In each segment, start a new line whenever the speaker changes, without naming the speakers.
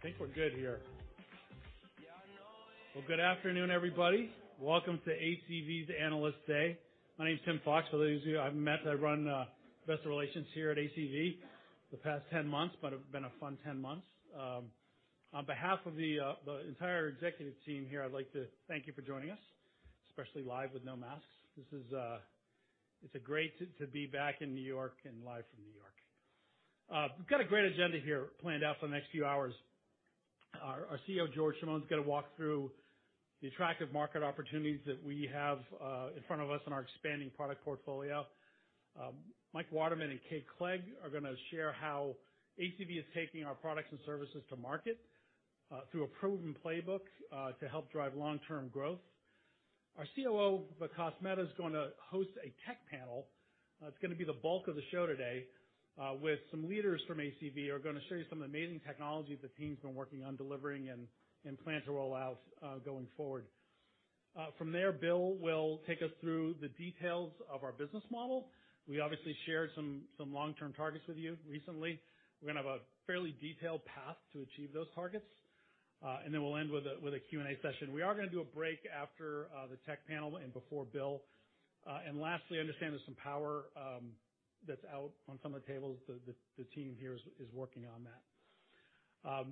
I think we're good here. Well, good afternoon, everybody. Welcome to ACV's Analyst Day. My name's Tim Fox. For those of you I've met, I run investor relations here at ACV for the past 10 months, but it's been a fun 10 months. On behalf of the entire executive team here, I'd like to thank you for joining us, especially live with no masks. This is, it's great to be back in New York and live from New York. We've got a great agenda here planned out for the next few hours. Our CEO, George Chamoun, is gonna walk through the attractive market opportunities that we have in front of us in our expanding product portfolio. Mike Waterman and Kate Clegg are gonna share how ACV is taking our products and services to market through a proven playbook to help drive long-term growth. Our COO, Vikas Mehta, is gonna host a tech panel. It's gonna be the bulk of the show today with some leaders from ACV are gonna show you some amazing technology the team's been working on delivering and plan to roll out going forward. From there, Bill will take us through the details of our business model. We obviously shared some long-term targets with you recently. We're gonna have a fairly detailed path to achieve those targets. Then we'll end with a Q&A session. We are gonna do a break after the tech panel and before Bill. Lastly, I understand there's some power that's out on some of the tables. The team here is working on that.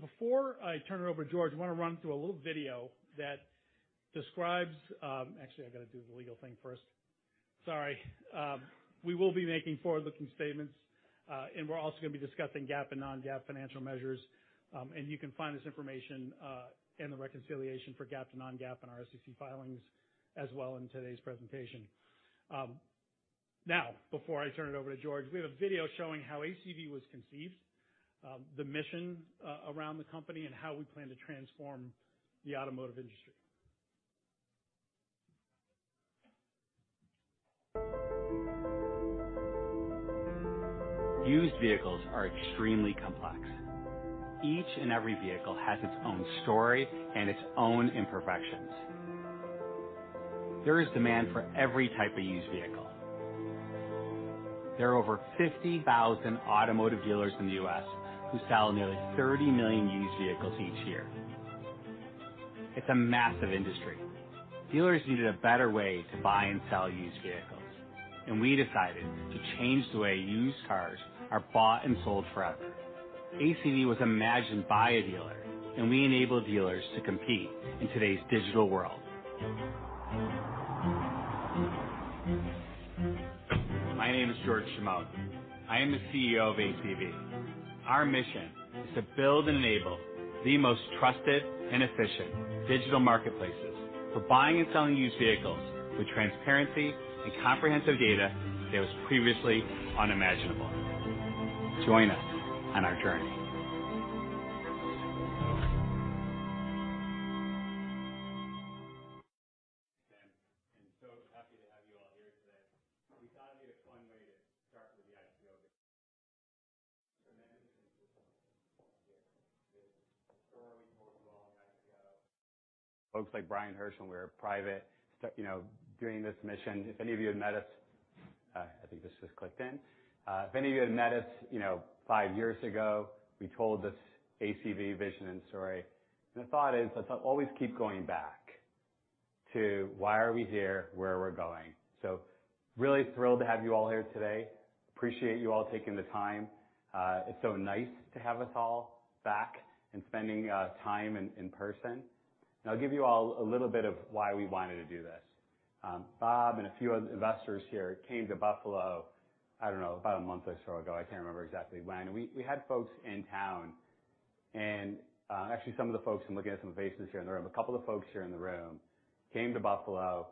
Before I turn it over to George, I wanna run through a little video that describes. Actually, I've gotta do the legal thing first. Sorry. We will be making forward-looking statements, and we're also gonna be discussing GAAP and non-GAAP financial measures. You can find this information, and the reconciliation for GAAP to non-GAAP in our SEC filings as well in today's presentation. Now before I turn it over to George, we have a video showing how ACV was conceived, the mission around the company, and how we plan to transform the automotive industry.
Used vehicles are extremely complex. Each and every vehicle has its own story and its own imperfections. There is demand for every type of used vehicle. There are over 50,000 automotive dealers in the U.S. who sell nearly 30 million used vehicles each year. It's a massive industry. Dealers needed a better way to buy and sell used vehicles, and we decided to change the way used cars are bought and sold forever. ACV was imagined by a dealer, and we enable dealers to compete in today's digital world. My name is George Chamoun. I am the CEO of ACV. Our mission is to build and enable the most trusted and efficient digital marketplaces for buying and selling used vehicles with transparency and comprehensive data that was previously unimaginable. Join us on our journey.
Thanks. I'm so happy to have you all here today. We thought it'd be a fun way to start with the IPO because
Folks like Brian Hirsch when we were private, you know, doing this mission. I think this just clicked in. If any of you had met us, you know, five years ago, we told this ACV vision and story, and the thought is, let's always keep going back to why are we here, where we're going. Really thrilled to have you all here today. Appreciate you all taking the time. It's so nice to have us all back and spending time in person. I'll give you all a little bit of why we wanted to do this. Bob and a few other investors here came to Buffalo, I don't know, about a month or so ago. I can't remember exactly when. We had folks in town and actually some of the folks. I'm looking at some faces here in the room. A couple of folks here in the room came to Buffalo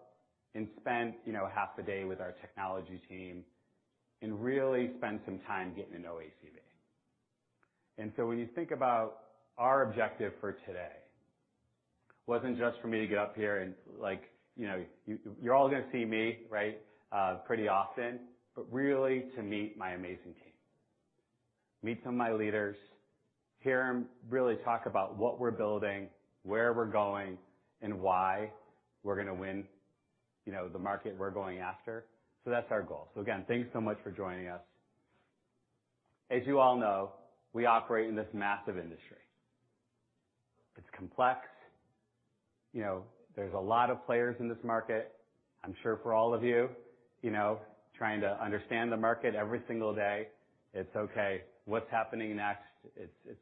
and spent, you know, half the day with our technology team and really spent some time getting to know ACV. When you think about our objective for today, it wasn't just for me to get up here and like, you know, you're all gonna see me, right, pretty often. Really to meet my amazing team, meet some of my leaders, hear them really talk about what we're building, where we're going, and why we're gonna win, you know, the market we're going after. That's our goal. Again, thanks so much for joining us. As you all know, we operate in this massive industry. It's complex. You know, there's a lot of players in this market. I'm sure for all of you know, trying to understand the market every single day, it's okay, what's happening next? It's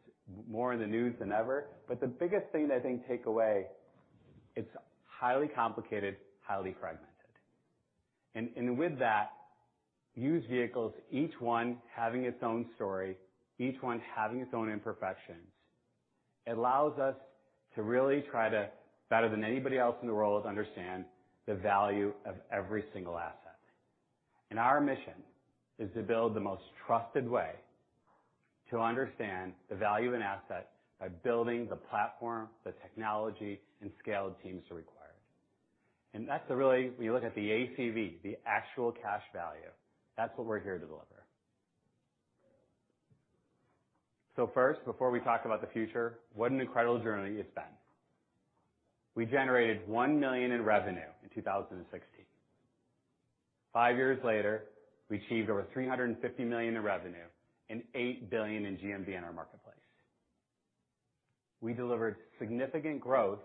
more in the news than ever, but the biggest thing to, I think, take away, it's highly complicated, highly fragmented. With that, used vehicles, each one having its own story, each one having its own imperfections. It allows us to really try to, better than anybody else in the world, understand the value of every single asset. Our mission is to build the most trusted way to understand the value and asset by building the platform, the technology, and scale the teams required. That's really when you look at the ACV, the actual cash value, that's what we're here to deliver. First, before we talk about the future, what an incredible journey it's been. We generated $1 million in revenue in 2016. Five years later, we achieved over $350 million in revenue and $8 billion in GMV in our marketplace. We delivered significant growth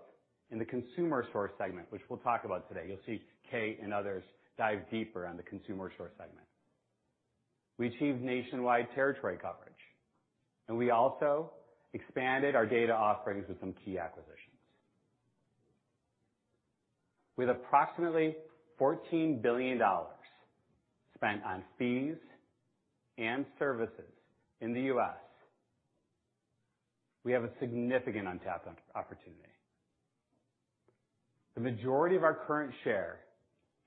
in the consumer source segment, which we'll talk about today. You'll see Kate and others dive deeper on the consumer source segment. We achieved nationwide territory coverage, and we also expanded our data offerings with some key acquisitions. With approximately $14 billion spent on fees and services in the U.S., we have a significant untapped opportunity. The majority of our current share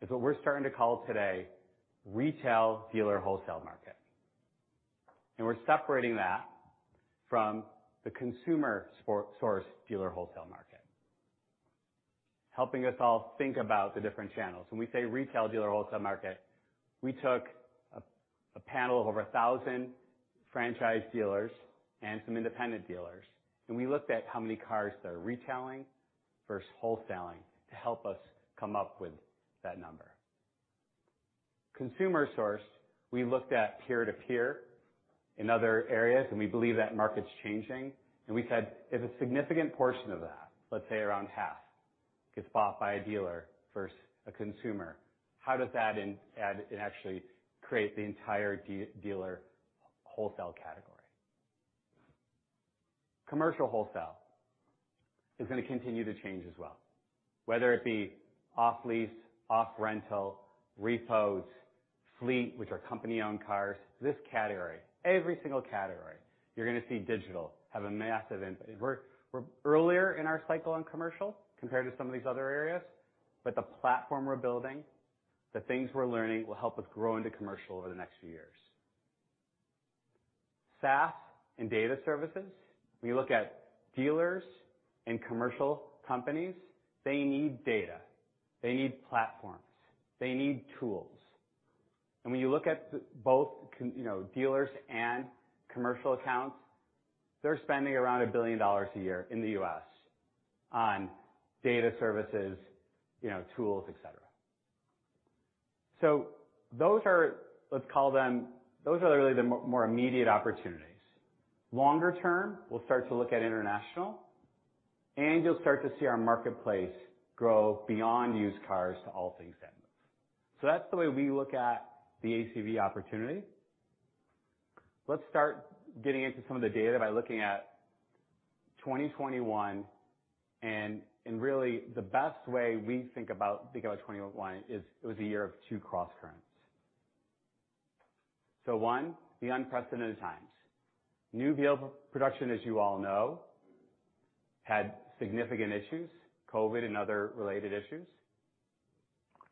is what we're starting to call today, retail dealer wholesale market. We're separating that from the consumer source dealer wholesale market, helping us all think about the different channels. When we say retail dealer wholesale market, we took a panel of over 1,000 franchise dealers and some independent dealers, and we looked at how many cars they're retailing versus wholesaling to help us come up with that number. Consumer source, we looked at peer-to-peer in other areas, and we believe that market's changing, and we said, if a significant portion of that, let's say around half, gets bought by a dealer versus a consumer, how does that add and actually create the entire dealer wholesale category? Commercial wholesale is going to continue to change as well, whether it be off lease, off rental, repos, fleet with our company-owned cars. This category, every single category, you're going to see digital have a massive impact. We're earlier in our cycle on commercial compared to some of these other areas, but the platform we're building, the things we're learning will help us grow into commercial over the next few years. SaaS and data services. When you look at dealers and commercial companies, they need data, they need platforms, they need tools. When you look at both, you know, dealers and commercial accounts, they're spending around $1 billion a year in the U.S. on data services, you know, tools, et cetera. Those are, let's call them, those are really the more immediate opportunities. Longer term, we'll start to look at international, and you'll start to see our marketplace grow beyond used cars to all things that moves. That's the way we look at the ACV opportunity. Let's start getting into some of the data by looking at 2021 and really the best way we think about 2021 is it was a year of two crosscurrents. One, the unprecedented times. New vehicle production, as you all know, had significant issues, COVID and other related issues.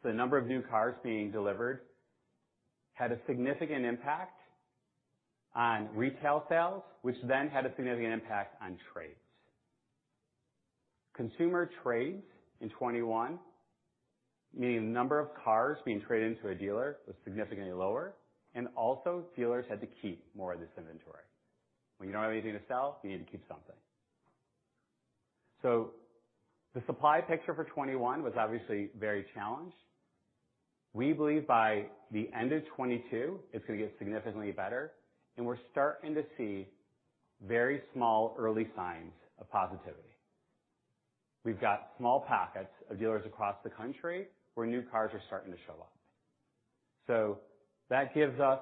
The number of new cars being delivered had a significant impact on retail sales, which then had a significant impact on trades. Consumer trades in 2021, meaning the number of cars being traded into a dealer, was significantly lower. Dealers had to keep more of this inventory. When you don't have anything to sell, you need to keep something. The supply picture for 2021 was obviously very challenged. We believe by the end of 2022 it's going to get significantly better. We're starting to see very small early signs of positivity. We've got small pockets of dealers across the country where new cars are starting to show up. That gives us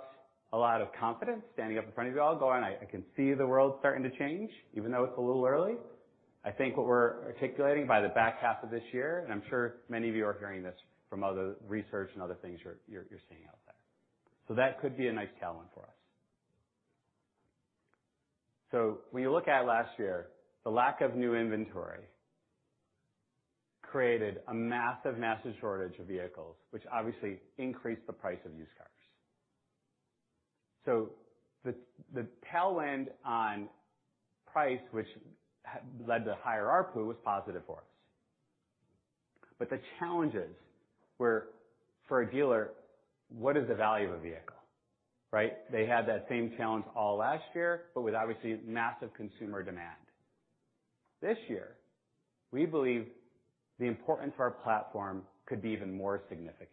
a lot of confidence standing up in front of you all going, "I can see the world starting to change, even though it's a little early." I think what we're articulating by the back half of this year, and I'm sure many of you are hearing this from other research and other things you're seeing out there. That could be a nice tailwind for us. When you look at last year, the lack of new inventory created a massive shortage of vehicles, which obviously increased the price of used cars. The tailwind on price, which led to higher ARPU, was positive for us. The challenges were for a dealer, what is the value of a vehicle, right? They had that same challenge all last year, but with obviously massive consumer demand. This year, we believe the importance of our platform could be even more significant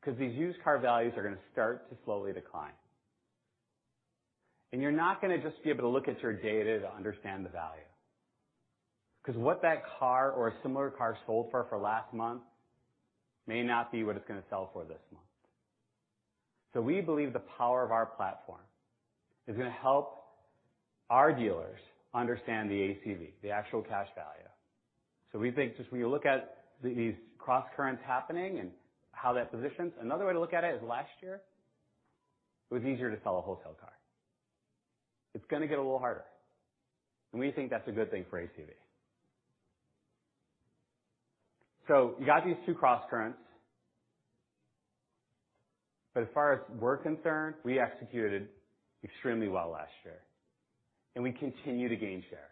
because these used car values are going to start to slowly decline. You're not going to just be able to look at your data to understand the value, because what that car or a similar car sold for for last month may not be what it's going to sell for this month. We believe the power of our platform is going to help our dealers understand the ACV, the actual cash value. We think just when you look at these crosscurrents happening and how that positions, another way to look at it is last year it was easier to sell a wholesale car. It's going to get a little harder, and we think that's a good thing for ACV. You got these two crosscurrents. As far as we're concerned, we executed extremely well last year and we continue to gain share.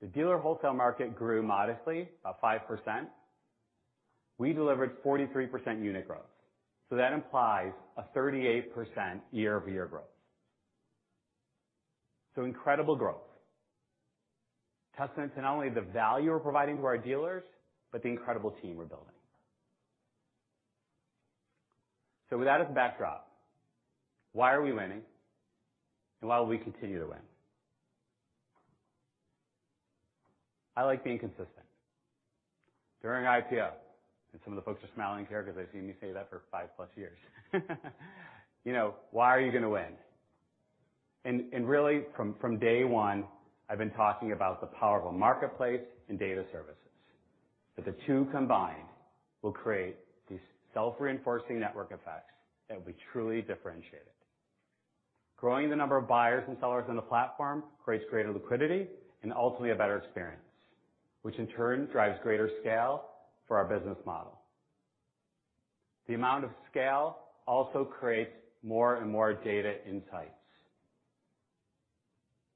The dealer wholesale market grew modestly, about 5%. We delivered 43% unit growth. That implies a 38% year-over-year growth. Incredible growth. Testament to not only the value we're providing to our dealers, but the incredible team we're building. With that as a backdrop, why are we winning? Why will we continue to win? I like being consistent. During IPO, and some of the folks are smiling here because they've seen me say that for 5+ years. You know, why are you gonna win? Really, from day one, I've been talking about the power of a marketplace and data services. That the two combined will create these self-reinforcing network effects that will be truly differentiated. Growing the number of buyers and sellers on the platform creates greater liquidity and ultimately a better experience, which in turn drives greater scale for our business model. The amount of scale also creates more and more data insights.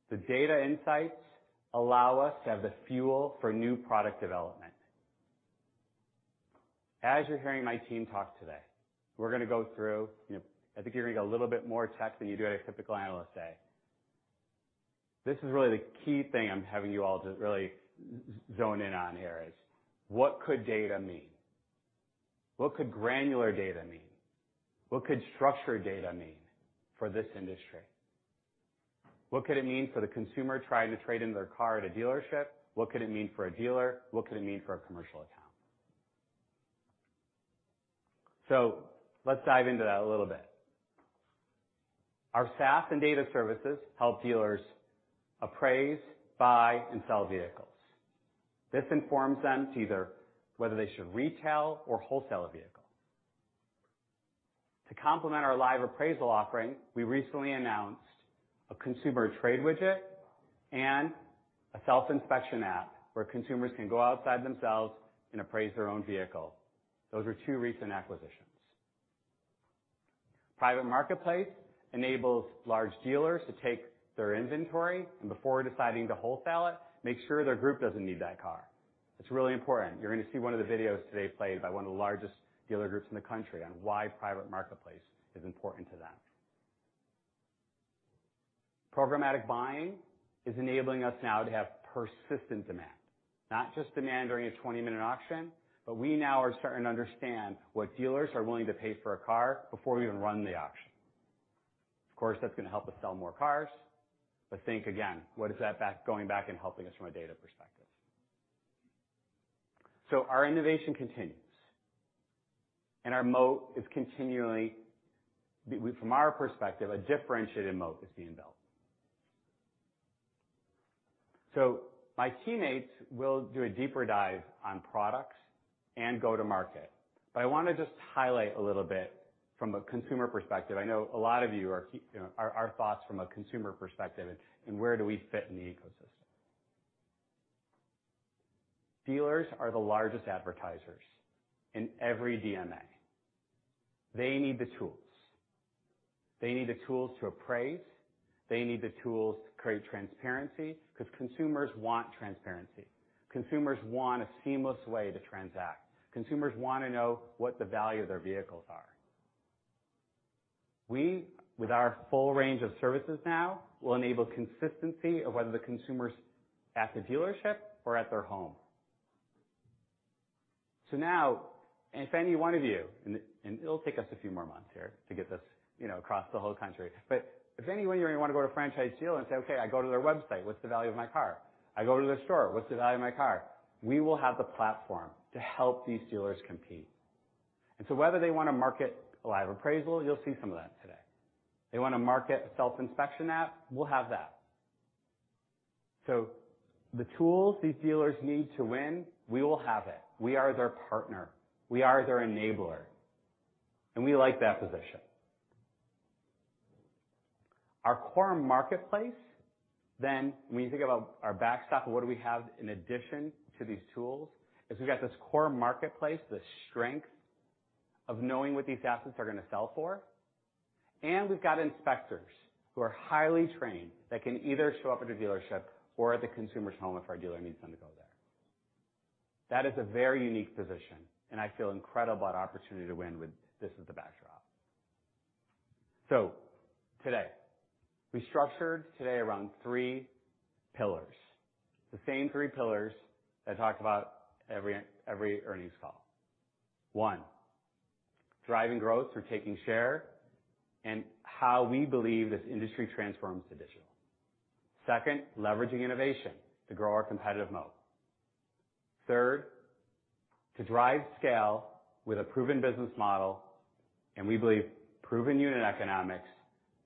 The data insights allow us to have the fuel for new product development. As you're hearing my team talk today, we're gonna go through, you know, I think you're hearing a little bit more tech than you do at a typical analyst day. This is really the key thing I'm having you all to really zone in on here is what could data mean? What could granular data mean? What could structured data mean for this industry? What could it mean for the consumer trying to trade in their car at a dealership? What could it mean for a dealer? What could it mean for a commercial account? Let's dive into that a little bit. Our SaaS and data services help dealers appraise, buy, and sell vehicles. This informs them whether they should retail or wholesale a vehicle. To complement our Live Appraisal offering, we recently announced a consumer trade widget and a self-inspection app where consumers can appraise their own vehicle themselves. Those were two recent acquisitions. Private Marketplace enables large dealers to take their inventory and before deciding to wholesale it, make sure their group doesn't need that car. It's really important. You're going to see one of the videos today played by one of the largest dealer groups in the country on why Private Marketplace is important to them. Programmatic buying is enabling us now to have persistent demand. Not just demand during a 20-minute auction, but we now are starting to understand what dealers are willing to pay for a car before we even run the auction. Of course, that's going to help us sell more cars, but think about the payback, going back and helping us from a data perspective. Our innovation continues and our moat is continually, from our perspective, a differentiated moat is being built. My teammates will do a deeper dive on products and go-to-market. I want to just highlight a little bit from a consumer perspective. I know a lot of you are keen, you know, on our thoughts from a consumer perspective and where do we fit in the ecosystem. Dealers are the largest advertisers in every DMA. They need the tools to appraise. They need the tools to create transparency because consumers want transparency. Consumers want a seamless way to transact. Consumers want to know what the value of their vehicles are. We, with our full range of services now, will enable consistency of whether the consumer's at the dealership or at their home. Now, if any one of you, it'll take us a few more months here to get this, you know, across the whole country. If any one of you want to go to a franchise dealer and say, "Okay, I go to their website, what's the value of my car? I go to their store, what's the value of my car?" We will have the platform to help these dealers compete. Whether they want to market a Live Appraisal, you'll see some of that today. They want to market a self-inspection app, we'll have that. The tools these dealers need to win, we will have it. We are their partner, we are their enabler, and we like that position. Our core marketplace then, when you think about our backstock, what do we have in addition to these tools? It's we've got this core marketplace, the strength of knowing what these assets are going to sell for. We've got inspectors who are highly trained, that can either show up at a dealership or at the consumer's home if our dealer needs them to go there. That is a very unique position and I feel incredible about our opportunity to win with this as the backdrop. Today, we structured today around three pillars, the same three pillars I talk about every earnings call. One, driving growth or taking share and how we believe this industry transforms to digital. Second, leveraging innovation to grow our competitive moat. Third, to drive scale with a proven business model, and we believe proven unit economics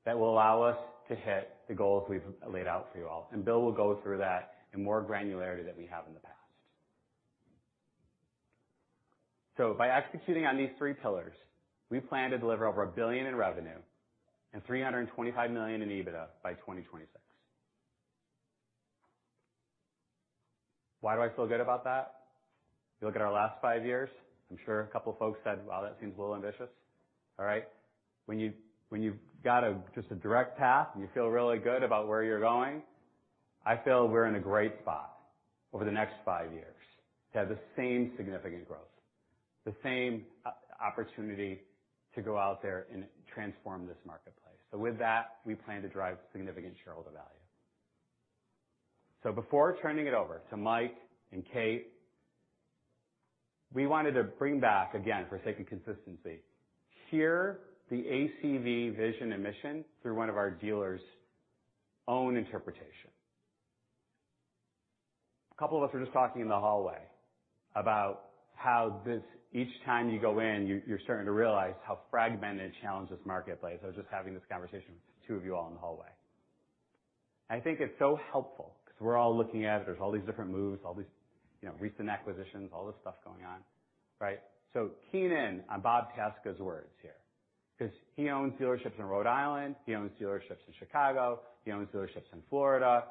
that will allow us to hit the goals we've laid out for you all. Bill will go through that in more granularity than we have in the past. By executing on these three pillars, we plan to deliver over $1 billion in revenue and $325 million in EBITDA by 2026. Why do I feel good about that? If you look at our last five years, I'm sure a couple of folks said, "Well, that seems a little ambitious." All right. When you've got just a direct path, and you feel really good about where you're going. I feel we're in a great spot over the next 5 years to have the same significant growth, the same opportunity to go out there and transform this marketplace. With that, we plan to drive significant shareholder value. Before turning it over to Mike and Kate, we wanted to bring back again, for sake of consistency, hear the ACV vision and mission through one of our dealers' own interpretation. A couple of us were just talking in the hallway about how this each time you go in, you're starting to realize how fragmented and challenged this marketplace. I was just having this conversation with two of you all in the hallway. I think it's so helpful because we're all looking at it. There's all these different moves, all these, you know, recent acquisitions, all this stuff going on, right? Key in on Bob Tasca's words here because he owns dealerships in Rhode Island, he owns dealerships in Chicago, he owns dealerships in Florida.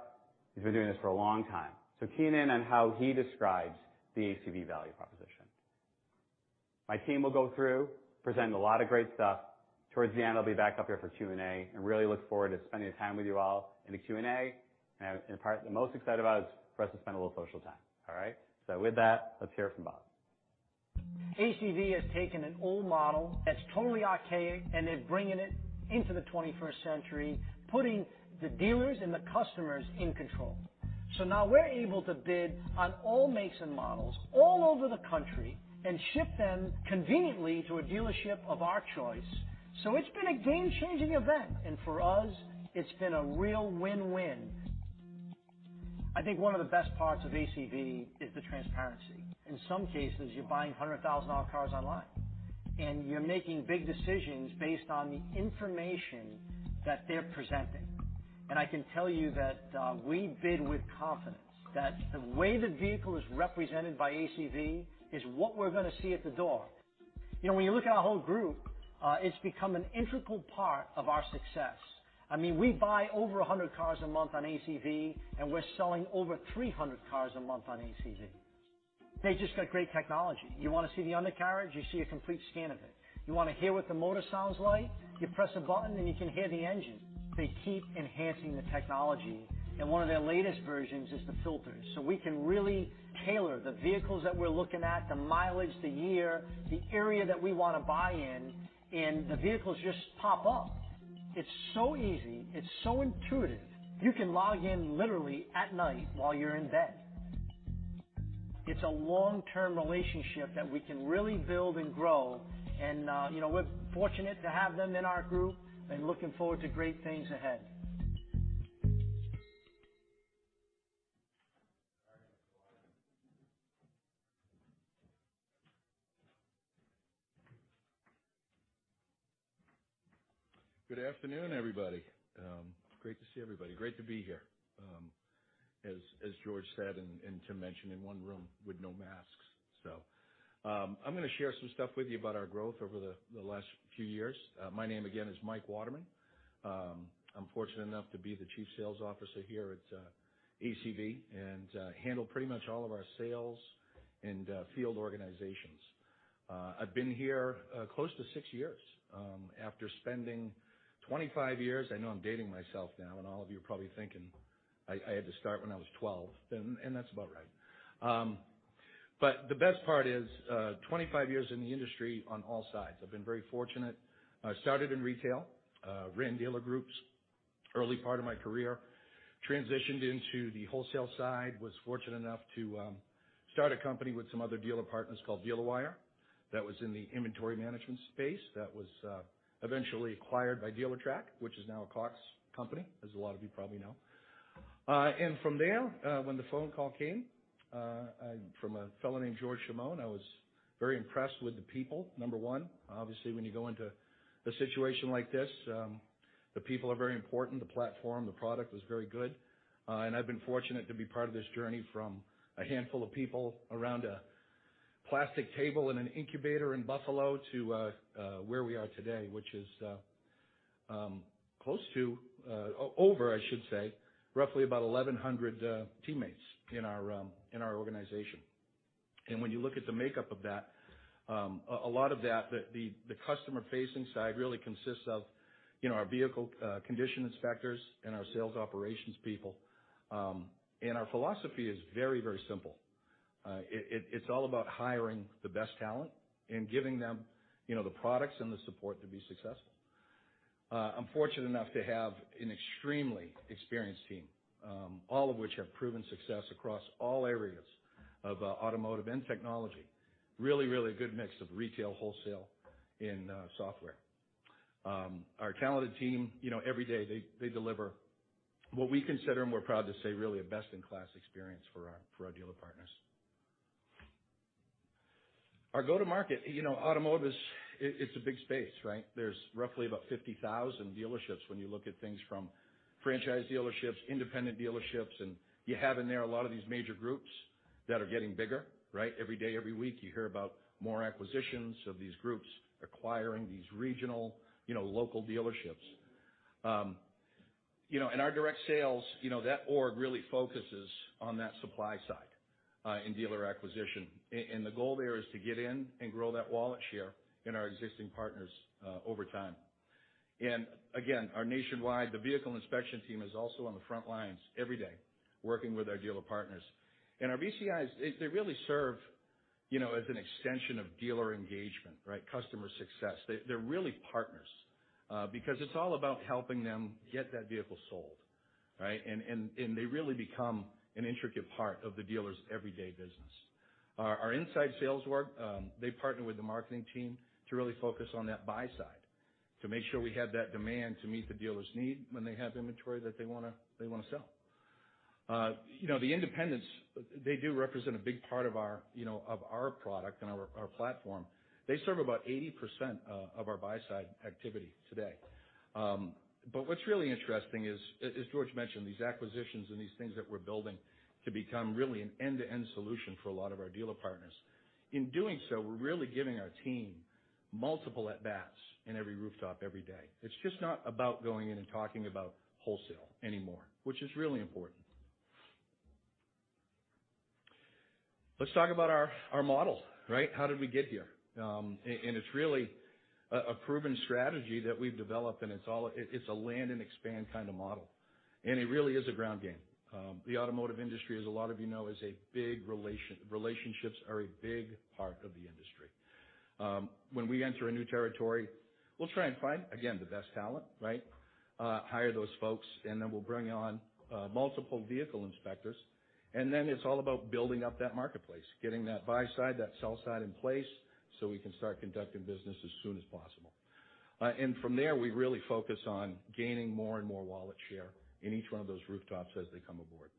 He's been doing this for a long time. Key in on how he describes the ACV value proposition. My team will go through, present a lot of great stuff. Towards the end, I'll be back up here for Q&A and really look forward to spending the time with you all in the Q&A. The most excited about is for us to spend a little social time. All right? With that, let's hear from Bob.
ACV has taken an old model that's totally archaic, and they're bringing it into the twenty-first century, putting the dealers and the customers in control. Now we're able to bid on all makes and models all over the country and ship them conveniently to a dealership of our choice. It's been a game-changing event, and for us, it's been a real win-win. I think one of the best parts of ACV is the transparency. In some cases, you're buying $100,000 cars online, and you're making big decisions based on the information that they're presenting. I can tell you that we bid with confidence that the way the vehicle is represented by ACV is what we're going to see at the door. You know, when you look at our whole group, it's become an integral part of our success. I mean, we buy over 100 cars a month on ACV, and we're selling over 300 cars a month on ACV. They just got great technology. You want to see the undercarriage, you see a complete scan of it. You want to hear what the motor sounds like, you press a button, and you can hear the engine. They keep enhancing the technology, and one of their latest versions is the filters, so we can really tailor the vehicles that we're looking at, the mileage, the year, the area that we want to buy in, and the vehicles just pop up. It's so easy. It's so intuitive. You can log in literally at night while you're in bed. It's a long-term relationship that we can really build and grow, and you know, we're fortunate to have them in our group and looking forward to great things ahead.
All right. Mike Waterman.
Good afternoon, everybody. Great to see everybody. Great to be here. As George said, and Tim mentioned, in one room with no masks. I'm going to share some stuff with you about our growth over the last few years. My name again is Mike Waterman. I'm fortunate enough to be the Chief Sales Officer here at ACV and handle pretty much all of our sales and field organizations. I've been here close to six years, after spending 25 years. I know I'm dating myself now, and all of you are probably thinking I had to start when I was 12, and that's about right. The best part is 25 years in the industry on all sides. I've been very fortunate. I started in retail, ran dealer groups early part of my career, transitioned into the wholesale side, was fortunate enough to start a company with some other dealer partners called DealerWire that was in the inventory management space that was eventually acquired by Dealertrack, which is now a Cox company, as a lot of you probably know. From there, when the phone call came from a fellow named George Chamoun, I was very impressed with the people, number one. Obviously, when you go into a situation like this, the people are very important. The platform, the product was very good. I've been fortunate to be part of this journey from a handful of people around a plastic table in an incubator in Buffalo to where we are today, which is close to over, I should say, roughly about 1,100 teammates in our organization. When you look at the makeup of that, a lot of that, the customer-facing side really consists of, you know, our vehicle condition inspectors and our sales operations people. Our philosophy is very, very simple. It's all about hiring the best talent and giving them, you know, the products and the support to be successful. I'm fortunate enough to have an extremely experienced team, all of which have proven success across all areas of automotive and technology. Really, really good mix of retail, wholesale, and software. Our talented team, you know, every day they deliver what we consider and we're proud to say, really a best-in-class experience for our dealer partners. Our go-to-market, you know, automotive is a big space, right? There's roughly about 50,000 dealerships when you look at things from franchise dealerships, independent dealerships, and you have in there a lot of these major groups that are getting bigger, right? Every day, every week, you hear about more acquisitions of these groups acquiring these regional, you know, local dealerships. Our direct sales, you know, that org really focuses on that supply side and dealer acquisition. The goal there is to get in and grow that wallet share in our existing partners over time. Again, our nationwide vehicle inspection team is also on the front lines every day working with our dealer partners. Our VCIs, they really serve, you know, as an extension of dealer engagement, right? Customer success. They're really partners because it's all about helping them get that vehicle sold, right? They really become an intricate part of the dealer's everyday business. Our inside sales org, they partner with the marketing team to really focus on that buy side to make sure we have that demand to meet the dealer's need when they have inventory that they wanna sell. You know, the independents, they do represent a big part of our product and our platform. They serve about 80% of our buy-side activity today. But what's really interesting is, as George mentioned, these acquisitions and these things that we're building can become really an end-to-end solution for a lot of our dealer partners. In doing so, we're really giving our team multiple at-bats in every rooftop every day. It's just not about going in and talking about wholesale anymore, which is really important. Let's talk about our model, right? How did we get here? And it's really a proven strategy that we've developed, and it's all a land and expand kind of model, and it really is a ground game. The automotive industry, as a lot of you know, is a big relation. Relationships are a big part of the industry. When we enter a new territory, we'll try and find, again, the best talent, right? Hire those folks, and then we'll bring on multiple vehicle inspectors. It's all about building up that marketplace, getting that buy side, that sell side in place, so we can start conducting business as soon as possible. From there, we really focus on gaining more and more wallet share in each one of those rooftops as they come aboard.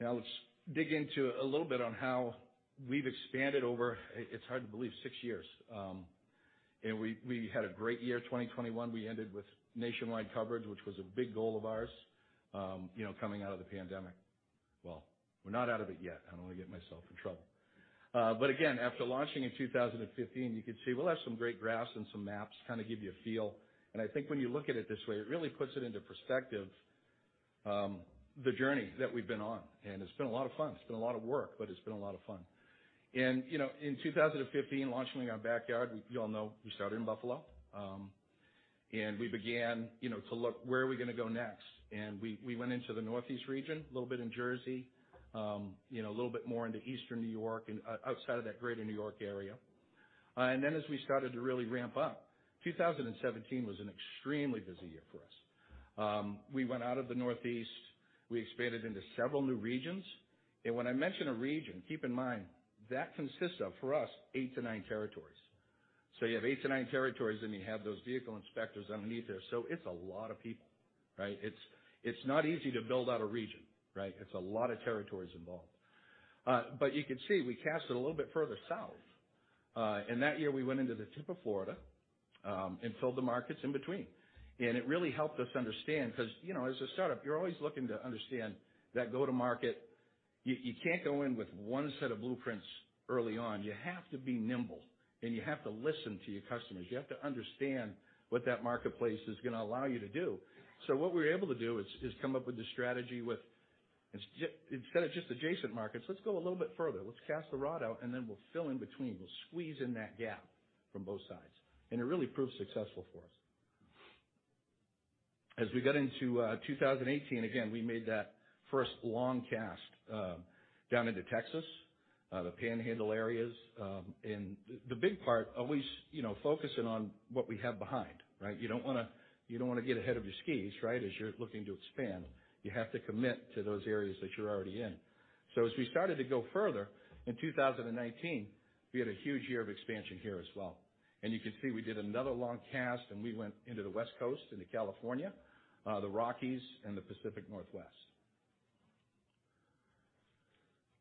Now let's dig into a little bit on how we've expanded over six years. It's hard to believe. We had a great year, 2021. We ended with nationwide coverage, which was a big goal of ours, you know, coming out of the pandemic. Well, we're not out of it yet. I don't wanna get myself in trouble. Again, after launching in 2015, you could see. We'll have some great graphs and some maps, kind of give you a feel. I think when you look at it this way, it really puts it into perspective, the journey that we've been on, and it's been a lot of fun. It's been a lot of work, but it's been a lot of fun. You know, in 2015, launching in our backyard, you all know we started in Buffalo. We began, you know, to look, where are we gonna go next? We went into the Northeast region, a little bit in Jersey, you know, a little bit more into eastern New York and outside of that greater New York area. As we started to really ramp up, 2017 was an extremely busy year for us. We went out of the Northeast. We expanded into several new regions. When I mention a region, keep in mind that consists of, for us, eight to nine territories. You have eight to nine territories, and you have those vehicle inspectors underneath there, so it's a lot of people, right? It's not easy to build out a region, right? It's a lot of territories involved. You could see we cast it a little bit further south. That year, we went into the tip of Florida and filled the markets in between. It really helped us understand 'cause, you know, as a startup, you're always looking to understand that go-to-market. You can't go in with one set of blueprints early on. You have to be nimble, and you have to listen to your customers. You have to understand what that marketplace is gonna allow you to do. So what we were able to do is come up with a strategy with instead of just adjacent markets, let's go a little bit further. Let's cast the rod out, and then we'll fill in between. We'll squeeze in that gap from both sides. It really proved successful for us. As we got into 2018, again, we made that first long cast down into Texas, the Panhandle areas, and the big part, always, you know, focusing on what we have behind, right? You don't wanna get ahead of your skis, right? As you're looking to expand, you have to commit to those areas that you're already in. As we started to go further, in 2019, we had a huge year of expansion here as well. You can see we did another long cast, and we went into the West Coast into California, the Rockies and the Pacific Northwest.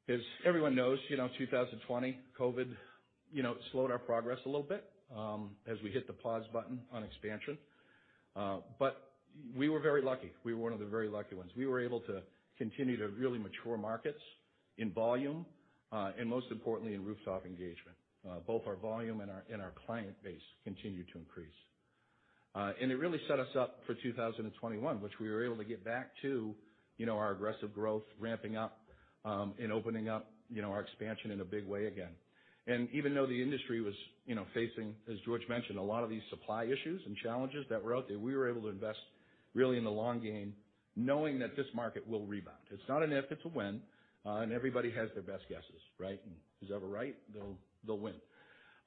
As everyone knows, you know, in 2020, COVID, you know, slowed our progress a little bit, as we hit the pause button on expansion. We were very lucky. We were one of the very lucky ones. We were able to continue to really mature markets in volume, and most importantly, in rooftop engagement. Both our volume and our client base continued to increase. It really set us up for 2021, which we were able to get back to, you know, our aggressive growth, ramping up, and opening up, you know, our expansion in a big way again. Even though the industry was, you know, facing, as George mentioned, a lot of these supply issues and challenges that were out there, we were able to invest really in the long game, knowing that this market will rebound. It's not an if, it's a when, and everybody has their best guesses, right? Who's ever right, they'll win.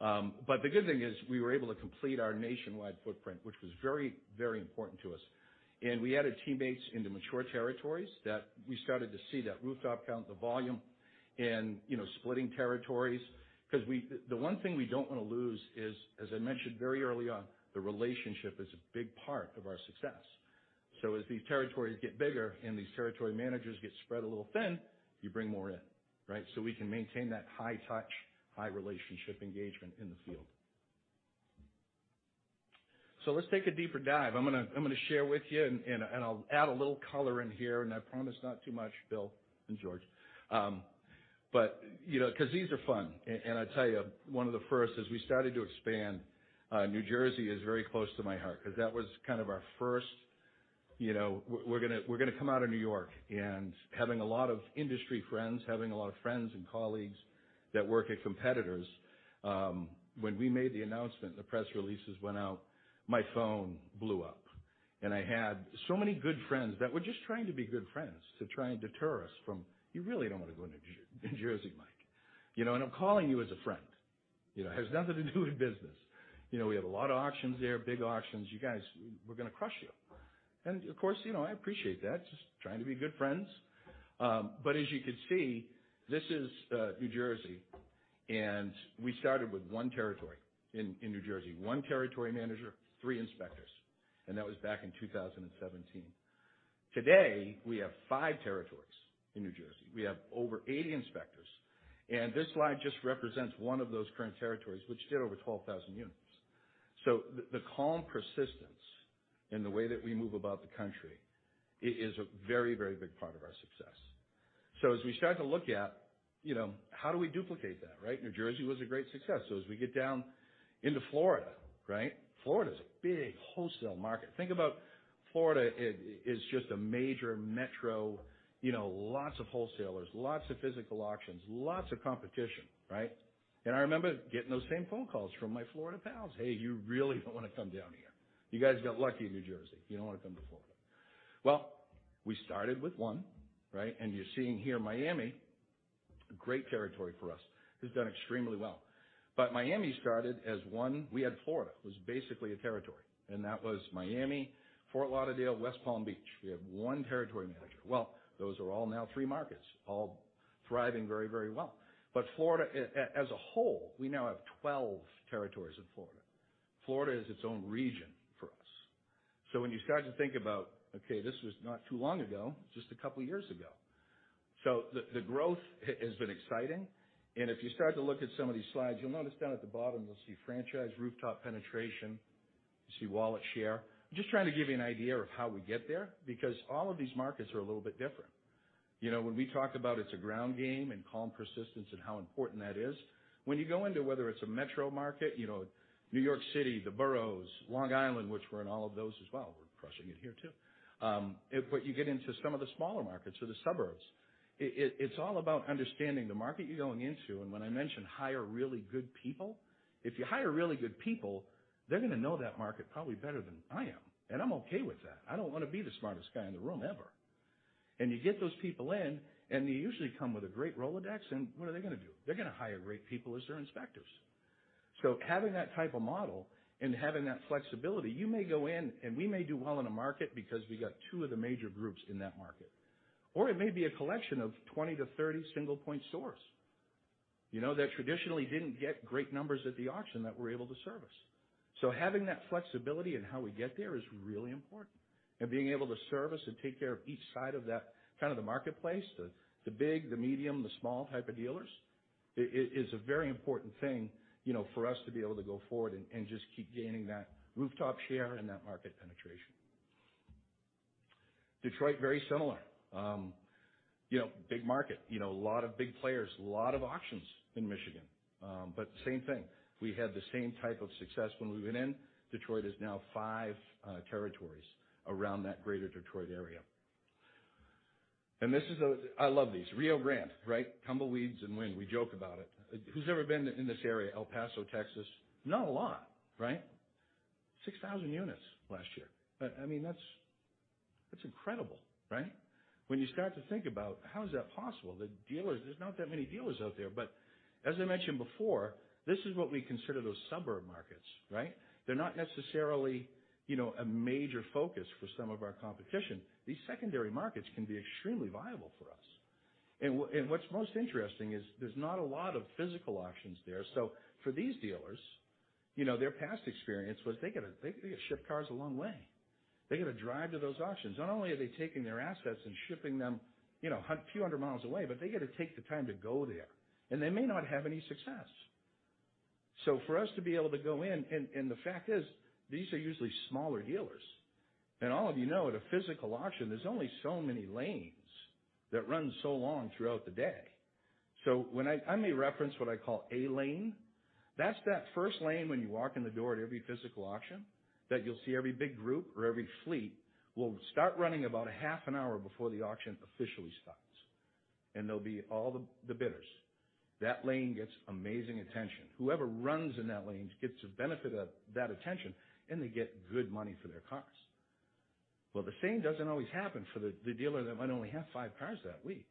But the good thing is we were able to complete our nationwide footprint, which was very, very important to us. We added teammates into mature territories that we started to see that rooftop count, the volume and, you know, splitting territories 'cause we... The one thing we don't wanna lose is, as I mentioned very early on, the relationship is a big part of our success. As these territories get bigger, and these territory managers get spread a little thin, you bring more in, right? We can maintain that high touch, high relationship engagement in the field. Let's take a deeper dive. I'm gonna share with you, and I'll add a little color in here, and I promise not too much, Bill and George. But, you know, 'cause these are fun. I tell you, one of the first, as we started to expand, New Jersey is very close to my heart 'cause that was kind of our first. You know, we're gonna come out of New York and having a lot of industry friends, having a lot of friends and colleagues that work at competitors, when we made the announcement, the press releases went out, my phone blew up. I had so many good friends that were just trying to be good friends to try and deter us from, "You really don't want to go into New Jersey, Mike. You know, and I'm calling you as a friend. You know, it has nothing to do with business. You know, we have a lot of auctions there, big auctions. You guys, we're gonna crush you." Of course, you know, I appreciate that. Just trying to be good friends. As you can see, this is New Jersey, and we started with one territory in New Jersey. One territory manager, three inspectors, and that was back in 2017. Today, we have five territories in New Jersey. We have over 80 inspectors, and this slide just represents one of those current territories, which did over 12,000 units. The calm persistence in the way that we move about the country is a very, very big part of our success. As we start to look at, you know, how do we duplicate that, right? New Jersey was a great success. As we get down into Florida, right? Florida is a big wholesale market. Think about Florida is just a major metro, you know, lots of wholesalers, lots of physical auctions, lots of competition, right? I remember getting those same phone calls from my Florida pals. "Hey, you really don't want to come down here. You guys got lucky in New Jersey. You don't want to come to Florida." Well, we started with one, right? You're seeing here Miami, a great territory for us. Has done extremely well. Miami started as one. We had Florida. It was basically a territory, and that was Miami, Fort Lauderdale, West Palm Beach. We have 1 territory manager. Well, those are all now three markets, all thriving very, very well. Florida as a whole, we now have 12 territories in Florida. Florida is its own region for us. When you start to think about, okay, this was not too long ago, just a couple years ago. The growth has been exciting. If you start to look at some of these slides, you'll notice down at the bottom, you'll see franchise rooftop penetration. You see wallet share. I'm just trying to give you an idea of how we get there, because all of these markets are a little bit different. You know, when we talked about it's a ground game and calm persistence and how important that is, when you go into whether it's a metro market, you know, New York City, the boroughs, Long Island, which we're in all of those as well, we're crushing it here too. But you get into some of the smaller markets or the suburbs, it's all about understanding the market you're going into. When I mention hire really good people, if you hire really good people, they're gonna know that market probably better than I am. I'm okay with that. I don't wanna be the smartest guy in the room ever. You get those people in, and they usually come with a great Rolodex, and what are they gonna do? They're gonna hire great people as their inspectors. Having that type of model and having that flexibility, you may go in, and we may do well in a market because we got two of the major groups in that market. It may be a collection of 20-30 single point source. You know, that traditionally didn't get great numbers at the auction that we're able to service. Having that flexibility in how we get there is really important. Being able to service and take care of each side of that kind of the marketplace, the big, the medium, the small type of dealers, is a very important thing, you know, for us to be able to go forward and just keep gaining that rooftop share and that market penetration. Detroit, very similar. You know, big market. You know, a lot of big players, a lot of auctions in Michigan. But same thing. We had the same type of success when we went in. Detroit is now five territories around that greater Detroit area. This is a... I love these. Rio Grande, right? Tumbleweeds and wind. We joke about it. Who's ever been in this area, El Paso, Texas? Not a lot, right? 6,000 units last year. I mean, that's incredible, right? When you start to think about how is that possible? The dealers, there's not that many dealers out there. As I mentioned before, this is what we consider those suburban markets, right? They're not necessarily, you know, a major focus for some of our competition. These secondary markets can be extremely viable for us. What's most interesting is there's not a lot of physical auctions there. For these dealers, you know, their past experience was they gotta ship cars a long way. They gotta drive to those auctions. Not only are they taking their assets and shipping them, you know, a few hundred miles away, but they gotta take the time to go there, and they may not have any success. For us to be able to go in, and the fact is, these are usually smaller dealers. All of you know, at a physical auction, there's only so many lanes that run so long throughout the day. I may reference what I call a lane. That's that first lane when you walk in the door at every physical auction that you'll see every big group or every fleet will start running about a half an hour before the auction officially starts, and they'll be all the bidders. That lane gets amazing attention. Whoever runs in that lane gets the benefit of that attention, and they get good money for their cars. Well, the same doesn't always happen for the dealer that might only have five cars that week.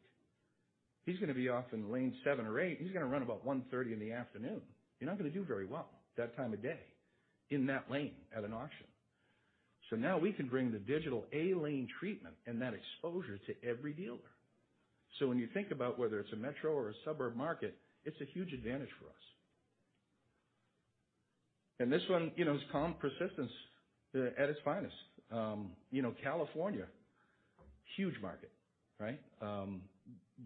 He's gonna be off in lane seven or eight, and he's gonna run about 1:30 P.M. You're not gonna do very well that time of day in that lane at an auction. Now we can bring the digital A lane treatment and that exposure to every dealer. When you think about whether it's a metro or a suburb market, it's a huge advantage for us. This one, you know, is calm persistence at its finest. You know, California, huge market, right?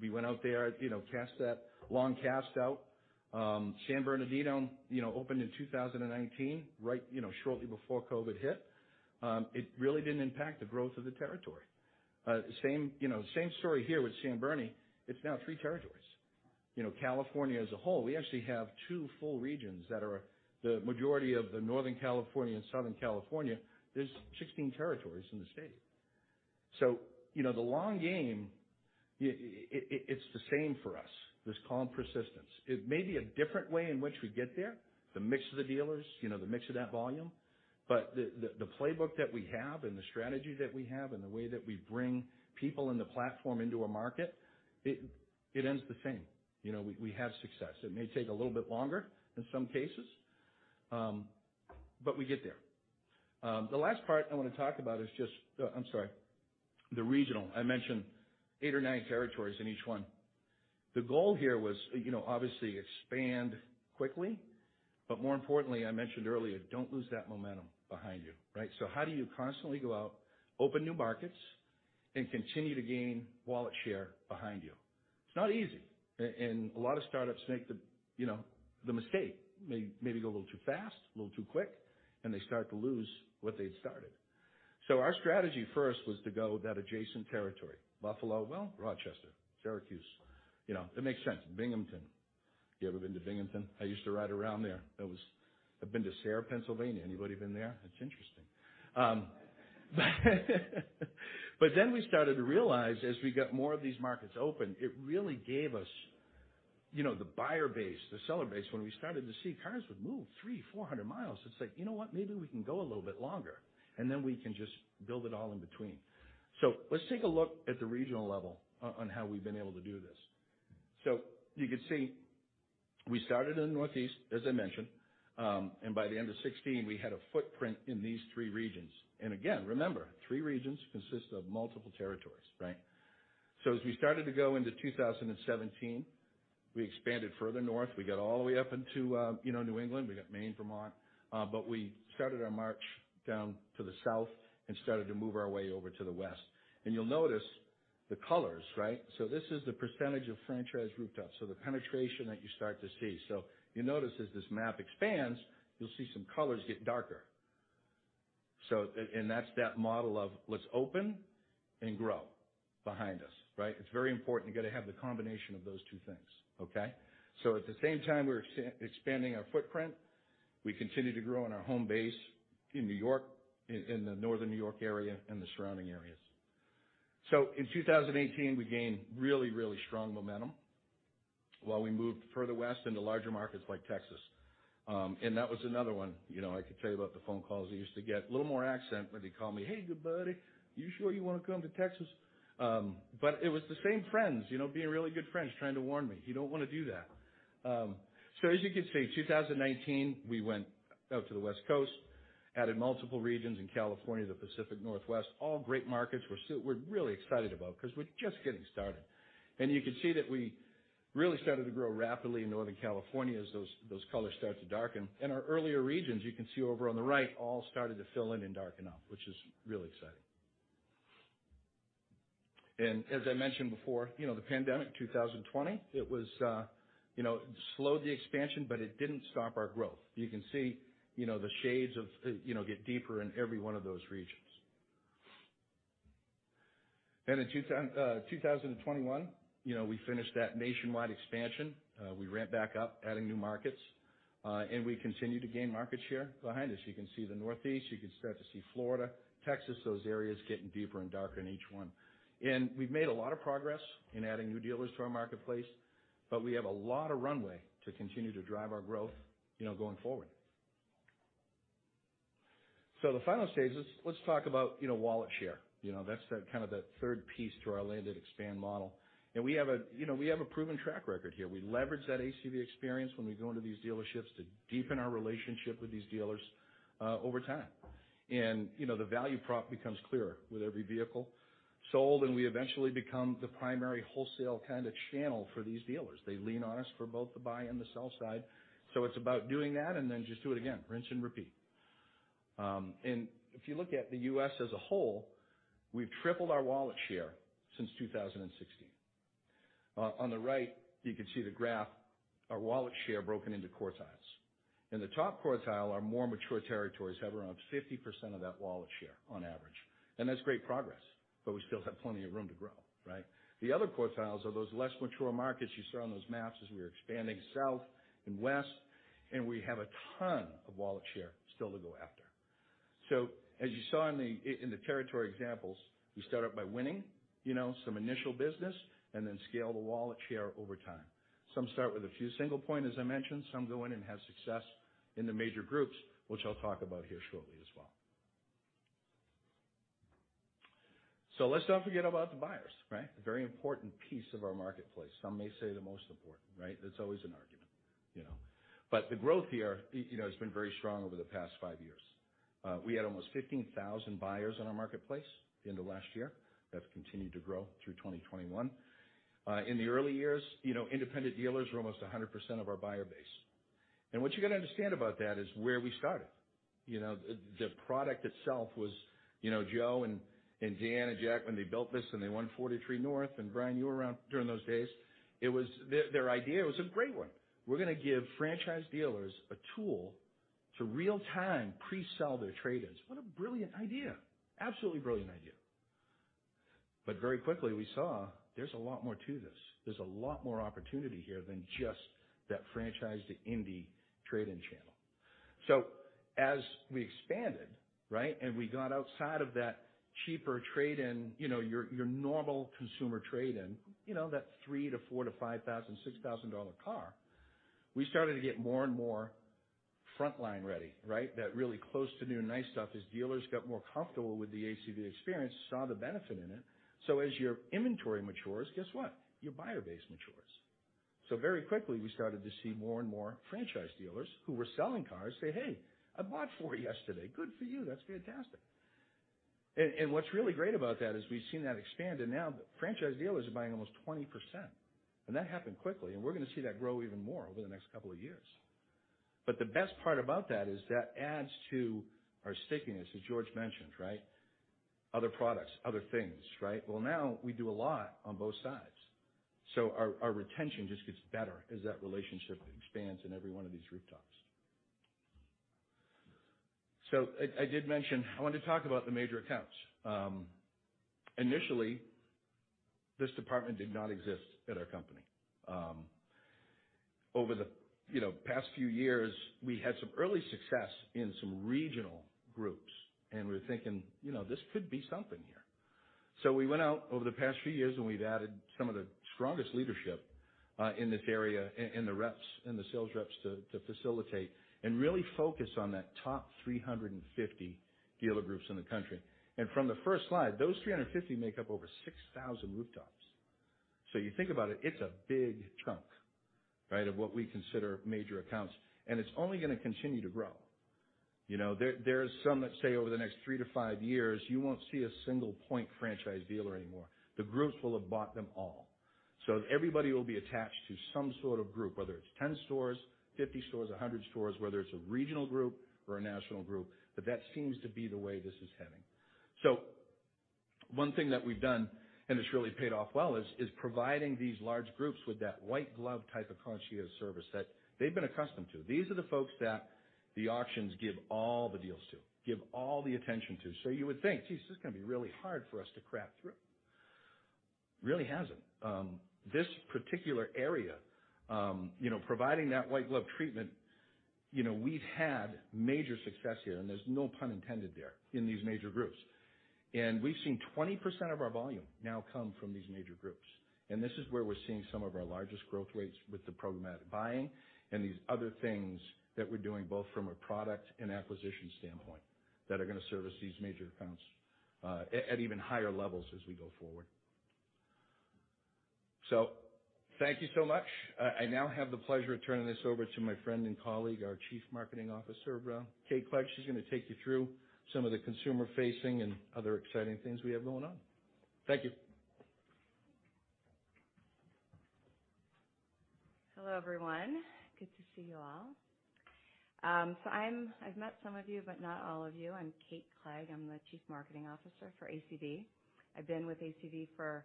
We went out there, you know, cast that long cast out. San Bernardino, you know, opened in 2019, right, you know, shortly before COVID hit. It really didn't impact the growth of the territory. Same story here with San Bernardino. It's now three territories. You know, California as a whole, we actually have two full regions that are the majority of the Northern California and Southern California. There's 16 territories in the state. You know, the long game, it's the same for us. Just calm persistence. It may be a different way in which we get there, the mix of the dealers, you know, the mix of that volume. The playbook that we have and the strategy that we have and the way that we bring people in the platform into a market, it ends the same. You know, we have success. It may take a little bit longer in some cases, but we get there. The last part I wanna talk about is the regional. I mentioned eight or nine territories in each one. The goal here was, you know, obviously expand quickly, but more importantly, I mentioned earlier, don't lose that momentum behind you, right? How do you constantly go out, open new markets, and continue to gain wallet share behind you? It's not easy. A lot of startups make you know the mistake. Maybe go a little too fast, a little too quick, and they start to lose what they'd started. Our strategy first was to go that adjacent territory. Buffalo, well, Rochester, Syracuse. You know, it makes sense. Binghamton. You ever been to Binghamton? I used to ride around there. I've been to Sayre, Pennsylvania. Anybody been there? It's interesting. Then we started to realize, as we got more of these markets open, it really gave us you know the buyer base, the seller base. When we started to see cars would move 300-400 miles, it's like, you know what? Maybe we can go a little bit longer, and then we can just build it all in between. Let's take a look at the regional level on how we've been able to do this. You can see we started in the Northeast, as I mentioned, and by the end of 2016 we had a footprint in these three regions. Again, remember, three regions consist of multiple territories, right? As we started to go into 2017, we expanded further north. We got all the way up into, you know, New England. We got Maine, Vermont. We started our march down to the south and started to move our way over to the west. You'll notice the colors, right? This is the percentage of franchise rooftop. The penetration that you start to see. You notice as this map expands, you'll see some colors get darker. That's that model of let's open and grow behind us, right? It's very important you gotta have the combination of those two things, okay? At the same time we were expanding our footprint, we continued to grow in our home base in New York, the northern New York area, and the surrounding areas. In 2018, we gained really strong momentum while we moved further west into larger markets like Texas. That was another one. You know, I could tell you about the phone calls I used to get. A little more accent when they call me. "Hey, good buddy. You sure you wanna come to Texas?" It was the same friends, you know, being really good friends, trying to warn me. You don't wanna do that." So as you can see, 2019, we went out to the West Coast, added multiple regions in California, the Pacific Northwest. All great markets we're still. We're really excited about because we're just getting started. You can see that we really started to grow rapidly in Northern California as those colors start to darken. In our earlier regions, you can see over on the right, all started to fill in and darken up, which is really exciting. As I mentioned before, you know, the pandemic, 2020, it was, you know, slowed the expansion, but it didn't stop our growth. You can see, you know, the shades of, you know, get deeper in every one of those regions. In 2021, you know, we finished that nationwide expansion. We ramped back up adding new markets, and we continued to gain market share behind us. You can see the Northeast, you can start to see Florida, Texas, those areas getting deeper and darker in each one. We've made a lot of progress in adding new dealers to our marketplace, but we have a lot of runway to continue to drive our growth, you know, going forward. The final stage is let's talk about, you know, wallet share. You know, that's that kind of the third piece to our land and expand model. We have a, you know, we have a proven track record here. We leverage that ACV experience when we go into these dealerships to deepen our relationship with these dealers over time. You know, the value prop becomes clearer with every vehicle sold, and we eventually become the primary wholesale kind of channel for these dealers. They lean on us for both the buy and the sell side. It's about doing that and then just do it again. Rinse and repeat. If you look at the U.S. as a whole, we've tripled our wallet share since 2016. On the right you can see the graph, our wallet share broken into quartiles. In the top quartile, our more mature territories have around 50% of that wallet share on average. That's great progress, but we still have plenty of room to grow, right? The other quartiles are those less mature markets you saw on those maps as we were expanding south and west, and we have a ton of wallet share still to go after. As you saw in the territory examples, we start out by winning, you know, some initial business and then scale the wallet share over time. Some start with a few single point, as I mentioned. Some go in and have success in the major groups, which I'll talk about here shortly as well. Let's not forget about the buyers, right? A very important piece of our marketplace. Some may say the most important, right? That's always an argument, you know. The growth here, you know, has been very strong over the past five years. We had almost 15,000 buyers in our marketplace at the end of last year. That's continued to grow through 2021. In the early years, you know, independent dealers were almost 100% of our buyer base. What you gotta understand about that is where we started. You know, the product itself was, you know, Joe and Dan and Jack, when they built this and they won 43North, and Brian, you were around during those days. It was. Their idea was a great one. We're gonna give franchise dealers a tool to real-time pre-sell their trade-ins. What a brilliant idea. Absolutely brilliant idea. Very quickly we saw there's a lot more to this. There's a lot more opportunity here than just that franchise to indie trade-in channel. As we expanded, right, and we got outside of that cheaper trade-in, you know, your normal consumer trade-in, you know, that $3,000-$6,000 car, we started to get more and more frontline ready, right, that really close to new nice stuff as dealers got more comfortable with the ACV experience, saw the benefit in it. As your inventory matures, guess what? Your buyer base matures. Very quickly, we started to see more and more franchise dealers who were selling cars say, "Hey, I bought four yesterday." Good for you. That's fantastic. What's really great about that is we've seen that expand and now franchise dealers are buying almost 20%. That happened quickly, and we're gonna see that grow even more over the next couple of years. The best part about that is that adds to our stickiness, as George mentioned, right? Other products, other things, right? Well, now we do a lot on both sides. Our retention just gets better as that relationship expands in every one of these rooftops. I did mention I wanted to talk about the major accounts. Initially, this department did not exist at our company. Over the you know past few years, we had some early success in some regional groups, and we're thinking, you know, this could be something here. We went out over the past few years, and we've added some of the strongest leadership in this area in the sales reps to facilitate and really focus on that top 350 dealer groups in the country. From the first slide, those 350 make up over 6,000 rooftops. So you think about it's a big chunk, right, of what we consider major accounts, and it's only gonna continue to grow. You know, there are some that say over the next 3-5 years, you won't see a single point franchise dealer anymore. The groups will have bought them all. So everybody will be attached to some sort of group, whether it's 10 stores, 50 stores, 100 stores, whether it's a regional group or a national group, but that seems to be the way this is heading. So one thing that we've done, and it's really paid off well, is providing these large groups with that white glove type of concierge service that they've been accustomed to. These are the folks that the auctions give all the deals to, give all the attention to. You would think, geez, this is gonna be really hard for us to crack through. Really hasn't. This particular area, you know, providing that white glove treatment, you know, we've had major success here, and there's no pun intended there, in these major groups. We've seen 20% of our volume now come from these major groups. This is where we're seeing some of our largest growth rates with the programmatic buying and these other things that we're doing, both from a product and acquisition standpoint, that are gonna service these major accounts at even higher levels as we go forward. Thank you so much. I now have the pleasure of turning this over to my friend and colleague, our Chief Marketing Officer, Kate Clegg. She's gonna take you through some of the consumer-facing and other exciting things we have going on. Thank you.
Hello, everyone. Good to see you all. I've met some of you, but not all of you. I'm Kate Clegg. I'm the Chief Marketing Officer for ACV. I've been with ACV for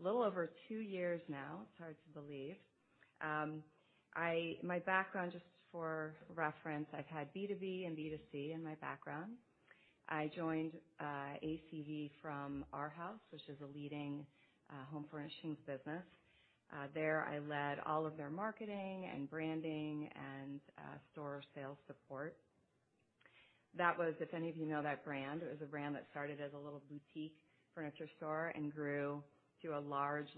a little over two years now. It's hard to believe. My background, just for reference, I've had B2B and B2C in my background. I joined ACV from Arhaus, which is a leading home furnishings business. There, I led all of their marketing and branding and store sales support. That was, if any of you know that brand, it was a brand that started as a little boutique furniture store and grew to a large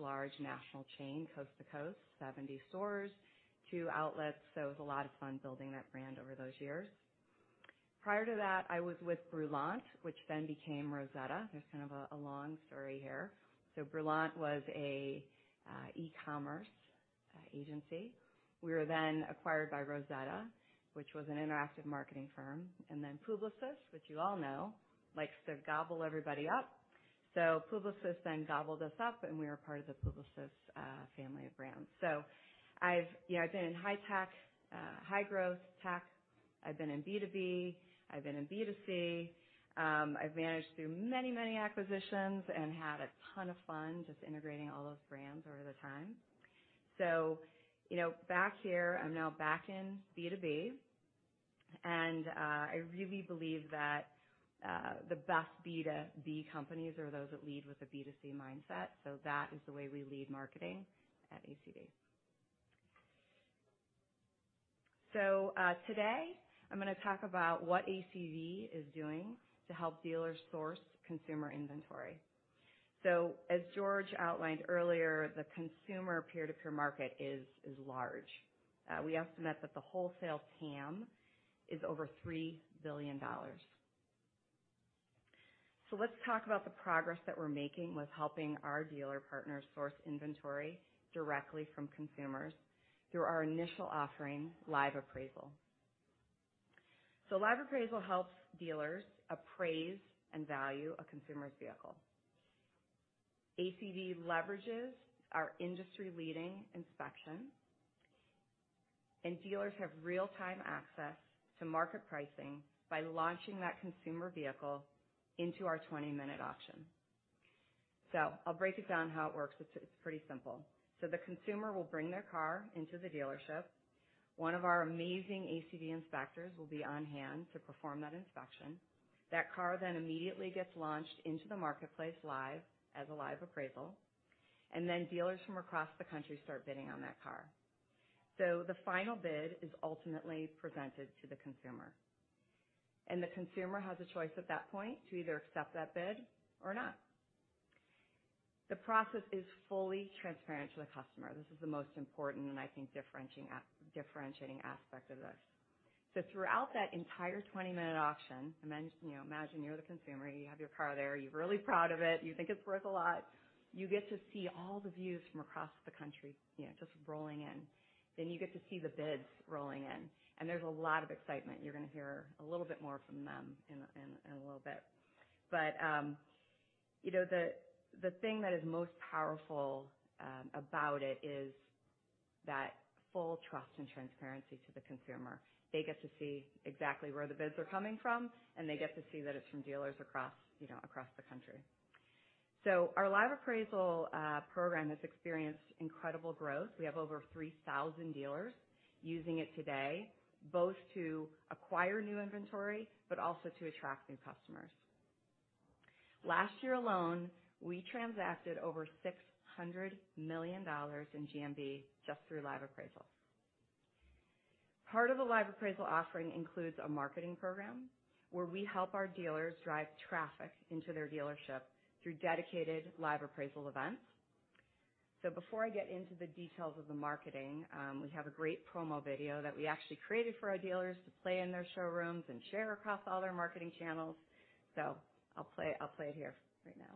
national chain, coast to coast, 70 stores, two outlets. It was a lot of fun building that brand over those years. Prior to that, I was with Brulant, which then became Rosetta. There's kind of a long story here. Brulant was an e-commerce agency. We were then acquired by Rosetta, which was an interactive marketing firm. Publicis, which you all know, likes to gobble everybody up. Publicis then gobbled us up, and we are part of the Publicis family of brands. I've, you know, I've been in high tech, high growth tech. I've been in B2B. I've been in B2C. I've managed through many acquisitions and had a ton of fun just integrating all those brands over time. You know, back here, I'm now back in B2B, and I really believe that the best B2B companies are those that lead with a B2C mindset, so that is the way we lead marketing at ACV. Today, I'm gonna talk about what ACV is doing to help dealers source consumer inventory. As George outlined earlier, the consumer peer-to-peer market is large. We estimate that the wholesale TAM is over $3 billion. Let's talk about the progress that we're making with helping our dealer partners source inventory directly from consumers through our initial offering, Live Appraisal. Live Appraisal helps dealers appraise and value a consumer's vehicle. ACV leverages our industry-leading inspection, and dealers have real-time access to market pricing by launching that consumer vehicle into our 20-minute auction. I'll break it down how it works. It's pretty simple. The consumer will bring their car into the dealership. One of our amazing ACV inspectors will be on hand to perform that inspection. That car then immediately gets launched into the marketplace live as a Live Appraisal, and then dealers from across the country start bidding on that car. The final bid is ultimately presented to the consumer, and the consumer has a choice at that point to either accept that bid or not. The process is fully transparent to the customer. This is the most important, and I think differentiating aspect of this. Throughout that entire 20-minute auction, you know, imagine you're the consumer, you have your car there, you're really proud of it, you think it's worth a lot. You get to see all the views from across the country, you know, just rolling in. Then you get to see the bids rolling in, and there's a lot of excitement. You're gonna hear a little bit more from them in a little bit. you know, the thing that is most powerful about it is that full trust and transparency to the consumer. They get to see exactly where the bids are coming from, and they get to see that it's from dealers across, you know, across the country. Our Live Appraisal program has experienced incredible growth. We have over 3,000 dealers using it today, both to acquire new inventory but also to attract new customers. Last year alone, we transacted over $600 million in GMV just through Live Appraisals. Part of the Live Appraisal offering includes a marketing program, where we help our dealers drive traffic into their dealership through dedicated Live Appraisal events. Before I get into the details of the marketing, we have a great promo video that we actually created for our dealers to play in their showrooms and share across all their marketing channels. I'll play it here right now.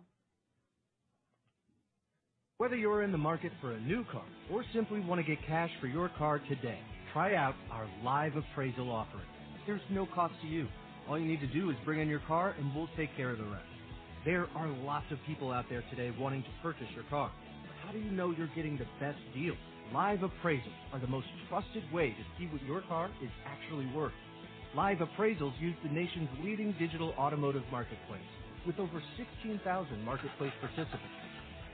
Whether you're in the market for a new car or simply want to get cash for your car today, try out our Live Appraisal offering. There's no cost to you. All you need to do is bring in your car, and we'll take care of the rest. There are lots of people out there today wanting to purchase your car. But how do you know you're getting the best deal? Live Appraisals are the most trusted way to see what your car is actually worth. Live Appraisals use the nation's leading digital automotive marketplace. With over 16,000 marketplace participants,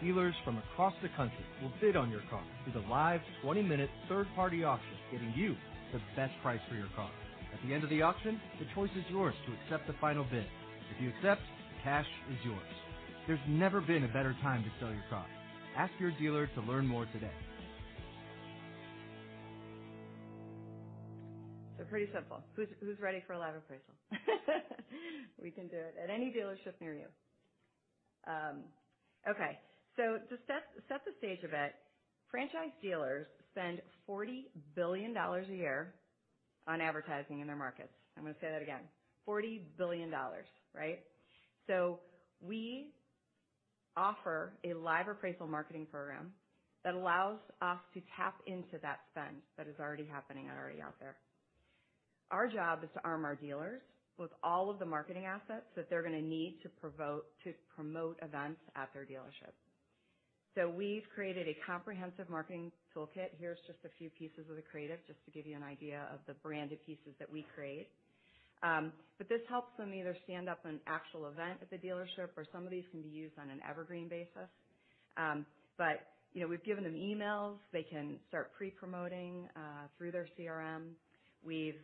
dealers from across the country will bid on your car through the live 20-minute third-party auction, getting you the best price for your car. At the end of the auction, the choice is yours to accept the final bid. If you accept, the cash is yours. There's never been a better time to sell your car. Ask your dealer to learn more today.
Pretty simple. Who's ready for a Live Appraisal? We can do it at any dealership near you. Okay, to set the stage a bit, franchise dealers spend $40 billion a year on advertising in their markets. I'm gonna say that again, $40 billion, right? We offer a Live Appraisal marketing program that allows us to tap into that spend that is already happening and already out there. Our job is to arm our dealers with all of the marketing assets that they're gonna need to promote events at their dealership. We've created a comprehensive marketing toolkit. Here's just a few pieces of the creative, just to give you an idea of the branded pieces that we create. This helps them either stand up an actual event at the dealership or some of these can be used on an evergreen basis. You know, we've given them emails. They can start pre-promoting through their CRM. We've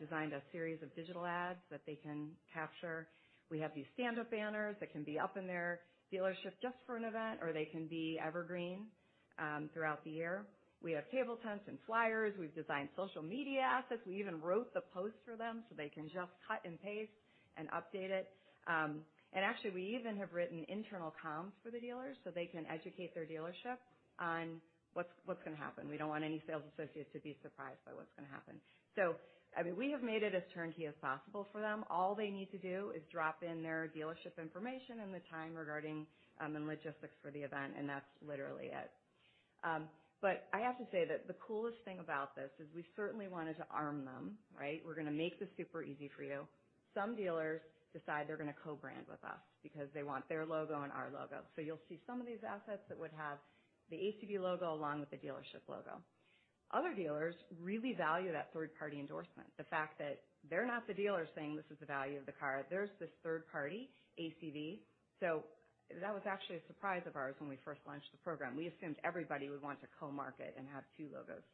designed a series of digital ads that they can capture. We have these standup banners that can be up in their dealership just for an event, or they can be evergreen throughout the year. We have table tents and flyers. We've designed social media assets. We even wrote the post for them so they can just cut and paste and update it. Actually, we even have written internal comms for the dealers so they can educate their dealership on what's gonna happen. We don't want any sales associates to be surprised by what's gonna happen. I mean, we have made it as turnkey as possible for them. All they need to do is drop in their dealership information and the time regarding the logistics for the event, and that's literally it. I have to say that the coolest thing about this is we certainly wanted to arm them, right? We're gonna make this super easy for you. Some dealers decide they're gonna co-brand with us because they want their logo and our logo. You'll see some of these assets that would have the ACV logo along with the dealership logo. Other dealers really value that third-party endorsement, the fact that they're not the dealer saying this is the value of the car. There's this third party, ACV, so that was actually a surprise of ours when we first launched the program. We assumed everybody would want to co-market and have two logos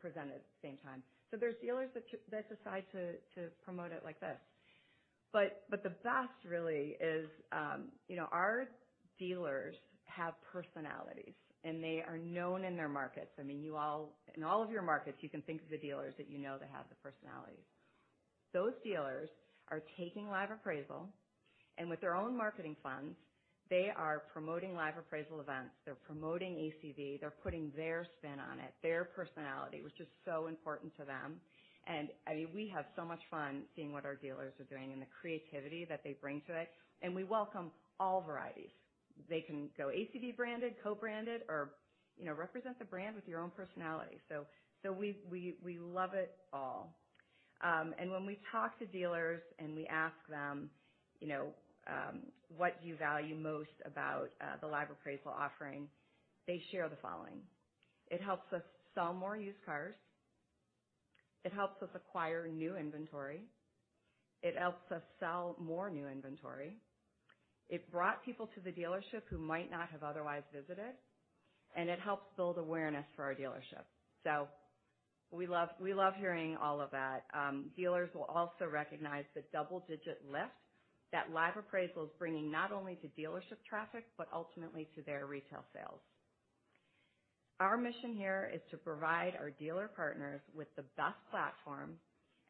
presented at the same time. There's dealers that decide to promote it like this. The best really is, you know, our dealers have personalities, and they are known in their markets. I mean, you all in all of your markets, you can think of the dealers that you know that have the personalities. Those dealers are taking Live Appraisal, and with their own marketing funds, they are promoting Live Appraisal events. They're promoting ACV. They're putting their spin on it, their personality, which is so important to them. I mean, we have so much fun seeing what our dealers are doing and the creativity that they bring to it, and we welcome all varieties. They can go ACV branded, co-branded, or, you know, represent the brand with your own personality. We love it all. When we talk to dealers and we ask them what do you value most about the Live Appraisal offering, they share the following. It helps us sell more used cars. It helps us acquire new inventory. It helps us sell more new inventory. It brought people to the dealership who might not have otherwise visited, and it helps build awareness for our dealership. We love hearing all of that. Dealers will also recognize the double-digit lift that Live Appraisal is bringing not only to dealership traffic but ultimately to their retail sales. Our mission here is to provide our dealer partners with the best platform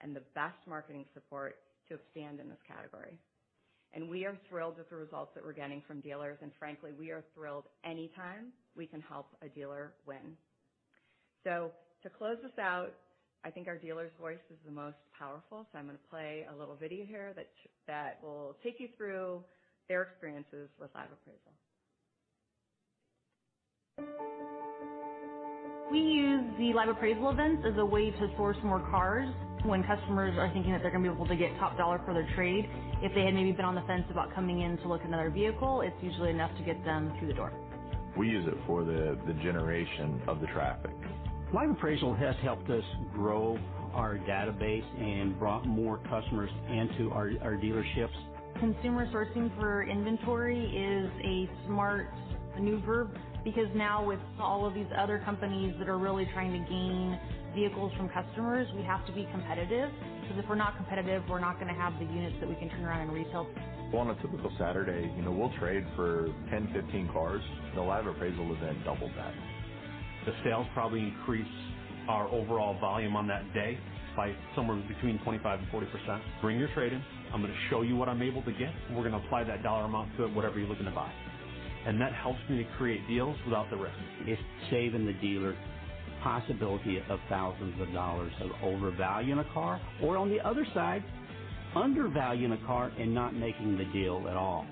and the best marketing support to expand in this category. We are thrilled with the results that we're getting from dealers. Frankly, we are thrilled any time we can help a dealer win. To close this out, I think our dealer's voice is the most powerful. I'm going to play a little video here that will take you through their experiences with Live Appraisal.
We use the Live Appraisal events as a way to source more cars. When customers are thinking that they're going to be able to get top dollar for their trade, if they had maybe been on the fence about coming in to look at another vehicle, it's usually enough to get them through the door.
We use it for the generation of the traffic. Live Appraisal has helped us grow our database and brought more customers into our dealerships. Consumer sourcing for inventory is a smart maneuver because now with all of these other companies that are really trying to gain vehicles from customers, we have to be competitive because if we're not competitive, we're not going to have the units that we can turn around and resell. Well, on a typical Saturday, you know, we'll trade for 10, 15 cars. The live appraisal event doubles that. The sales probably increase our overall volume on that day by somewhere between 25% and 40%. Bring your trade-in, I'm going to show you what I'm able to get, and we're going to apply that dollar amount to whatever you're looking to buy. That helps me to create deals without the risk. It's saving the dealer the possibility of thousands of dollars of overvaluing a car or on the other side, undervaluing a car and not making the deal at all.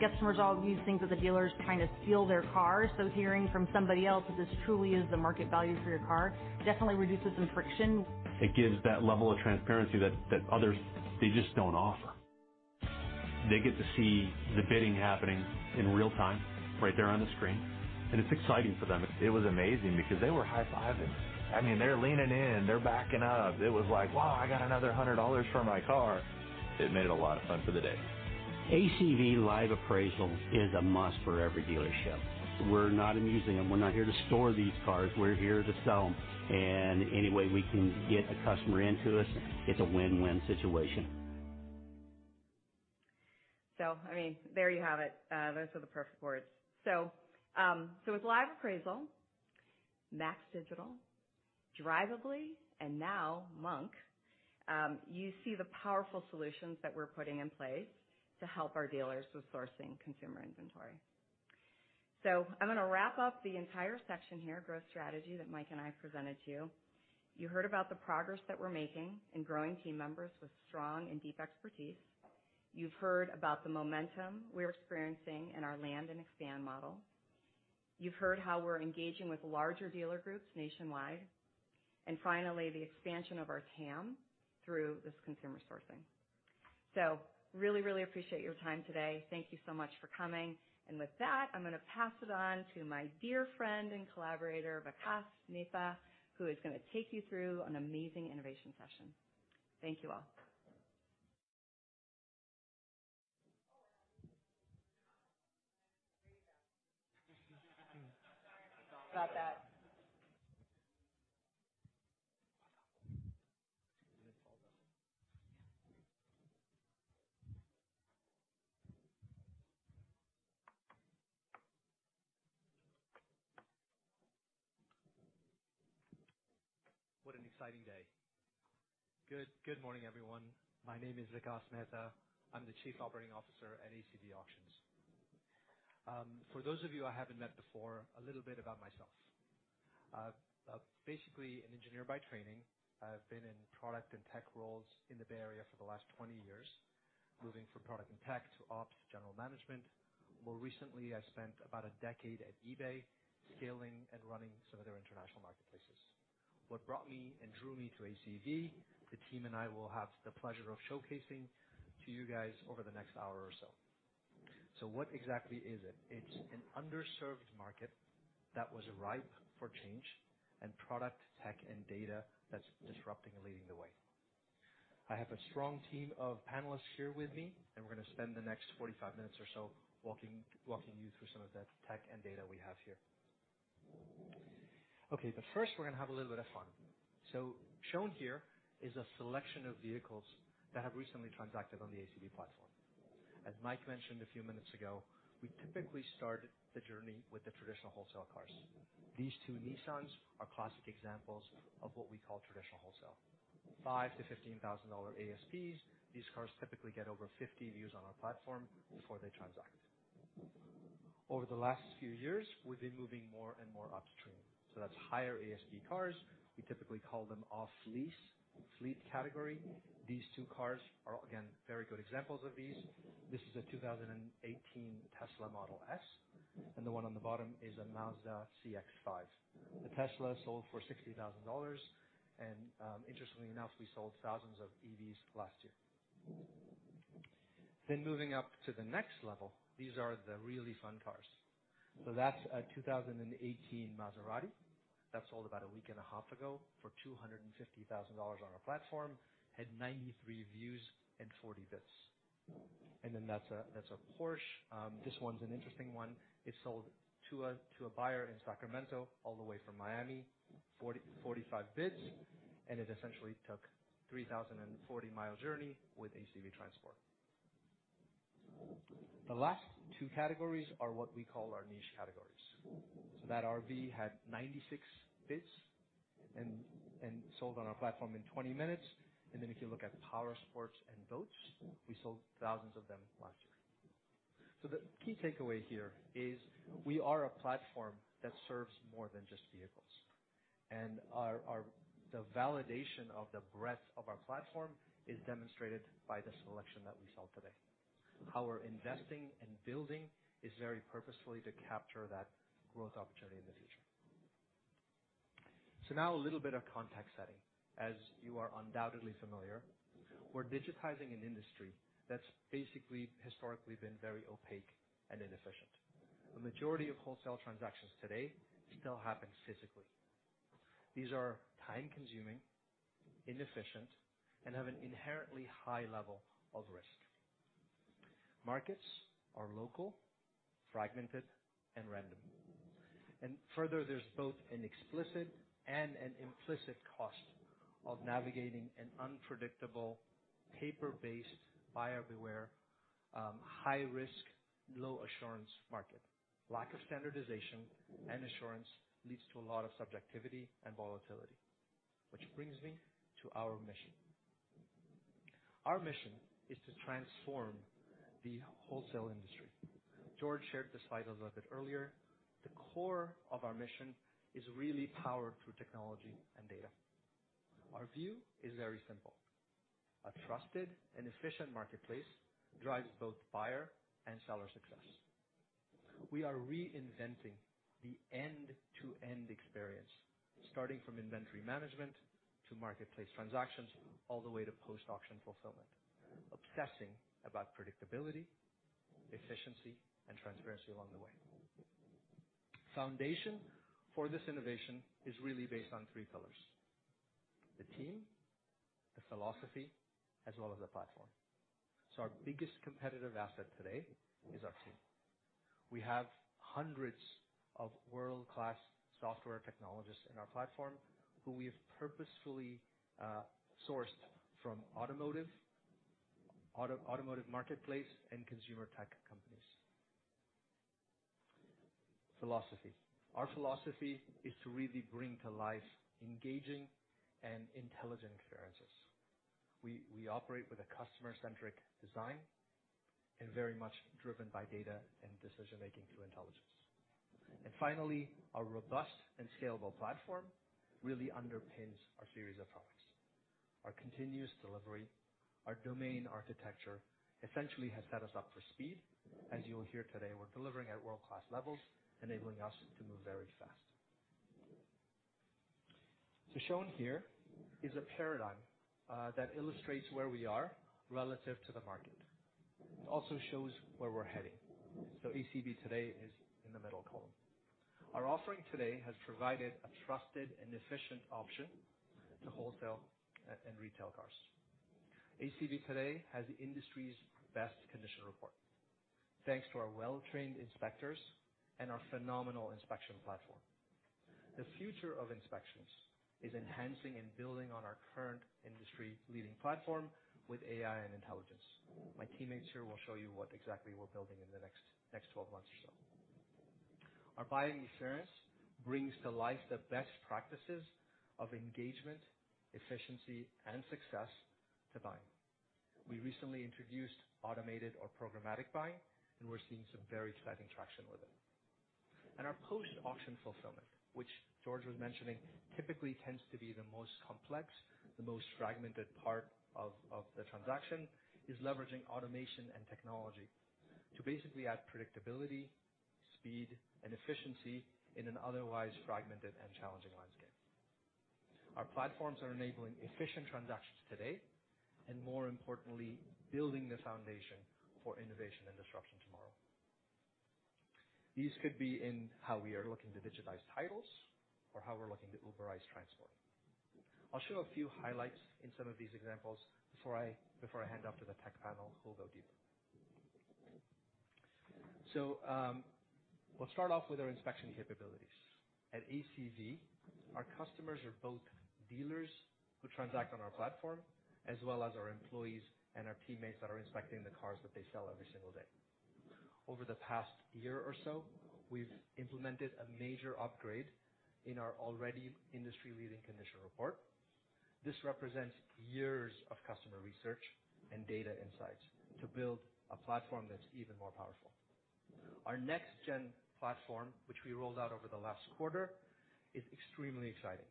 Customers all view things that the dealer is trying to steal their car. Hearing from somebody else that this truly is the market value for your car definitely reduces some friction. It gives that level of transparency that others just don't offer. They get to see the bidding happening in real time right there on the screen, and it's exciting for them. It was amazing because they were high-fiving. I mean, they're leaning in, they're backing up. It was like, "Wow, I got another $100 for my car." It made it a lot of fun for the day. ACV Live Appraisal is a must for every dealership. We're not a museum. We're not here to store these cars. We're here to sell them. Any way we can get a customer into us, it's a win-win situation. I mean, there you have it. Those are the perfect words. With Live Appraisal, MAX Digital, Drivably, and now Monk, you see the powerful solutions that we're putting in place to help our dealers with sourcing consumer inventory. I'm going to wrap up the entire section here, growth strategy that Mike and I have presented to you. You heard about the progress that we're making in growing team members with strong and deep expertise. You've heard about the momentum we're experiencing in our land and expand model. You've heard how we're engaging with larger dealer groups nationwide. And finally, the expansion of our TAM through this consumer sourcing. Really, really appreciate your time today. Thank you so much for coming. With that, I'm going to pass it on to my dear friend and collaborator, Vikas Mehta, who is going to take you through an amazing innovation session. Thank you all. Sorry about that.
What an exciting day. Good morning, everyone. My name is Vikas Mehta. I'm the Chief Operating Officer at ACV Auctions. For those of you I haven't met before, a little bit about myself. I've basically an engineer by training. I've been in product and tech roles in the Bay Area for the last 20 years, moving from product and tech to ops, general management. More recently, I've spent about a decade at eBay scaling and running some of their international marketplaces. What brought me and drew me to ACV, the team and I will have the pleasure of showcasing to you guys over the next hour or so. What exactly is it? It's an underserved market that was ripe for change and product, tech, and data that's disrupting and leading the way. I have a strong team of panelists here with me, and we're going to spend the next 45 minutes or so walking you through some of that tech and data we have here. Okay. First, we're going to have a little bit of fun. Shown here is a selection of vehicles that have recently transacted on the ACV platform. As Mike mentioned a few minutes ago, we typically start the journey with the traditional wholesale cars. These two Nissans are classic examples of what we call traditional wholesale. $5,000-$15,000 ASPs. These cars typically get over 50 views on our platform before they transact. Over the last few years, we've been moving more and more upstream, so that's higher ASP cars. We typically call them off-lease, fleet category. These two cars are, again, very good examples of these. This is a 2018 Tesla Model S, and the one on the bottom is a Mazda CX-5. The Tesla sold for $60,000. Interestingly enough, we sold thousands of EVs last year. Moving up to the next level, these are the really fun cars. That's a 2018 Maserati that sold about a week and a half ago for $250,000 on our platform, had 93 views and 40 bids. That's a Porsche. This one's an interesting one. It sold to a buyer in Sacramento all the way from Miami. Forty-five bids, and it essentially took a 3,040-mile journey with ACV Transportation. The last two categories are what we call our niche categories. That RV had 96 bids and sold on our platform in 20 minutes. Then if you look at power sports and boats, we sold thousands of them last year. The key takeaway here is we are a platform that serves more than just vehicles. The validation of the breadth of our platform is demonstrated by the selection that we sold today. Our investing and building is very purposefully to capture that growth opportunity in the future. Now a little bit of context setting. As you are undoubtedly familiar, we're digitizing an industry that's basically historically been very opaque and inefficient. The majority of wholesale transactions today still happens physically. These are time-consuming, inefficient, and have an inherently high level of risk. Markets are local, fragmented, and random. Further, there's both an explicit and an implicit cost of navigating an unpredictable paper-based, buyer beware, high risk, low assurance market. Lack of standardization and assurance leads to a lot of subjectivity and volatility. Which brings me to our mission. Our mission is to transform the wholesale industry. George Chamoun shared this slide a little bit earlier. The core of our mission is really powered through technology and data. Our view is very simple. A trusted and efficient marketplace drives both buyer and seller success. We are reinventing the end-to-end experience, starting from inventory management to marketplace transactions, all the way to post-auction fulfillment, obsessing about predictability, efficiency, and transparency along the way. Foundation for this innovation is really based on three pillars, the team, the philosophy, as well as the platform. Our biggest competitive asset today is our team. We have hundreds of world-class software technologists in our platform who we have purposefully sourced from automotive marketplace, and consumer tech companies. Philosophy. Our philosophy is to really bring to life engaging and intelligent experiences. We operate with a customer-centric design and very much driven by data and decision-making through intelligence. Finally, our robust and scalable platform really underpins our series of products. Our continuous delivery, our domain architecture essentially has set us up for speed. As you'll hear today, we're delivering at world-class levels, enabling us to move very fast. Shown here is a paradigm that illustrates where we are relative to the market. It also shows where we're heading. ACV today is in the middle column. Our offering today has provided a trusted and efficient option to wholesale and retail cars. ACV today has the industry's best condition report, thanks to our well-trained inspectors and our phenomenal inspection platform. The future of inspections is enhancing and building on our current industry-leading platform with AI and intelligence. My teammates here will show you what exactly we're building in the next 12 months or so. Our buying experience brings to life the best practices of engagement, efficiency, and success to buying. We recently introduced automated or programmatic buying, and we're seeing some very exciting traction with it. Our post-auction fulfillment, which George was mentioning, typically tends to be the most complex, the most fragmented part of the transaction, is leveraging automation and technology to basically add predictability, speed, and efficiency in an otherwise fragmented and challenging landscape. Our platforms are enabling efficient transactions today, and more importantly, building the foundation for innovation and disruption tomorrow. These could be in how we are looking to digitize titles or how we're looking to Uber-ize transport. I'll show a few highlights in some of these examples before I hand off to the tech panel who'll go deeper. We'll start off with our inspection capabilities. At ACV, our customers are both dealers who transact on our platform, as well as our employees and our teammates that are inspecting the cars that they sell every single day. Over the past year or so, we've implemented a major upgrade in our already industry-leading condition report. This represents years of customer research and data insights to build a platform that's even more powerful. Our next gen platform, which we rolled out over the last quarter, is extremely exciting.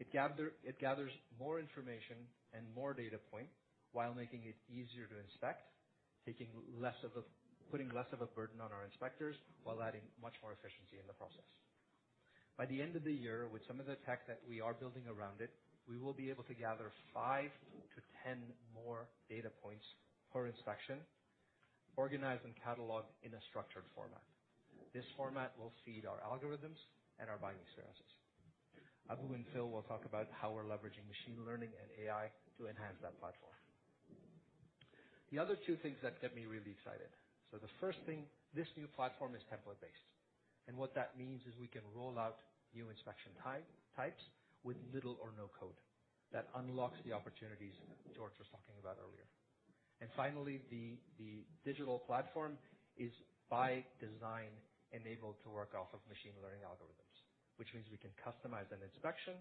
It gathers more information and more data points while making it easier to inspect, putting less of a burden on our inspectors while adding much more efficiency in the process. By the end of the year, with some of the tech that we are building around it, we will be able to gather 5-10 more data points per inspection, organized and cataloged in a structured format. This format will feed our algorithms and our buying experiences. Abu and Phil will talk about how we're leveraging machine learning and AI to enhance that platform. The other two things that get me really excited. The first thing, this new platform is template based, and what that means is we can roll out new inspection types with little or no code. That unlocks the opportunities George was talking about earlier. Finally, the digital platform is by design enabled to work off of machine learning algorithms, which means we can customize an inspection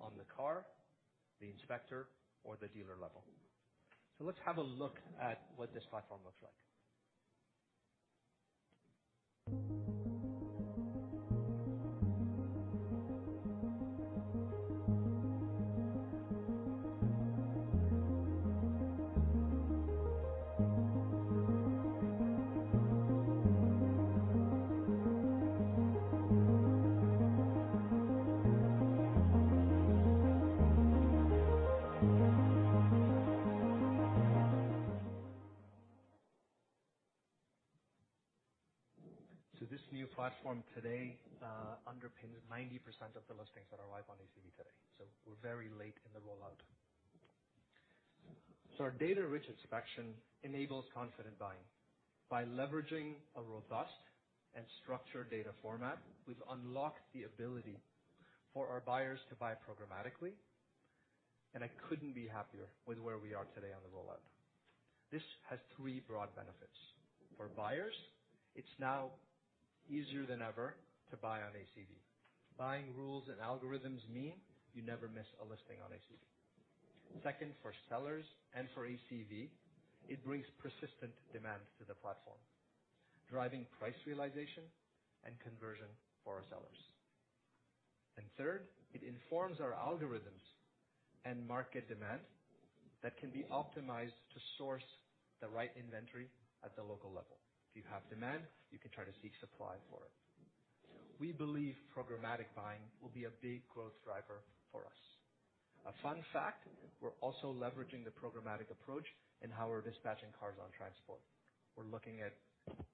on the car, the inspector, or the dealer level. Let's have a look at what this platform looks like. This new platform today underpins 90% of the listings that are live on ACV today. We're very late in the rollout. Our data-rich inspection enables confident buying. By leveraging a robust and structured data format, we've unlocked the ability for our buyers to buy programmatically, and I couldn't be happier with where we are today on the rollout. This has three broad benefits. For buyers, it's now easier than ever to buy on ACV. Buying rules and algorithms mean you never miss a listing on ACV. Second, for sellers and for ACV, it brings persistent demand to the platform, driving price realization and conversion for our sellers. Third, it informs our algorithms and market demand that can be optimized to source the right inventory at the local level. If you have demand, you can try to seek supply for it. We believe programmatic buying will be a big growth driver for us. A fun fact, we're also leveraging the programmatic approach in how we're dispatching cars on transport. We're looking at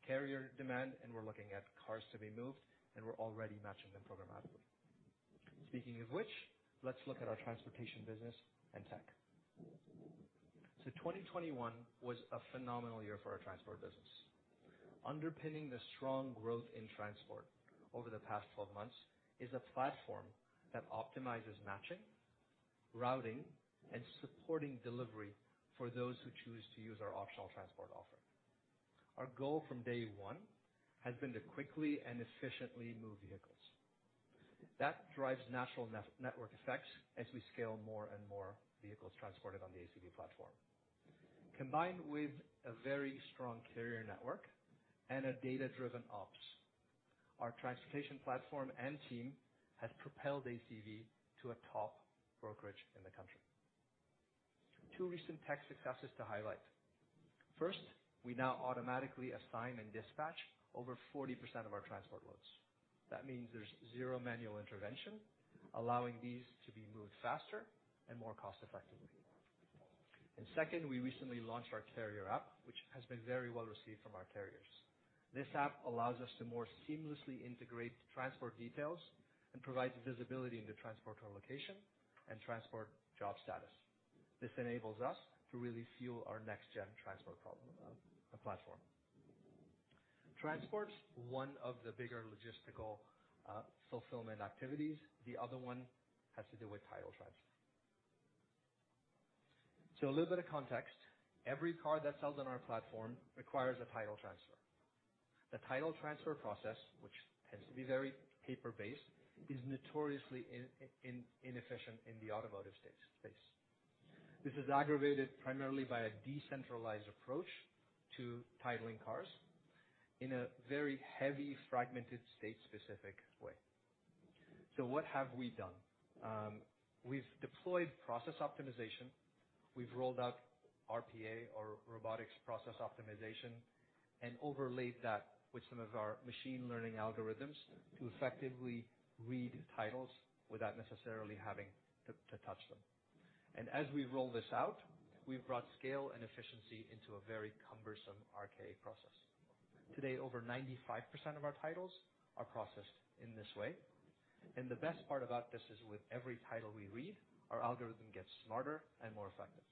carrier demand, and we're looking at cars to be moved, and we're already matching them programmatically. Speaking of which, let's look at our transportation business and tech. 2021 was a phenomenal year for our transport business. Underpinning the strong growth in transport over the past 12 months is a platform that optimizes matching, routing, and supporting delivery for those who choose to use our optional transport offer. Our goal from day one has been to quickly and efficiently move vehicles. That drives natural network effects as we scale more and more vehicles transported on the ACV platform. Combined with a very strong carrier network and a data-driven ops, our transportation platform and team has propelled ACV to a top brokerage in the country. Two recent tech successes to highlight. First, we now automatically assign and dispatch over 40% of our transport loads. That means there's zero manual intervention, allowing these to be moved faster and more cost effectively. Second, we recently launched our carrier app, which has been very well received from our carriers. This app allows us to more seamlessly integrate transport details and provides visibility into transport location and transport job status. This enables us to really fuel our next gen transport problem, platform. Transport's one of the bigger logistical, fulfillment activities. The other one has to do with title transfer. A little bit of context. Every car that sells on our platform requires a title transfer. The title transfer process, which tends to be very paper-based, is notoriously inefficient in the automotive space. This is aggravated primarily by a decentralized approach to titling cars in a very heavy, fragmented, state-specific way. What have we done? We've deployed process optimization. We've rolled out RPA or Robotic Process Automation and overlaid that with some of our machine learning algorithms to effectively read titles without necessarily having to touch them. As we roll this out, we've brought scale and efficiency into a very cumbersome RCA process. Today, over 95% of our titles are processed in this way, and the best part about this is with every title we read, our algorithm gets smarter and more effective.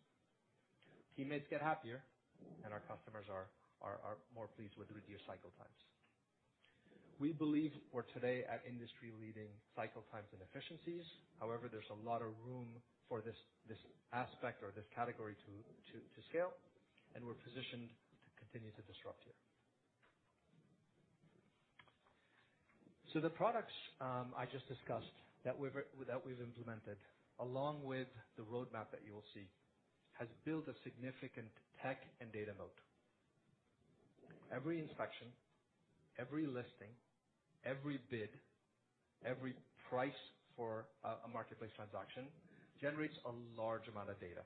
Teammates get happier, and our customers are more pleased with reduced cycle times. We believe we're today at industry-leading cycle times and efficiencies. However, there's a lot of room for this aspect or this category to scale, and we're positioned to continue to disrupt here. The products I just discussed that we've implemented, along with the roadmap that you will see, has built a significant tech and data moat. Every inspection, every listing, every bid, every price for a marketplace transaction generates a large amount of data.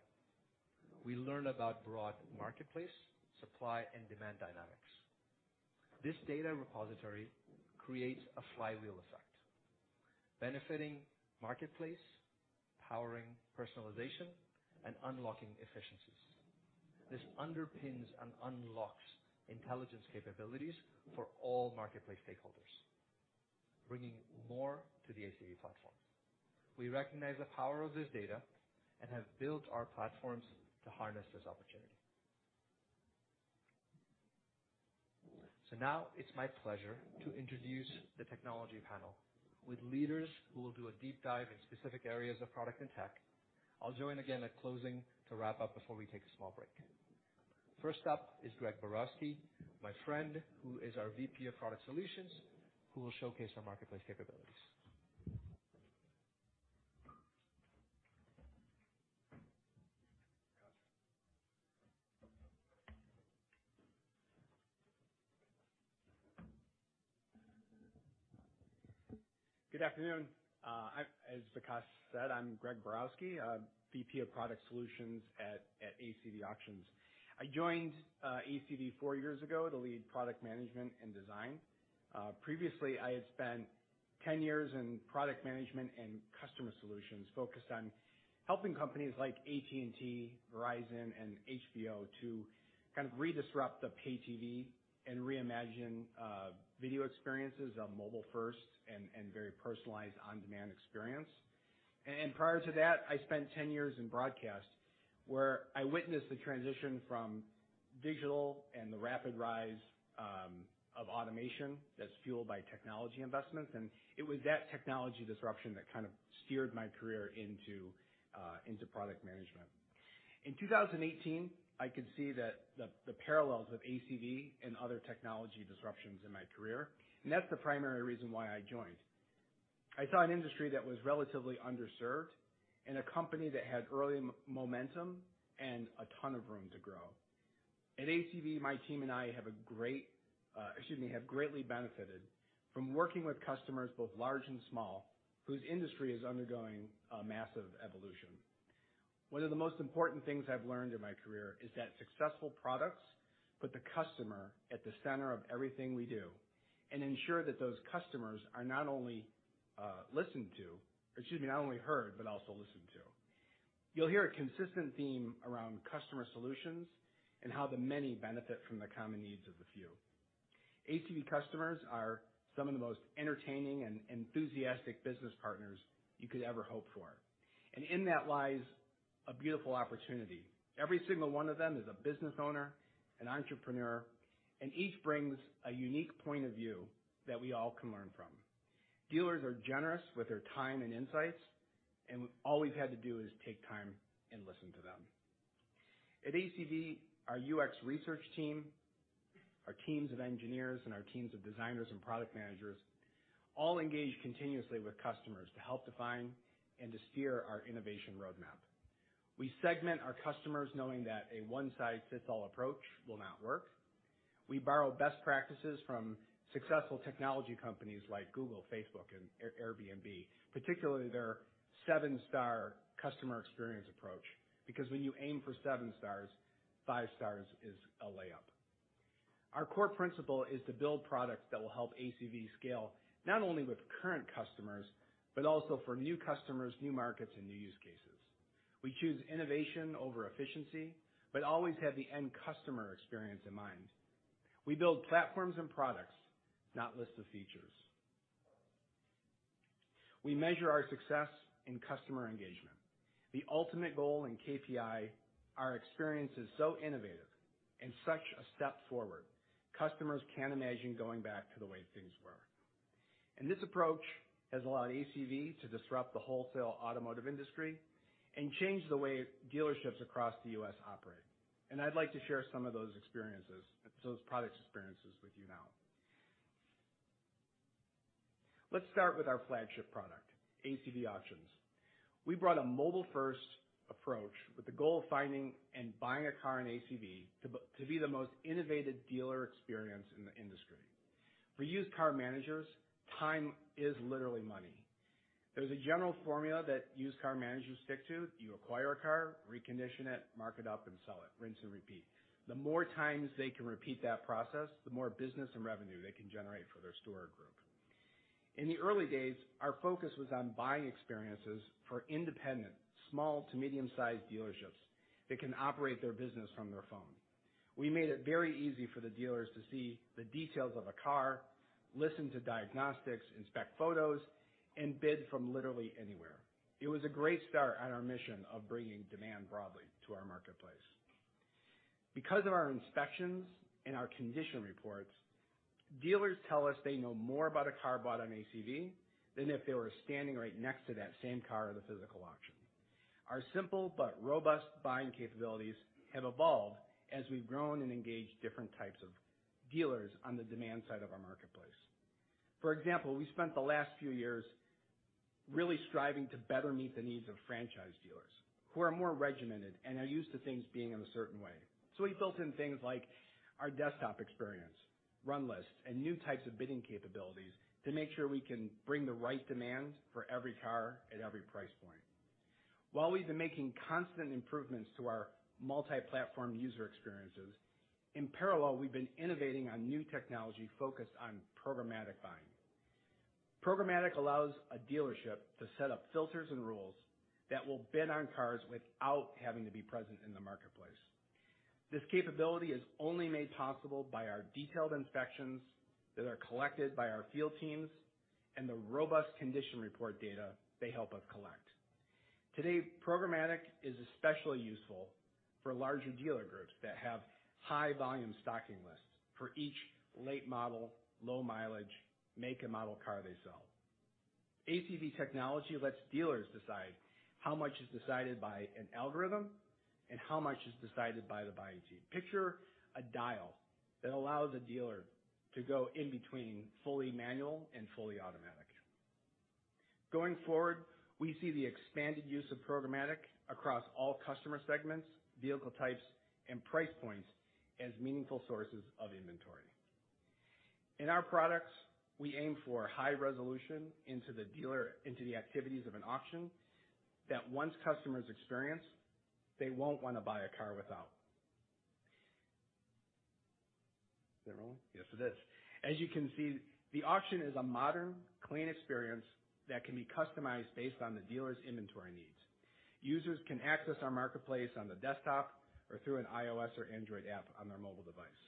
We learn about broad marketplace supply and demand dynamics. This data repository creates a flywheel effect, benefiting marketplace, powering personalization, and unlocking efficiencies. This underpins and unlocks intelligence capabilities for all marketplace stakeholders, bringing more to the ACV platform. We recognize the power of this data and have built our platforms to harness this opportunity. Now it's my pleasure to introduce the technology panel with leaders who will do a deep dive in specific areas of product and tech. I'll join again at closing to wrap up before we take a small break. First up is Greg Borowski, my friend, who is our VP of Product Solutions, who will showcase our marketplace capabilities.
Good afternoon. As Vikas said, I'm Greg Borowski, VP of Product Solutions at ACV Auctions. I joined ACV four years ago to lead product management and design. Previously, I had spent 10 years in product management and customer solutions focused on helping companies like AT&T, Verizon, and HBO to kind of redisrupt the pay TV and reimagine video experiences on mobile first and very personalized on-demand experience. And prior to that, I spent 10 years in broadcast where I witnessed the transition from digital and the rapid rise of automation that's fueled by technology investments, and it was that technology disruption that kind of steered my career into product management. In 2018, I could see the parallels of ACV and other technology disruptions in my career, and that's the primary reason why I joined. I saw an industry that was relatively underserved and a company that had early momentum and a ton of room to grow. At ACV, my team and I have greatly benefited from working with customers, both large and small, whose industry is undergoing a massive evolution. One of the most important things I've learned in my career is that successful products put the customer at the center of everything we do and ensure that those customers are not only heard, but also listened to. You'll hear a consistent theme around customer solutions and how the many benefit from the common needs of the few. ACV customers are some of the most entertaining and enthusiastic business partners you could ever hope for, and in that lies a beautiful opportunity. Every single one of them is a business owner and entrepreneur, and each brings a unique point of view that we all can learn from. Dealers are generous with their time and insights, and all we've had to do is take time and listen to them. At ACV, our UX research team, our teams of engineers, and our teams of designers and product managers all engage continuously with customers to help define and to steer our innovation roadmap. We segment our customers knowing that a one-size-fits-all approach will not work. We borrow best practices from successful technology companies like Google, Facebook, and Airbnb, particularly their seven-star customer experience approach, because when you aim for seven stars, five stars is a layup. Our core principle is to build products that will help ACV scale not only with current customers, but also for new customers, new markets, and new use cases. We choose innovation over efficiency but always have the end customer experience in mind. We build platforms and products, not lists of features. We measure our success in customer engagement. The ultimate goal in KPI, our experience is so innovative and such a step forward, customers can't imagine going back to the way things were. This approach has allowed ACV to disrupt the wholesale automotive industry and change the way dealerships across the U.S. operate. I'd like to share some of those experiences, those product experiences with you now. Let's start with our flagship product, ACV Auctions. We brought a mobile-first approach with the goal of finding and buying a car on ACV to be the most innovative dealer experience in the industry. For used car managers, time is literally money. There's a general formula that used car managers stick to. You acquire a car, recondition it, mark it up, and sell it. Rinse and repeat. The more times they can repeat that process, the more business and revenue they can generate for their store group. In the early days, our focus was on buying experiences for independent small to medium-sized dealerships that can operate their business from their phone. We made it very easy for the dealers to see the details of a car, listen to diagnostics, inspect photos, and bid from literally anywhere. It was a great start on our mission of bringing demand broadly to our marketplace. Because of our inspections and our condition reports, dealers tell us they know more about a car bought on ACV than if they were standing right next to that same car at a physical auction. Our simple but robust buying capabilities have evolved as we've grown and engaged different types of dealers on the demand side of our marketplace. For example, we spent the last few years really striving to better meet the needs of franchise dealers who are more regimented and are used to things being in a certain way. We built in things like our desktop experience, run list and new types of bidding capabilities to make sure we can bring the right demand for every car at every price point. While we've been making constant improvements to our multi-platform user experiences, in parallel, we've been innovating on new technology focused on programmatic buying. Programmatic allows a dealership to set up filters and rules that will bid on cars without having to be present in the marketplace. This capability is only made possible by our detailed inspections that are collected by our field teams and the robust condition report data they help us collect. Today, programmatic is especially useful for larger dealer groups that have high volume stocking lists for each late model, low mileage, make and model car they sell. ACV technology lets dealers decide how much is decided by an algorithm and how much is decided by the buying team. Picture a dial that allows a dealer to go in between fully manual and fully automatic. Going forward, we see the expanded use of programmatic across all customer segments, vehicle types, and price points as meaningful sources of inventory. In our products, we aim for high resolution into the dealer, into the activities of an auction that once customers experience, they won't want to buy a car without. Is that rolling? Yes, it is. As you can see, the auction is a modern, clean experience that can be customized based on the dealer's inventory needs. Users can access our marketplace on the desktop or through an iOS or Android app on their mobile device.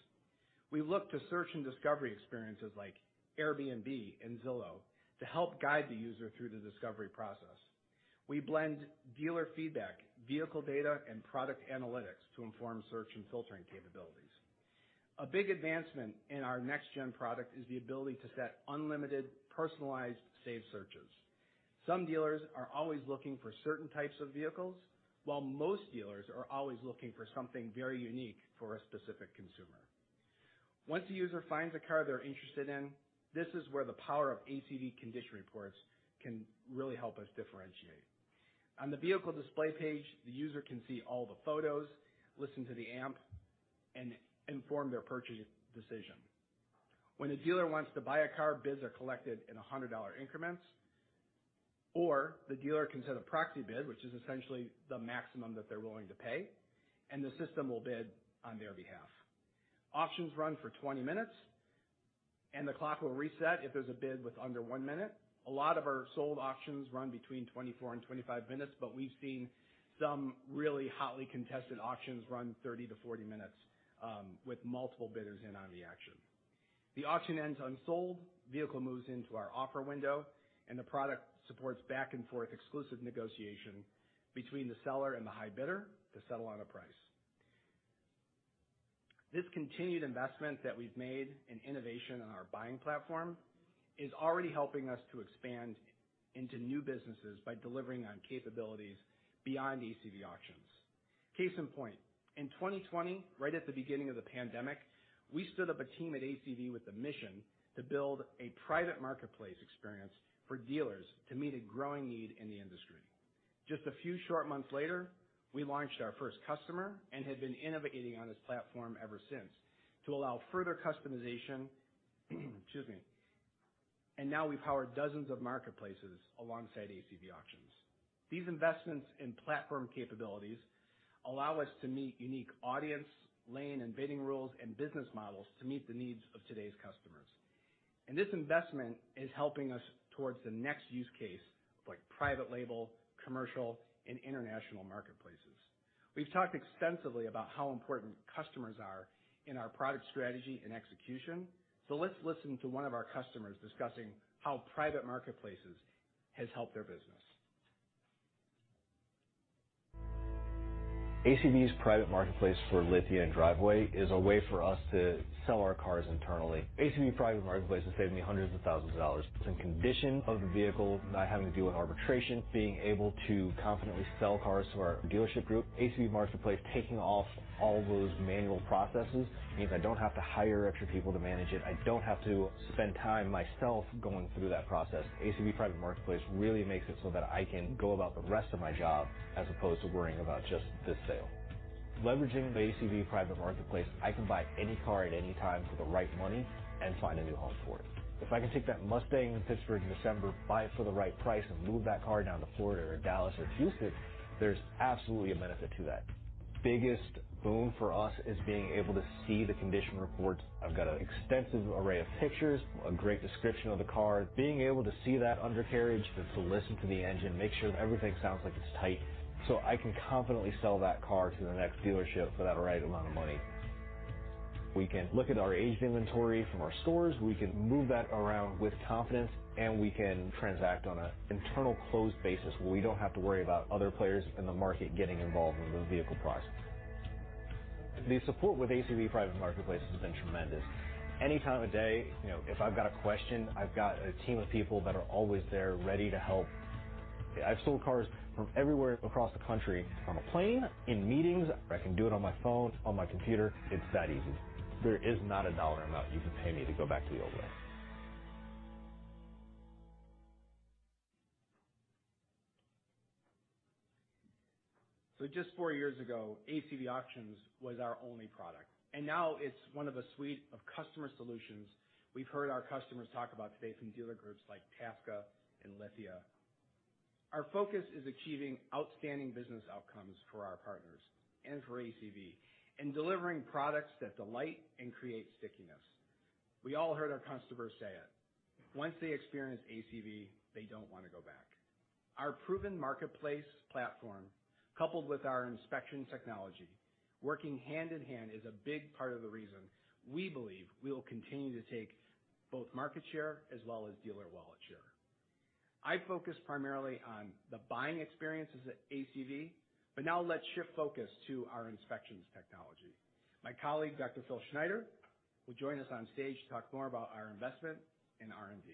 We look to search and discovery experiences like Airbnb and Zillow to help guide the user through the discovery process. We blend dealer feedback, vehicle data, and product analytics to inform search and filtering capabilities. A big advancement in our next gen product is the ability to set unlimited, personalized saved searches. Some dealers are always looking for certain types of vehicles, while most dealers are always looking for something very unique for a specific consumer. Once a user finds a car they're interested in, this is where the power of ACV condition reports can really help us differentiate. On the vehicle display page, the user can see all the photos, listen to the amp, and inform their purchase decision. When a dealer wants to buy a car, bids are collected in $100 increments, or the dealer can set a proxy bid, which is essentially the maximum that they're willing to pay, and the system will bid on their behalf. Auctions run for 20 minutes, and the clock will reset if there's a bid with under one minute. A lot of our sold auctions run between 24 and 25 minutes, but we've seen some really hotly contested auctions run 30-40 minutes, with multiple bidders in on the action. If the auction ends unsold, vehicle moves into our offer window, and the product supports back and forth exclusive negotiation between the seller and the high bidder to settle on a price. This continued investment that we've made in innovation on our buying platform is already helping us to expand into new businesses by delivering on capabilities beyond ACV Auctions. Case in point, in 2020, right at the beginning of the pandemic, we stood up a team at ACV with the mission to build a private marketplace experience for dealers to meet a growing need in the industry. Just a few short months later, we launched our first customer and have been innovating on this platform ever since to allow further customization, excuse me, and now we power dozens of marketplaces alongside ACV Auctions. These investments in platform capabilities allow us to meet unique audience, lane, and bidding rules and business models to meet the needs of today's customers. This investment is helping us towards the next use case like private label, commercial, and international marketplaces. We've talked extensively about how important customers are in our product strategy and execution, so let's listen to one of our customers discussing how Private Marketplaces has helped their business. ACV's Private Marketplace for Lithia & Driveway is a way for us to sell our cars internally. ACV Private Marketplace has saved me hundreds of thousands of dollars. It's in condition of the vehicle, not having to deal with arbitration, being able to confidently sell cars to our dealership group. ACV Marketplace taking off all those manual processes means I don't have to hire extra people to manage it. I don't have to spend time myself going through that process. ACV Private Marketplace really makes it so that I can go about the rest of my job as opposed to worrying about just this sale. Leveraging the ACV Private Marketplace, I can buy any car at any time for the right money and find a new home for it. If I can take that Mustang in Pittsburgh in December, buy it for the right price, and move that car down to Florida or Dallas or Houston, there's absolutely a benefit to that. Biggest boom for us is being able to see the condition reports. I've got an extensive array of pictures, a great description of the car. Being able to see that undercarriage, to listen to the engine, make sure everything sounds like it's tight, so I can confidently sell that car to the next dealership for that right amount of money. We can look at our aged inventory from our stores. We can move that around with confidence, and we can transact on an internal closed basis where we don't have to worry about other players in the market getting involved in the vehicle process. The support with ACV Private Marketplace has been tremendous. Any time of day, you know, if I've got a question, I've got a team of people that are always there ready to help. I've sold cars from everywhere across the country, on a plane, in meetings. I can do it on my phone, on my computer. It's that easy. There is not a dollar amount you can pay me to go back to the old way. Just four years ago, ACV Auctions was our only product, and now it's one of a suite of customer solutions we've heard our customers talk about today from dealer groups like PAACA and Lithia. Our focus is achieving outstanding business outcomes for our partners and for ACV and delivering products that delight and create stickiness. We all heard our customers say it. Once they experience ACV, they don't wanna go back. Our proven marketplace platform, coupled with our inspection technology, working hand-in-hand, is a big part of the reason we believe we will continue to take both market share as well as dealer wallet share. I focus primarily on the buying experiences at ACV, but now let's shift focus to our inspections technology. My colleague, Dr. Phil Schneider, will join us on stage to talk more about our investment in R&D.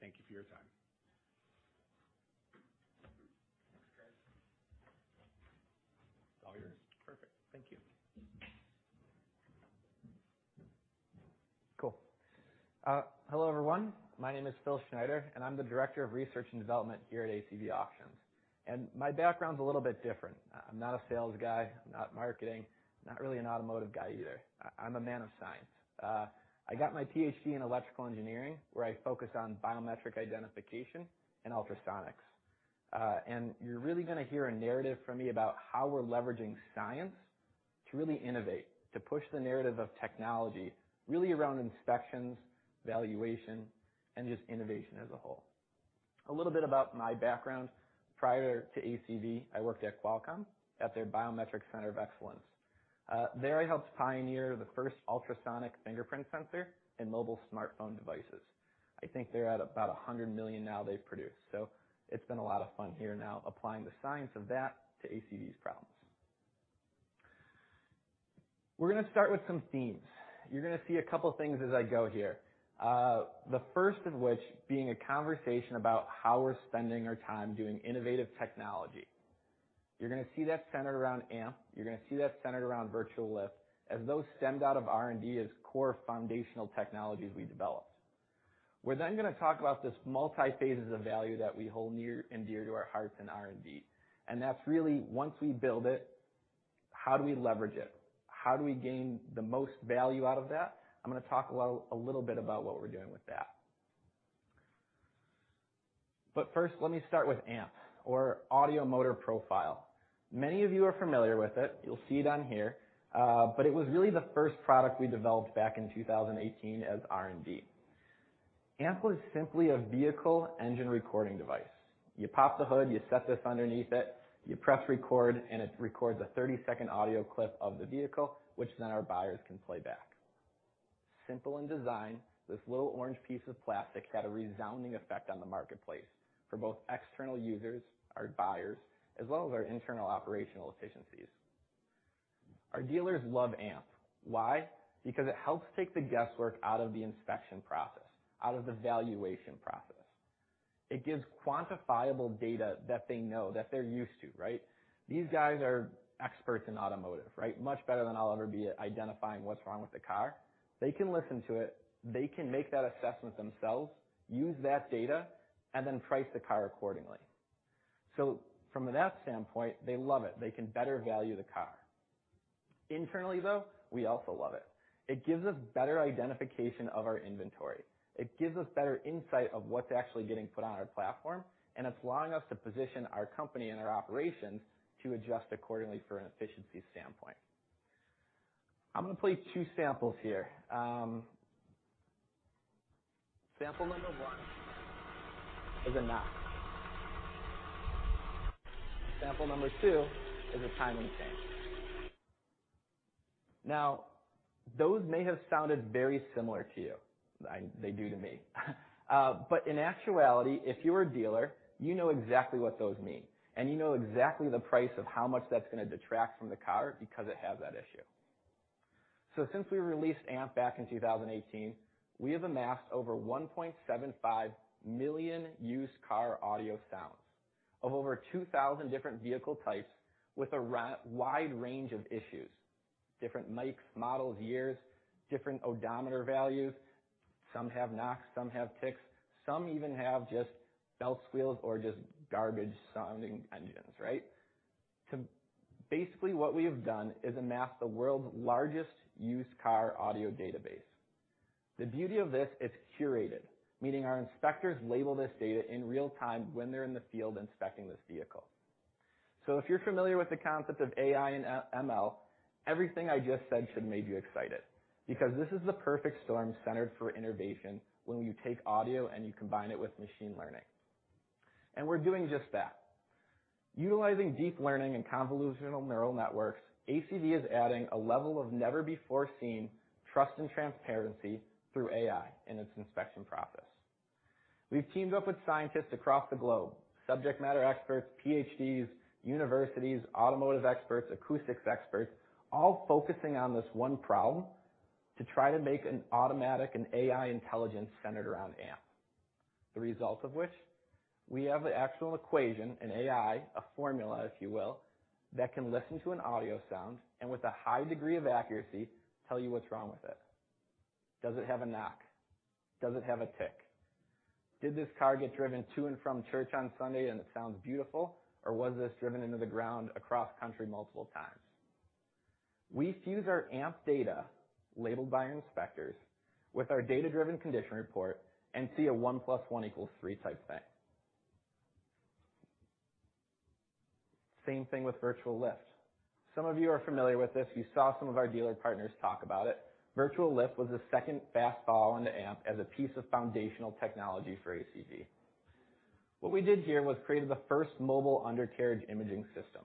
Thank you for your time.
Thanks, Chris. It's all yours.
Perfect. Thank you.
Cool. Hello, everyone. My name is Phil Schneider, and I'm the Director of Research and Development here at ACV Auctions. My background's a little bit different. I'm not a sales guy. I'm not marketing. I'm not really an automotive guy either. I'm a man of science. I got my PhD in electrical engineering, where I focused on biometric identification and Ultrasonics. You're really gonna hear a narrative from me about how we're leveraging science to really innovate, to push the narrative of technology really around inspections, valuation, and just innovation as a whole. A little bit about my background. Prior to ACV, I worked at Qualcomm at their Biometrics Center of Excellence. There I helped pioneer the first ultrasonic fingerprint sensor in mobile smartphone devices. I think they're at about 100 million now they've produced. It's been a lot of fun here now applying the science of that to ACV's problems. We're gonna start with some themes. You're gonna see a couple things as I go here. The first of which being a conversation about how we're spending our time doing innovative technology. You're gonna see that centered around AMP. You're gonna see that centered around Virtual Lift, as those stemmed out of R&D as core foundational technologies we developed. We're then gonna talk about this multi-phases of value that we hold near and dear to our hearts in R&D, and that's really, once we build it, how do we leverage it. How do we gain the most value out of that. I'm gonna talk a little bit about what we're doing with that. First, let me start with AMP or Audio Motor Profile. Many of you are familiar with it. You'll see it on here. It was really the first product we developed back in 2018 as R&D. AMP was simply a vehicle engine recording device. You pop the hood, you set this underneath it, you press record, and it records a 30-second audio clip of the vehicle, which then our buyers can play back. Simple in design, this little orange piece of plastic had a resounding effect on the marketplace for both external users, our buyers, as well as our internal operational efficiencies. Our dealers love AMP. Why? Because it helps take the guesswork out of the inspection process, out of the valuation process. It gives quantifiable data that they know, that they're used to, right? These guys are experts in automotive, right? Much better than I'll ever be at identifying what's wrong with the car. They can listen to it. They can make that assessment themselves, use that data, and then price the car accordingly. So from that standpoint, they love it. They can better value the car. Internally, though, we also love it. It gives us better identification of our inventory. It gives us better insight of what's actually getting put on our platform, and it's allowing us to position our company and our operations to adjust accordingly for an efficiency standpoint. I'm gonna play two samples here. Sample number 1 is a knock. Sample number 2 is a timing chain. Now, those may have sounded very similar to you. They do to me. But in actuality, if you're a dealer, you know exactly what those mean, and you know exactly the price of how much that's gonna detract from the car because it has that issue. Since we released AMP back in 2018, we have amassed over 1.75 million used car audio sounds of over 2,000 different vehicle types with a wide range of issues, different makes, models, years, different odometer values. Some have knocks, some have ticks, some even have just belt squeals or just garbage-sounding engines, right? Basically, what we have done is amassed the world's largest used car audio database. The beauty of this, it's curated, meaning our inspectors label this data in real time when they're in the field inspecting this vehicle. If you're familiar with the concept of AI and ML, everything I just said should have made you excited because this is the perfect storm centered for innovation when you take audio and you combine it with machine learning, and we're doing just that. Utilizing deep learning and convolutional neural networks, ACV is adding a level of never-before-seen trust and transparency through AI in its inspection process. We've teamed up with scientists across the globe, subject matter experts, PhDs, universities, automotive experts, acoustics experts, all focusing on this one problem to try to make an automatic and AI intelligence centered around AMP. The result of which we have the actual equation, an AI, a formula, if you will, that can listen to an audio sound and with a high degree of accuracy tell you what's wrong with it. Does it have a knock? Does it have a tick? Did this car get driven to and from church on Sunday, and it sounds beautiful? Or was this driven into the ground across country multiple times? We fuse our AMP data labeled by inspectors with our data-driven condition report and see a one plus one equals three type thing. Same thing with Virtual Lift. Some of you are familiar with this. You saw some of our dealer partners talk about it. Virtual Lift was the second fast ball into AMP as a piece of foundational technology for ACV. What we did here was created the first mobile undercarriage imaging system.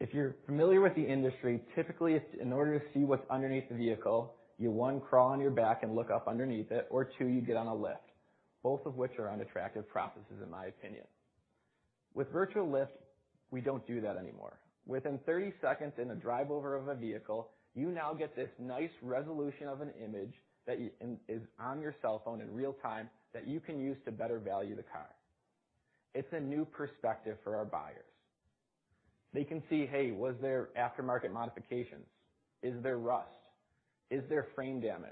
If you're familiar with the industry, typically it's in order to see what's underneath the vehicle, you, one, crawl on your back and look up underneath it, or two, you get on a lift, both of which are unattractive processes in my opinion. With Virtual Lift, we don't do that anymore. Within 30 seconds in a drive over of a vehicle, you now get this nice resolution of an image that is on your cell phone in real time that you can use to better value the car. It's a new perspective for our buyers. They can see, hey, was there aftermarket modifications? Is there rust? Is there frame damage?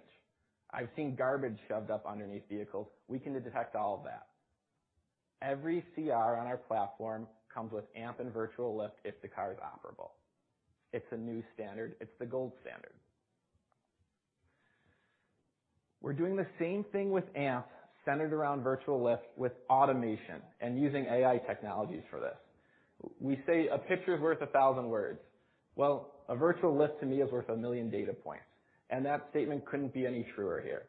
I've seen garbage shoved up underneath vehicles. We can detect all of that. Every CR on our platform comes with AMP and Virtual Lift if the car is operable. It's a new standard. It's the gold standard. We're doing the same thing with AMP centered around Virtual Lift with automation and using AI technologies for this. We say a picture is worth a thousand words. Well, a Virtual Lift to me is worth a million data points, and that statement couldn't be any truer here.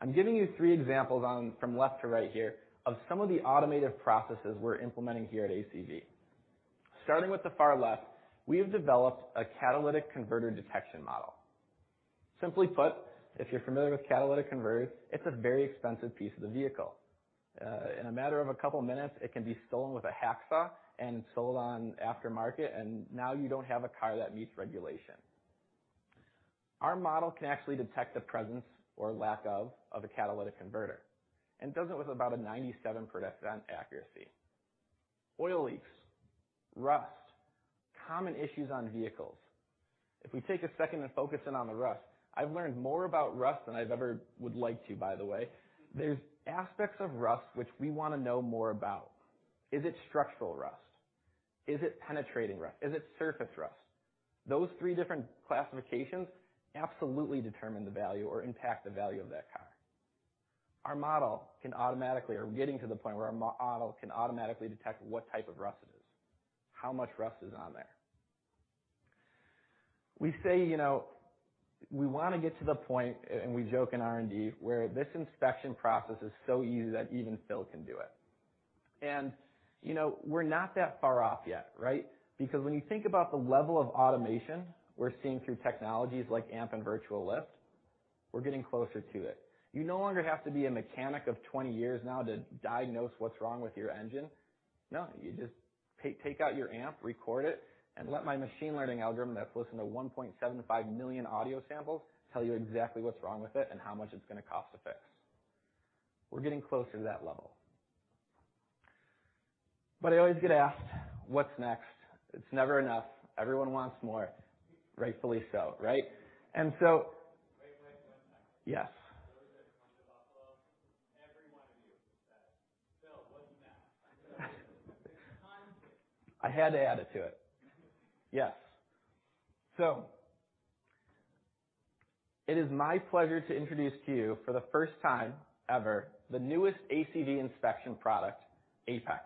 I'm giving you three examples on from left to right here of some of the automated processes we're implementing here at ACV. Starting with the far left, we have developed a catalytic converter detection model. Simply put, if you're familiar with catalytic converters, it's a very expensive piece of the vehicle. In a matter of a couple minutes, it can be stolen with a hacksaw and sold on aftermarket, and now you don't have a car that meets regulation. Our model can actually detect the presence or lack of a catalytic converter, and does it with about a 97% accuracy. Oil leaks, rust, common issues on vehicles. If we take a second to focus in on the rust, I've learned more about rust than I've ever would like to, by the way. There's aspects of rust which we wanna know more about. Is it structural rust? Is it penetrating rust? Is it surface rust? Those three different classifications absolutely determine the value or impact the value of that car. Our model can automatically, or we're getting to the point where our model can automatically detect what type of rust it is, how much rust is on there. We say, you know, we wanna get to the point, and we joke in R&D, where this inspection process is so easy that even Phil can do it. You know, we're not that far off yet, right? Because when you think about the level of automation we're seeing through technologies like AMP and Virtual Lift, we're getting closer to it. You no longer have to be a mechanic of 20 years now to diagnose what's wrong with your engine. No, you just take out your AMP, record it, and let my machine learning algorithm that's listened to 1.75 million audio samples tell you exactly what's wrong with it and how much it's gonna cost to fix. We're getting closer to that level. But I always get asked, "What's next?" It's never enough. Everyone wants more, rightfully so, right?
Wait, wait one second.
Yes.
When you were in Buffalo, every one of you said, "Phil, what's next?" It's time to.
I had to add it to it. Yes. It is my pleasure to introduce to you for the first time ever, the newest ACV inspection product, APEX.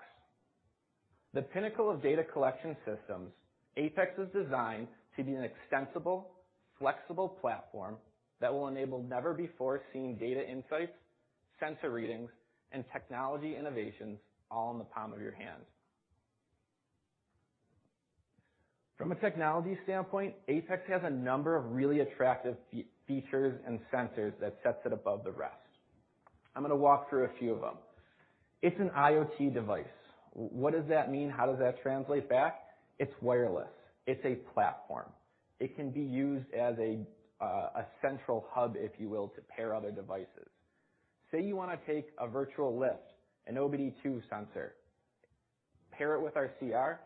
The pinnacle of data collection systems, APEX was designed to be an extensible, flexible platform that will enable never before seen data insights, sensor readings, and technology innovations all in the palm of your hand. From a technology standpoint, APEX has a number of really attractive features and sensors that sets it above the rest. I'm gonna walk through a few of them. It's an IoT device. What does that mean? How does that translate back? It's wireless. It's a platform. It can be used as a central hub, if you will, to pair other devices. Say you wanna take a Virtual Lift, an OBD-II sensor, pair it with our CR,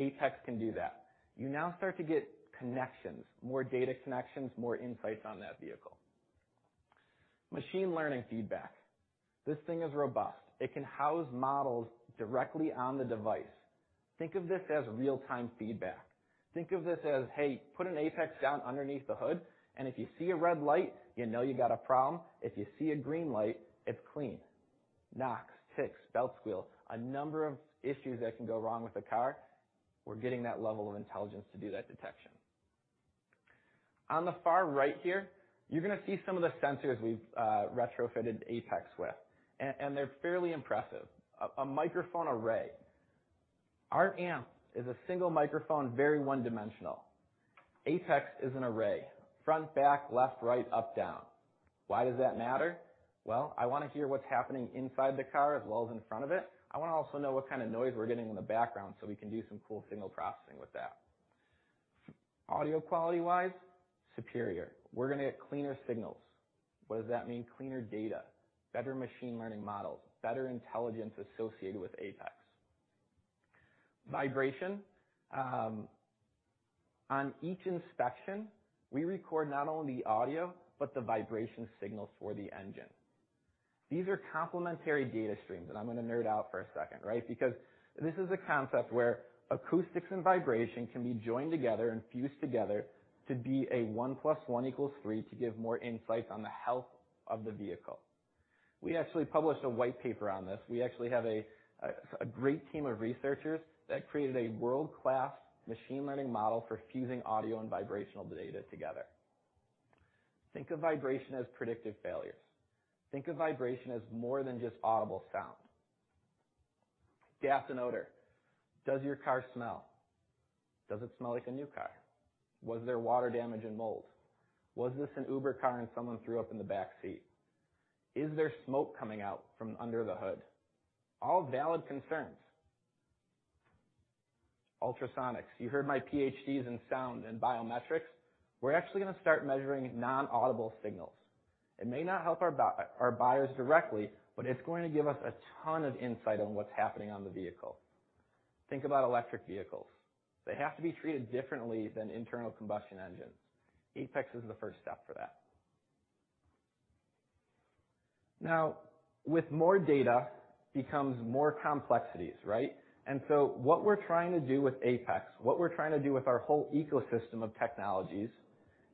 APEX can do that. You now start to get connections, more data connections, more insights on that vehicle. Machine learning feedback. This thing is robust. It can house models directly on the device. Think of this as real-time feedback. Think of this as, hey, put an APEX down underneath the hood, and if you see a red light, you know you got a problem. If you see a green light, it's clean. Knocks, ticks, belt squeal, a number of issues that can go wrong with a car, we're getting that level of intelligence to do that detection. On the far right here, you're gonna see some of the sensors we've retrofitted APEX with, and they're fairly impressive. A microphone array. Our AMP is a single microphone, very one-dimensional. APEX is an array, front, back, left, right, up, down. Why does that matter? Well, I wanna hear what's happening inside the car as well as in front of it. I wanna also know what kind of noise we're getting in the background so we can do some cool signal processing with that. Audio quality-wise, superior. We're gonna get cleaner signals. What does that mean? Cleaner data, better machine learning models, better intelligence associated with APEX. Vibration. On each inspection, we record not only audio but the vibration signals for the engine. These are complementary data streams, and I'm gonna nerd out for a second, right? Because this is a concept where acoustics and vibration can be joined together and fused together to be a one plus one equals three to give more insights on the health of the vehicle. We actually published a white paper on this. We actually have a great team of researchers that created a world-class machine learning model for fusing audio and vibrational data together. Think of vibration as predictive failures. Think of vibration as more than just audible sound. Gas and odor. Does your car smell? Does it smell like a new car? Was there water damage and mold? Was this an Uber car and someone threw up in the back seat? Is there smoke coming out from under the hood? All valid concerns. Ultrasonics. You heard my Ph.D. is in sound and biometrics. We're actually gonna start measuring non-audible signals. It may not help our buyers directly, but it's going to give us a ton of insight on what's happening on the vehicle. Think about electric vehicles. They have to be treated differently than internal combustion engines. APEX is the first step for that. Now, with more data comes more complexities, right? What we're trying to do with APEX, what we're trying to do with our whole ecosystem of technologies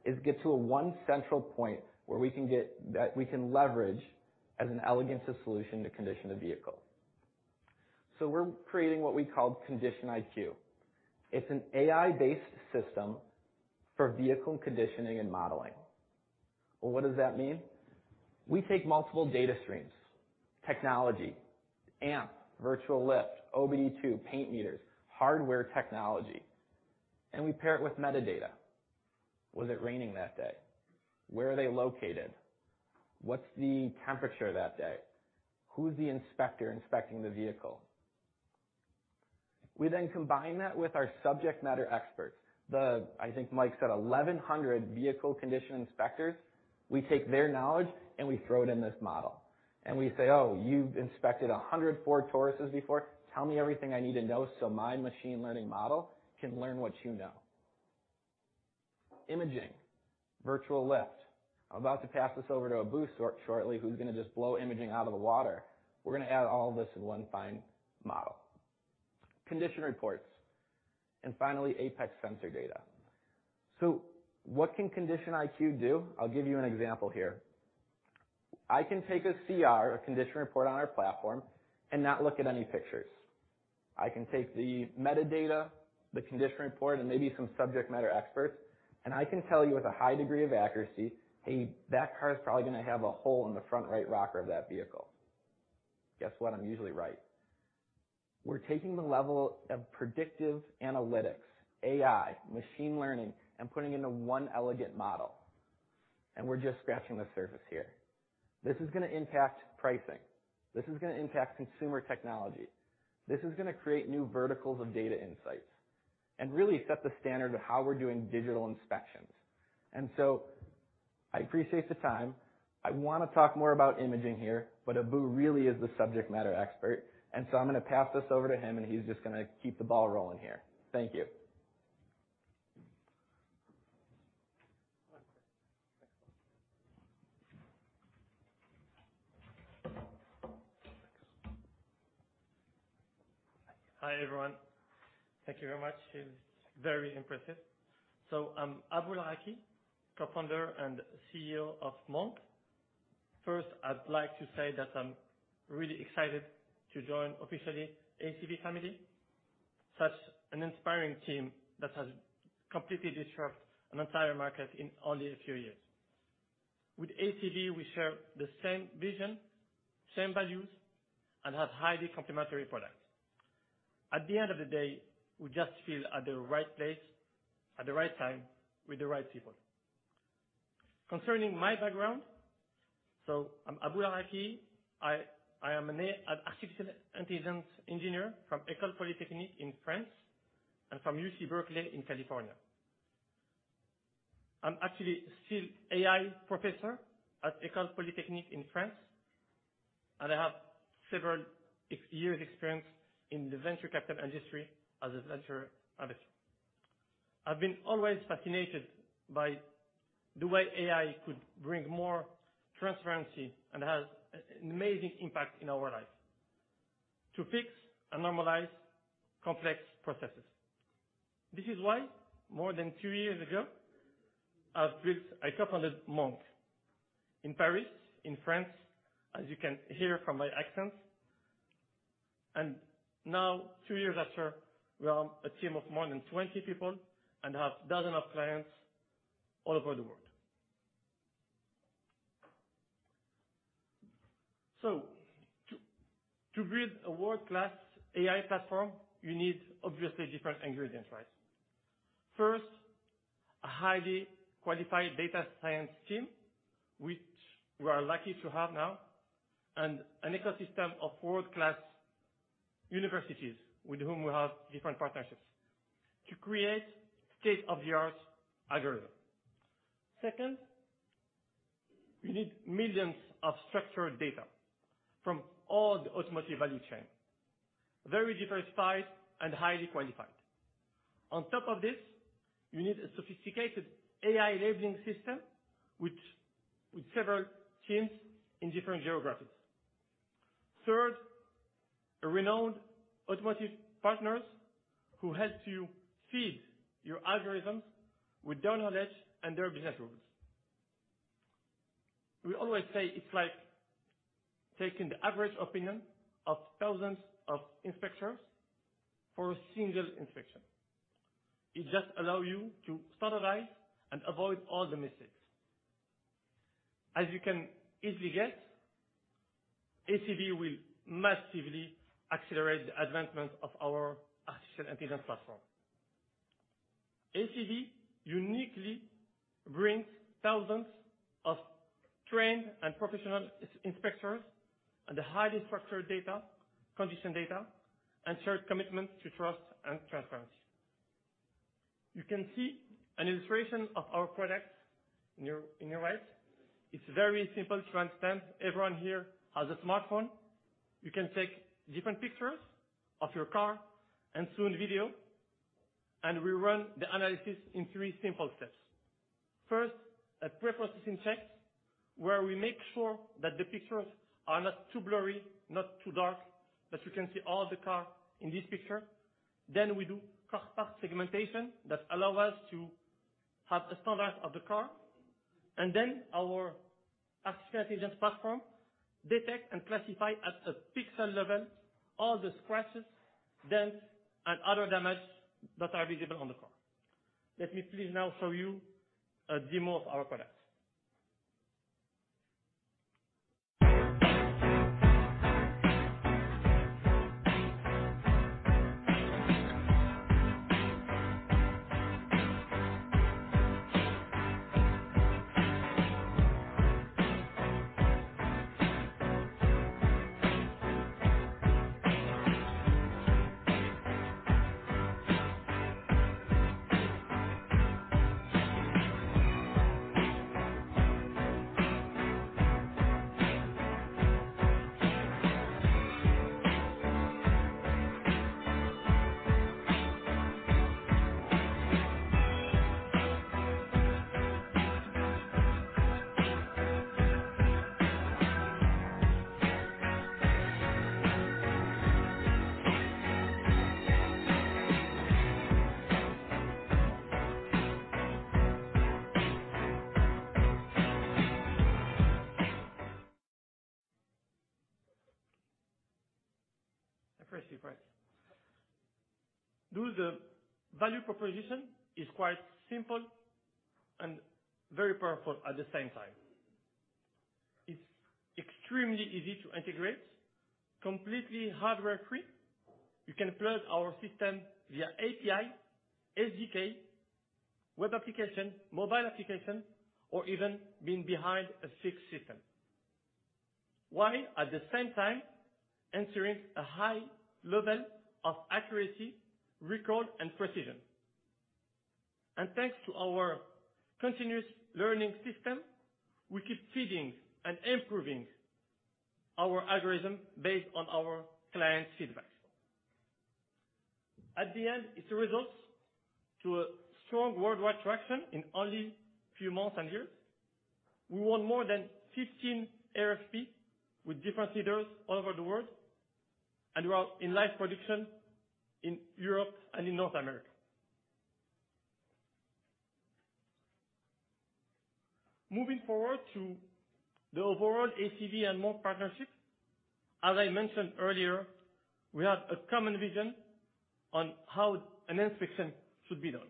is get to a one central point where we can get that, we can leverage as an elegance of solution to condition the vehicle. We're creating what we call Condition IQ. It's an AI-based system for vehicle conditioning and modeling. Well, what does that mean? We take multiple data streams, technology, AMP, virtual lift, OBD2, paint meters, hardware technology, and we pair it with metadata. Was it raining that day? Where are they located? What's the temperature that day? Who's the inspector inspecting the vehicle? We then combine that with our subject matter experts. I think Mike said 1,100 vehicle condition inspectors. We take their knowledge and we throw it in this model, and we say, "Oh, you've inspected 100 Ford Tauruses before. Tell me everything I need to know so my machine learning model can learn what you know." Imaging. Virtual Lift. I'm about to pass this over to Abou-El-Raki shortly, who's gonna just blow imaging out of the water. We're gonna add all this in one final model. Condition reports, and finally, APEX sensor data. So what can Condition IQ do? I'll give you an example here. I can take a CR, a condition report on our platform and not look at any pictures. I can take the metadata, the condition report, and maybe some subject matter experts, and I can tell you with a high degree of accuracy, "Hey, that car is probably gonna have a hole in the front right rocker of that vehicle." Guess what? I'm usually right. We're taking the level of predictive analytics, AI, machine learning, and putting it into one elegant model, and we're just scratching the surface here. This is gonna impact pricing. This is gonna impact consumer technology. This is gonna create new verticals of data insights and really set the standard of how we're doing digital inspections. I appreciate the time. I wanna talk more about imaging here, but Abou-El-Raki really is the subject matter expert, and so I'm gonna pass this over to him, and he's just gonna keep the ball rolling here. Thank you. Hi, everyone. Thank you very much. It's very impressive. I'm Abou-El-Raki, Co-founder and CEO of Monk. First, I'd like to say that I'm really excited to join officially ACV family, such an inspiring team that has completely disrupted an entire market in only a few years. With ACV, we share the same vision, same values, and have highly complementary products. At the end of the day, we just feel at the right place at the right time with the right people. Concerning my background, I'm Abou-El-Raki. I am an artificial intelligence engineer from École Polytechnique in France and from UC Berkeley in California. I'm actually still AI professor at École Polytechnique in France, and I have several years experience in the venture capital industry as a venture investor. I've been always fascinated by the way AI could bring more transparency and has an amazing impact in our lives to fix and normalize complex processes. This is why more than two years ago, I co-founded MONK in Paris, in France, as you can hear from my accent. Now two years after, we are a team of more than 20 people and have dozen of clients all over the world. To build a world-class AI platform, you need obviously different ingredients, right? First, a highly qualified data science team, which we are lucky to have now, and an ecosystem of world-class universities with whom we have different partnerships to create state-of-the-art algorithm. Second, you need millions of structured data from all the automotive value chain, very diversified and highly qualified. On top of this, you need a sophisticated AI labeling system with several teams in different geographies. Third, a renowned automotive partners who help to feed your algorithms with their knowledge and their business rules. We always say it's like taking the average opinion of thousands of inspectors for a single inspection. It just allow you to standardize and avoid all the mistakes. As you can easily get, ACV will massively accelerate the advancement of our artificial intelligence platform. ACV uniquely brings thousands of trained and professional. inspectors and the highly structured data, condition data, and shared commitment to trust and transparency. You can see an illustration of our products in your right. It's very simple to understand. Everyone here has a smartphone. You can take different pictures of your car and soon video, and we run the analysis in three simple steps. First, a pre-processing check, where we make sure that the pictures are not too blurry, not too dark, that we can see all the car in this picture. We do car/part segmentation that allow us to have a standard of the car. Our artificial intelligence platform detect and classify at a pixel level all the scratches, dents, and other damage that are visible on the car. Let me please now show you a demo of our products. I press play. So the value proposition is quite simple and very powerful at the same time. It's extremely easy to integrate, completely hardware free. You can plug our system via API, SDK, web application, mobile application, or even being behind a fixed system. While at the same time, ensuring a high level of accuracy, recall, and precision. Thanks to our continuous learning system, we keep feeding and improving our algorithm based on our client feedback. At the end, it results to a strong worldwide traction in only few months and years. We won more than 15 RFP with different leaders all over the world, and we are in live production in Europe and in North America. Moving forward to the overall ACV and Monk partnership, as I mentioned earlier, we have a common vision on how an inspection should be done.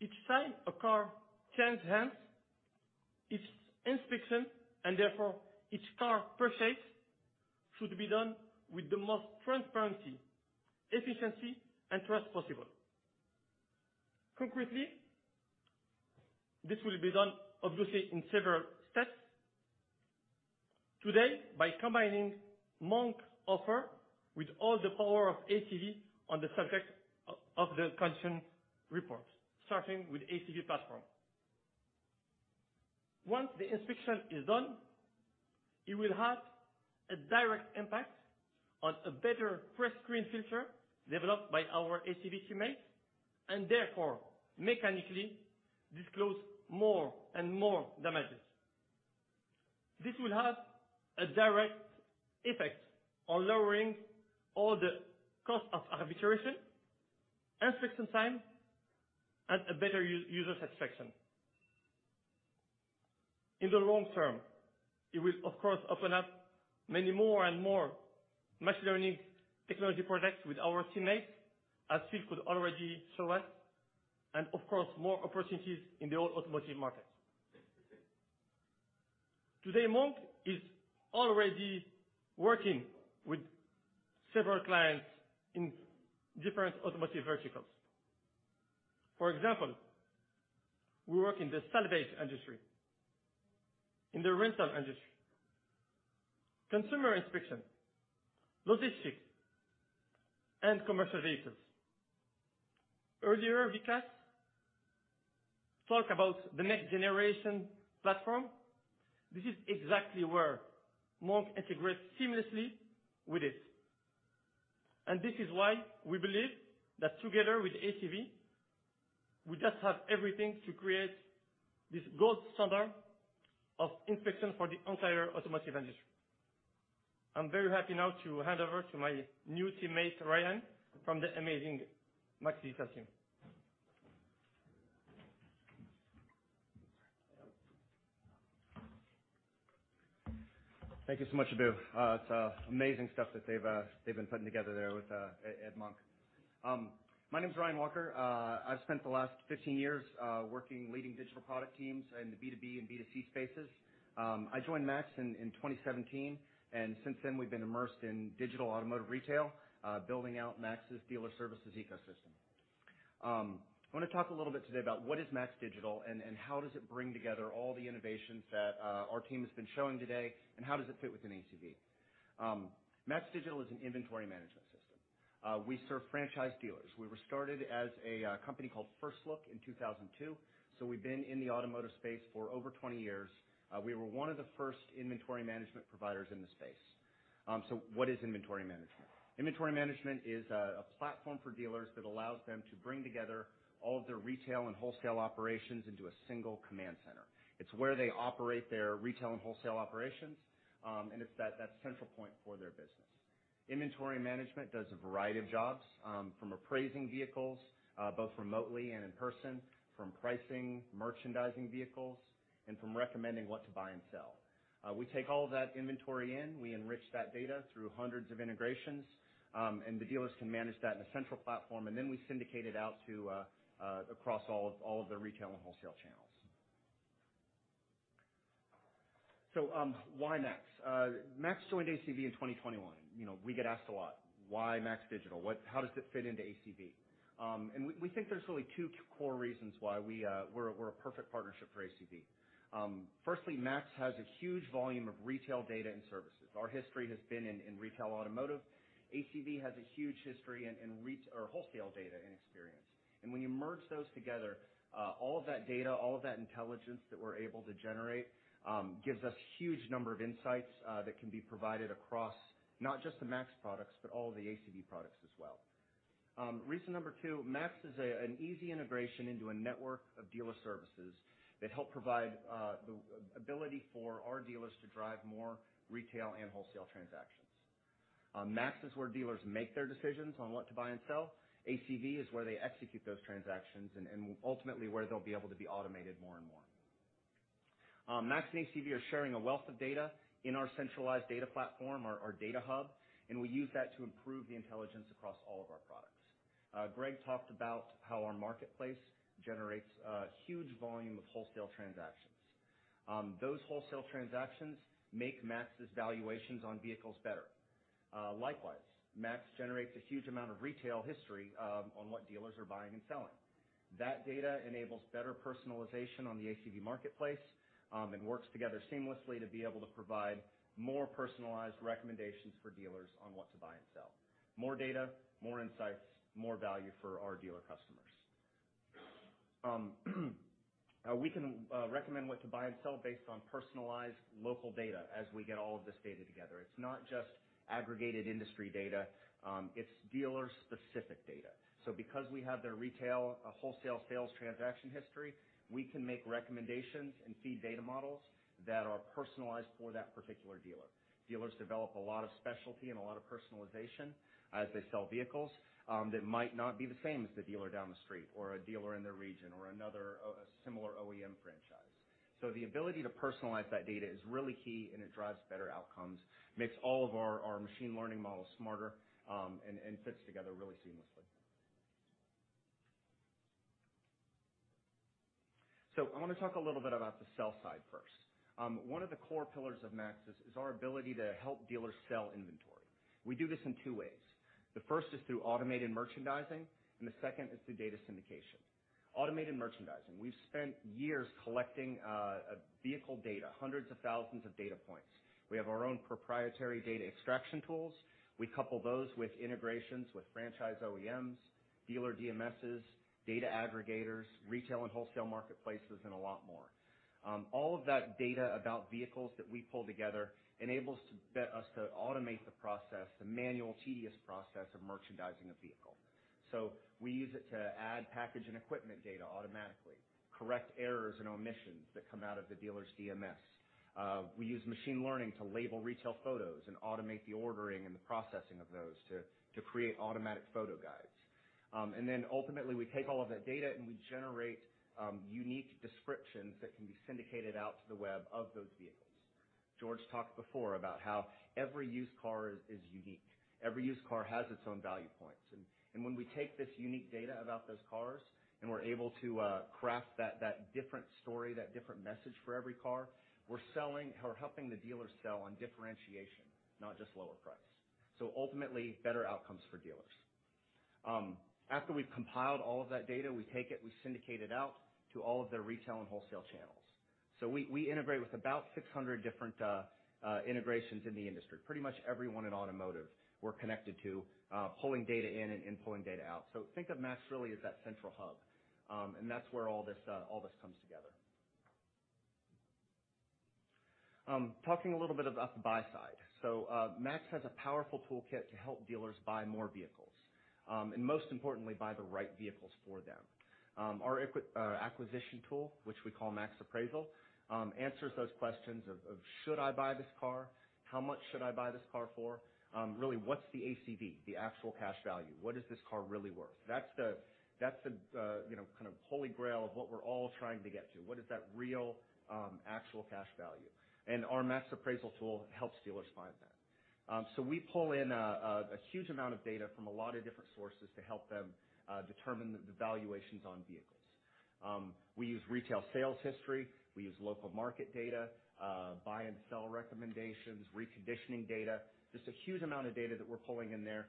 Each time a car changes hands, its inspection, and therefore each car purchase, should be done with the most transparency, efficiency, and trust possible. Concretely, this will be done obviously in several steps. Today, by combining Monk offer with all the power of ACV on the subject of the condition reports, starting with ACV platform. Once the inspection is done, it will have a direct impact on a better pre-screen filter developed by our ACV teammates, and therefore mechanically disclose more and more damages. This will have a direct effect on lowering all the cost of arbitration, inspection time, and a better user satisfaction. In the long term, it will of course open up many more and more machine learning technology products with our teammates as Phil could already show us, and of course, more opportunities in the whole automotive markets. Today, Monk is already working with several clients in different automotive verticals. For example, we work in the salvage industry, in the rental industry. Consumer inspection, logistics, and commercial vehicles. Earlier, Vikas talked about the next generation platform. This is exactly where Monk integrates seamlessly with it. This is why we believe that together with ACV, we just have everything to create this gold standard of inspection for the entire automotive industry. I'm very happy now to hand over to my new teammate, Ryan, from the amazing MAX Digital team.
Thank you so much, Abou-El-Raki. It's amazing stuff that they've been putting together there at Monk. My name's Ryan Walker. I've spent the last 15 years working leading digital product teams in the B2B and B2C spaces. I joined MAX in 2017, and since then we've been immersed in digital automotive retail, building out MAX's dealer services ecosystem. I wanna talk a little bit today about what is MAX Digital and how does it bring together all the innovations that our team has been showing today, and how does it fit within ACV. MAX Digital is an inventory management system. We serve franchise dealers. We were started as a company called FirstLook in 2002, so we've been in the automotive space for over 20 years. We were one of the first inventory management providers in the space. What is inventory management? Inventory management is a platform for dealers that allows them to bring together all of their retail and wholesale operations into a single command center. It's where they operate their retail and wholesale operations, and it's that central point for their business. Inventory management does a variety of jobs, from appraising vehicles both remotely and in person, from pricing, merchandising vehicles, and from recommending what to buy and sell. We take all of that inventory in, we enrich that data through hundreds of integrations, and the dealers can manage that in a central platform, and then we syndicate it out across all of their retail and wholesale channels. Why MAX? MAX joined ACV in 2021. You know, we get asked a lot, "Why MAX Digital? What? How does it fit into ACV?" We think there's really two core reasons why we're a perfect partnership for ACV. Firstly, MAX has a huge volume of retail data and services. Our history has been in retail automotive. ACV has a huge history in wholesale data and experience. When you merge those together, all of that data, all of that intelligence that we're able to generate gives us huge number of insights that can be provided across not just the MAX products, but all the ACV products as well. Reason number two, MAX is an easy integration into a network of dealer services that help provide the ability for our dealers to drive more retail and wholesale transactions. MAX is where dealers make their decisions on what to buy and sell. ACV is where they execute those transactions and ultimately where they'll be able to be automated more and more. MAX and ACV are sharing a wealth of data in our centralized data platform, our data hub, and we use that to improve the intelligence across all of our products. Greg talked about how our marketplace generates a huge volume of wholesale transactions. Those wholesale transactions make MAX's valuations on vehicles better. Likewise, MAX generates a huge amount of retail history on what dealers are buying and selling. That data enables better personalization on the ACV marketplace and works together seamlessly to be able to provide more personalized recommendations for dealers on what to buy and sell. More data, more insights, more value for our dealer customers. We can recommend what to buy and sell based on personalized local data as we get all of this data together. It's not just aggregated industry data, it's dealer-specific data. Because we have their retail or wholesale sales transaction history, we can make recommendations and feed data models that are personalized for that particular dealer. Dealers develop a lot of specialty and a lot of personalization as they sell vehicles, that might not be the same as the dealer down the street or a dealer in their region or another, similar OEM franchise. The ability to personalize that data is really key, and it drives better outcomes, makes all of our machine learning models smarter, and fits together really seamlessly. I wanna talk a little bit about the sell side first. One of the core pillars of MAX is our ability to help dealers sell inventory. We do this in two ways. The first is through automated merchandising, and the second is through data syndication. Automated merchandising. We've spent years collecting vehicle data, hundreds of thousands of data points. We have our own proprietary data extraction tools. We couple those with integrations with franchise OEMs, dealer DMSs, data aggregators, retail and wholesale marketplaces, and a lot more. All of that data about vehicles that we pull together enables us to automate the process, the manual tedious process of merchandising a vehicle. We use it to add package and equipment data automatically, correct errors and omissions that come out of the dealer's DMS. We use machine learning to label retail photos and automate the ordering and the processing of those to create automatic photo guides. Ultimately, we take all of that data, and we generate unique descriptions that can be syndicated out to the web of those vehicles. George talked before about how every used car is unique. Every used car has its own value points. When we take this unique data about those cars and we're able to craft that different story, that different message for every car, we're selling or helping the dealer sell on differentiation, not just lower price. Ultimately, better outcomes for dealers. After we've compiled all of that data, we take it, we syndicate it out to all of the retail and wholesale channels. We integrate with about 600 different integrations in the industry. Pretty much everyone in automotive, we're connected to, pulling data in and pulling data out. Think of MAX really as that central hub, and that's where all this comes together. Talking a little bit about the buy side. MAX has a powerful toolkit to help dealers buy more vehicles, and most importantly, buy the right vehicles for them. Our acquisition tool, which we call MAX Appraisal, answers those questions of should I buy this car? How much should I buy this car for? Really, what's the ACV, the actual cash value? What is this car really worth? That's the, you know, kind of holy grail of what we're all trying to get to. What is that real, actual cash value? Our MAX Appraisal tool helps dealers find that. So we pull in a huge amount of data from a lot of different sources to help them determine the valuations on vehicles. We use retail sales history. We use local market data, buy and sell recommendations, reconditioning data. Just a huge amount of data that we're pulling in there.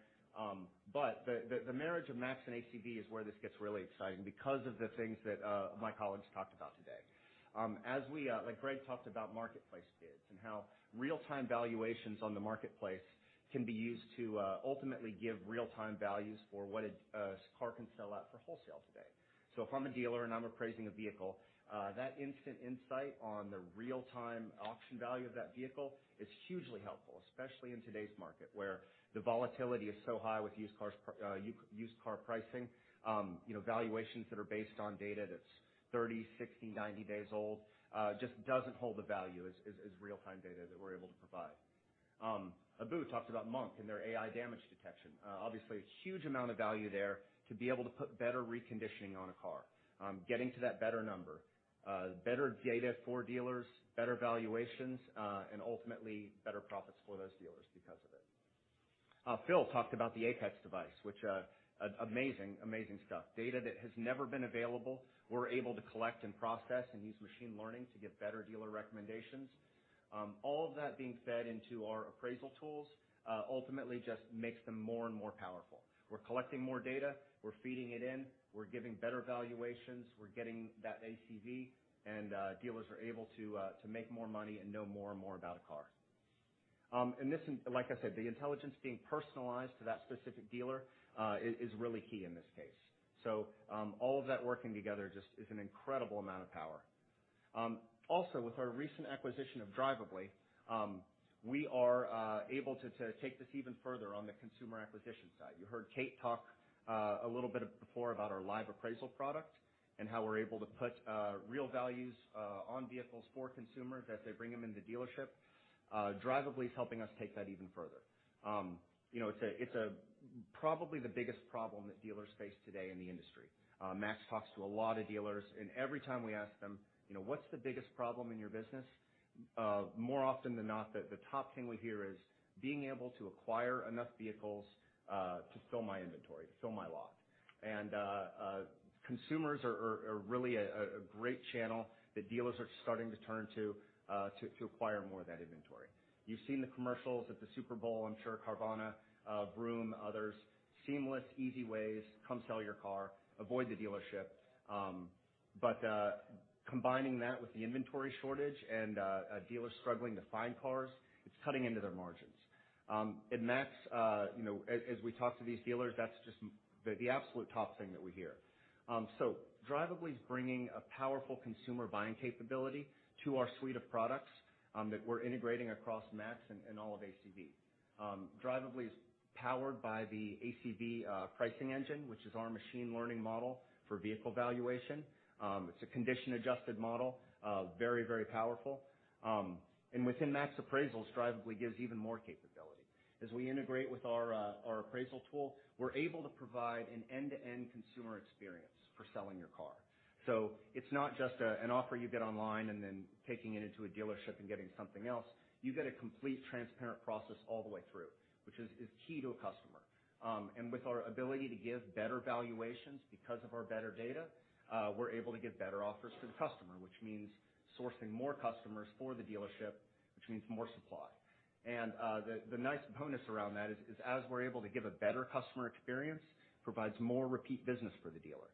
But the marriage of MAX and ACV is where this gets really exciting because of the things that my colleagues talked about today. As we, like Greg talked about marketplace bids and how real-time valuations on the marketplace can be used to ultimately give real-time values for what a car can sell at for wholesale today. If I'm a dealer and I'm appraising a vehicle, that instant insight on the real-time auction value of that vehicle is hugely helpful, especially in today's market, where the volatility is so high with used car pricing. You know, valuations that are based on data that's 30, 60, 90 days old just doesn't hold the value as real-time data that we're able to provide. Abou-El-Raki talked about Monk and their AI damage detection. Obviously a huge amount of value there to be able to put better reconditioning on a car, getting to that better number, better data for dealers, better valuations, and ultimately better profits for those dealers because of it. Phil Schneider talked about the APEX device, which amazing stuff. Data that has never been available, we're able to collect and process and use machine learning to give better dealer recommendations. All of that being fed into our appraisal tools, ultimately just makes them more and more powerful. We're collecting more data. We're feeding it in. We're giving better valuations. We're getting that ACV, and dealers are able to make more money and know more and more about a car. This, like I said, the intelligence being personalized to that specific dealer, is really key in this case. All of that working together just is an incredible amount of power. Also, with our recent acquisition of Drivably, we are able to take this even further on the consumer acquisition side. You heard Kate talk a little bit before about our Live Appraisal product and how we're able to put real values on vehicles for consumers as they bring them into the dealership. Drivably is helping us take that even further. You know, it's probably the biggest problem that dealers face today in the industry. MAX talks to a lot of dealers, and every time we ask them, you know, "What's the biggest problem in your business?" More often than not, the top thing we hear is being able to acquire enough vehicles to fill my inventory, to fill my lot. Consumers are really a great channel that dealers are starting to turn to to acquire more of that inventory. You've seen the commercials at the Super Bowl, I'm sure. Carvana, Vroom, others. Seamless, easy ways, come sell your car, avoid the dealership. Combining that with the inventory shortage and a dealer struggling to find cars, it's cutting into their margins. At MAX, you know, as we talk to these dealers, that's just the absolute top thing that we hear. Drivably is bringing a powerful consumer buying capability to our suite of products, that we're integrating across MAX and all of ACV. Drivably is powered by the ACV pricing engine, which is our machine learning model for vehicle valuation. It's a condition-adjusted model. Very, very powerful. Within MAX Appraisal, Drivably gives even more capability. As we integrate with our appraisal tool, we're able to provide an end-to-end consumer experience for selling your car. It's not just an offer you get online and then taking it into a dealership and getting something else. You get a complete transparent process all the way through, which is key to a customer. With our ability to give better valuations because of our better data, we're able to give better offers to the customer, which means sourcing more customers for the dealership, which means more supply. The nice bonus around that is as we're able to give a better customer experience, provides more repeat business for the dealer.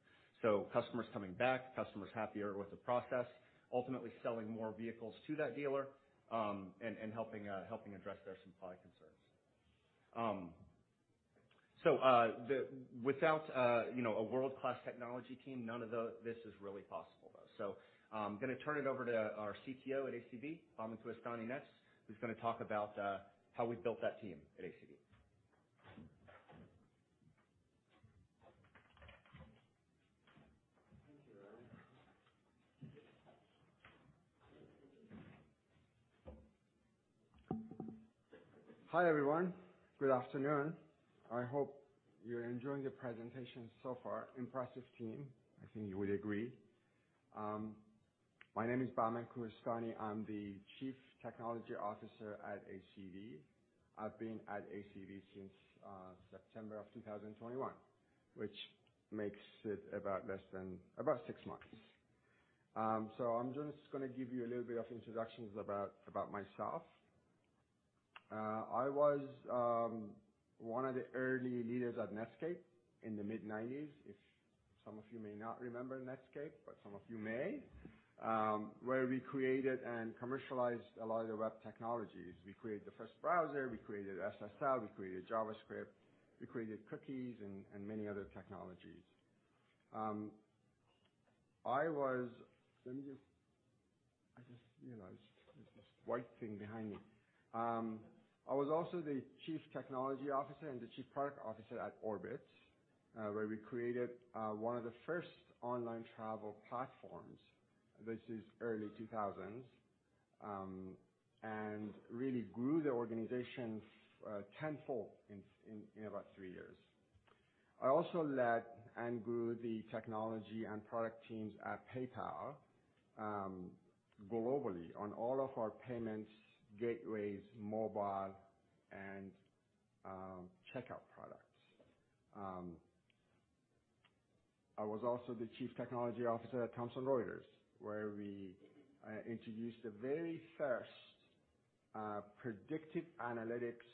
Customers coming back, customers happier with the process, ultimately selling more vehicles to that dealer, and helping address their supply concerns. Without, you know, a world-class technology team, none of this is really possible though. I'm gonna turn it over to our CTO at ACV, Bahman Koohestani next, who's gonna talk about how we built that team at ACV.
Thank you, Ryan. Hi, everyone. Good afternoon. I hope you're enjoying the presentation so far. Impressive team. I think you would agree. My name is Bahman Koohestani. I'm the Chief Technology Officer at ACV. I've been at ACV since September of 2021, which makes it less than six months. So I'm just gonna give you a little bit of introduction about myself. I was one of the early leaders at Netscape in the mid-1990s. If some of you may not remember Netscape, but some of you may, where we created and commercialized a lot of the web technologies. We created the first browser, we created SSL, we created JavaScript, we created cookies and many other technologies. Let me just, you know, this white thing behind me. I was also the chief technology officer and the chief product officer at Orbitz, where we created one of the first online travel platforms. This is early 2000s. Really grew the organization tenfold in about three years. I also led and grew the technology and product teams at PayPal, globally on all of our payment gateways, mobile, and checkout products. I was also the chief technology officer at Thomson Reuters, where we introduced the very first predictive analytics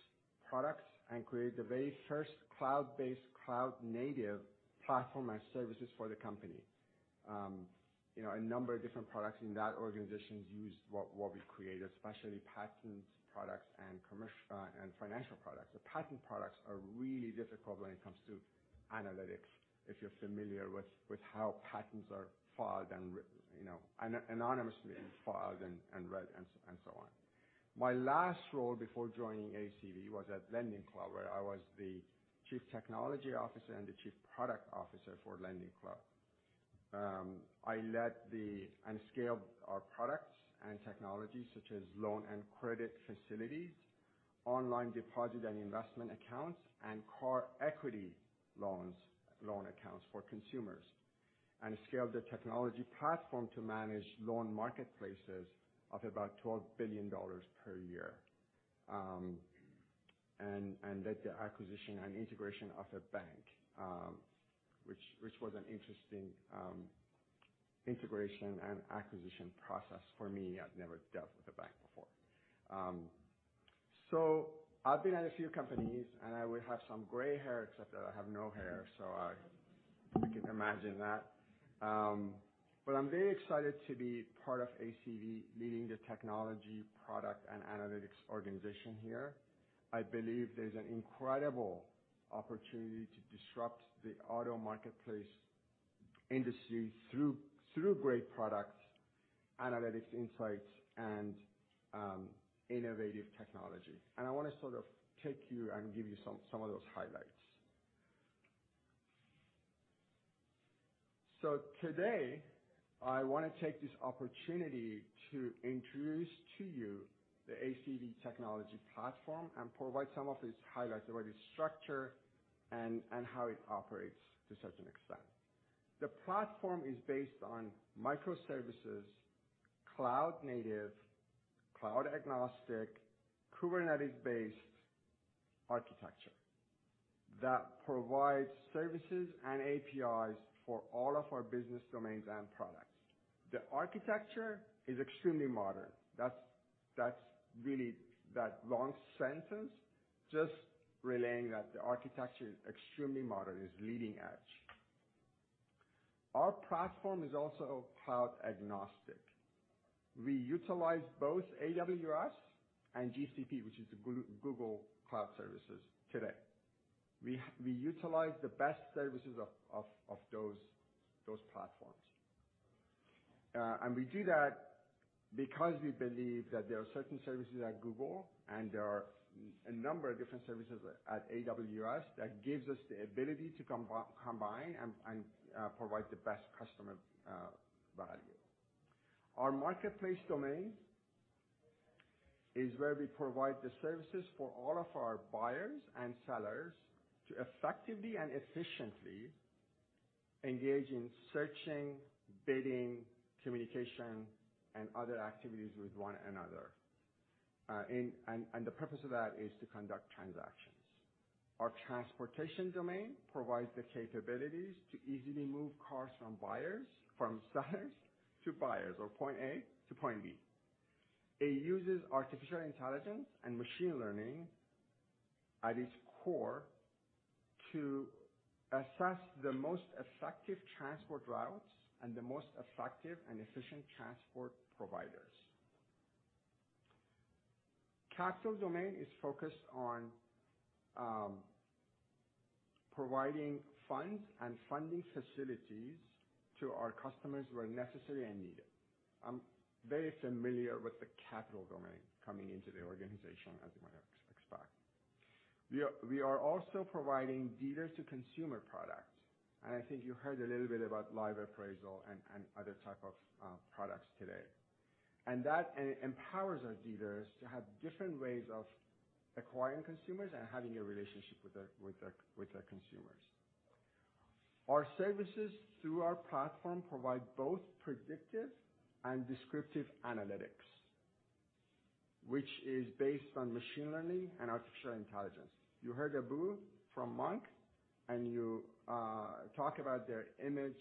products and created the very first cloud-based, cloud-native platform and services for the company. You know, a number of different products in that organization use what we created, especially patents products and commercial and financial products. The patent products are really difficult when it comes to analytics, if you're familiar with how patents are filed and you know, anonymously filed and read and so on. My last role before joining ACV was at LendingClub, where I was the Chief Technology Officer and the Chief Product Officer for LendingClub. I led and scaled our products and technologies such as loan and credit facilities, online deposit and investment accounts, and car equity loans, loan accounts for consumers and scaled the technology platform to manage loan marketplaces of about $12 billion per year and led the acquisition and integration of a bank, which was an interesting integration and acquisition process for me. I've never dealt with a bank before. I've been at a few companies, and I would have some gray hair, except that I have no hair, so you can imagine that. But I'm very excited to be part of ACV, leading the technology, product, and analytics organization here. I believe there's an incredible opportunity to disrupt the auto marketplace industry through great products, analytics, insights, and innovative technology. I wanna sort of take you and give you some of those highlights. Today, I wanna take this opportunity to introduce to you the ACV technology platform and provide some of its highlights about its structure and how it operates to a certain extent. The platform is based on microservices, cloud native, cloud agnostic, Kubernetes-based architecture that provides services and APIs for all of our business domains and products. The architecture is extremely modern. That's really that long sentence, just relaying that the architecture is extremely modern. It's leading edge. Our platform is also cloud agnostic. We utilize both AWS and GCP, which is the Google Cloud Services today. We utilize the best services of those platforms. We do that because we believe that there are certain services at Google and there are a number of different services at AWS that gives us the ability to combine and provide the best customer value. Our marketplace domain is where we provide the services for all of our buyers and sellers to effectively and efficiently engage in searching, bidding, communication, and other activities with one another. The purpose of that is to conduct transactions. Our transportation domain provides the capabilities to easily move cars from buyers, from sellers to buyers or point A to point B. It uses artificial intelligence and machine learning at its core to assess the most effective transport routes and the most effective and efficient transport providers. Capital domain is focused on providing funds and funding facilities to our customers where necessary and needed. I'm very familiar with the capital domain coming into the organization, as you might expect. We are also providing dealer-to-consumer products, and I think you heard a little bit about Live Appraisal and other types of products today. It empowers our dealers to have different ways of acquiring consumers and having a relationship with their consumers. Our services through our platform provide both predictive and descriptive analytics, which is based on machine learning and artificial intelligence. You heard Abou-El-Raki from Monk, and you talk about their image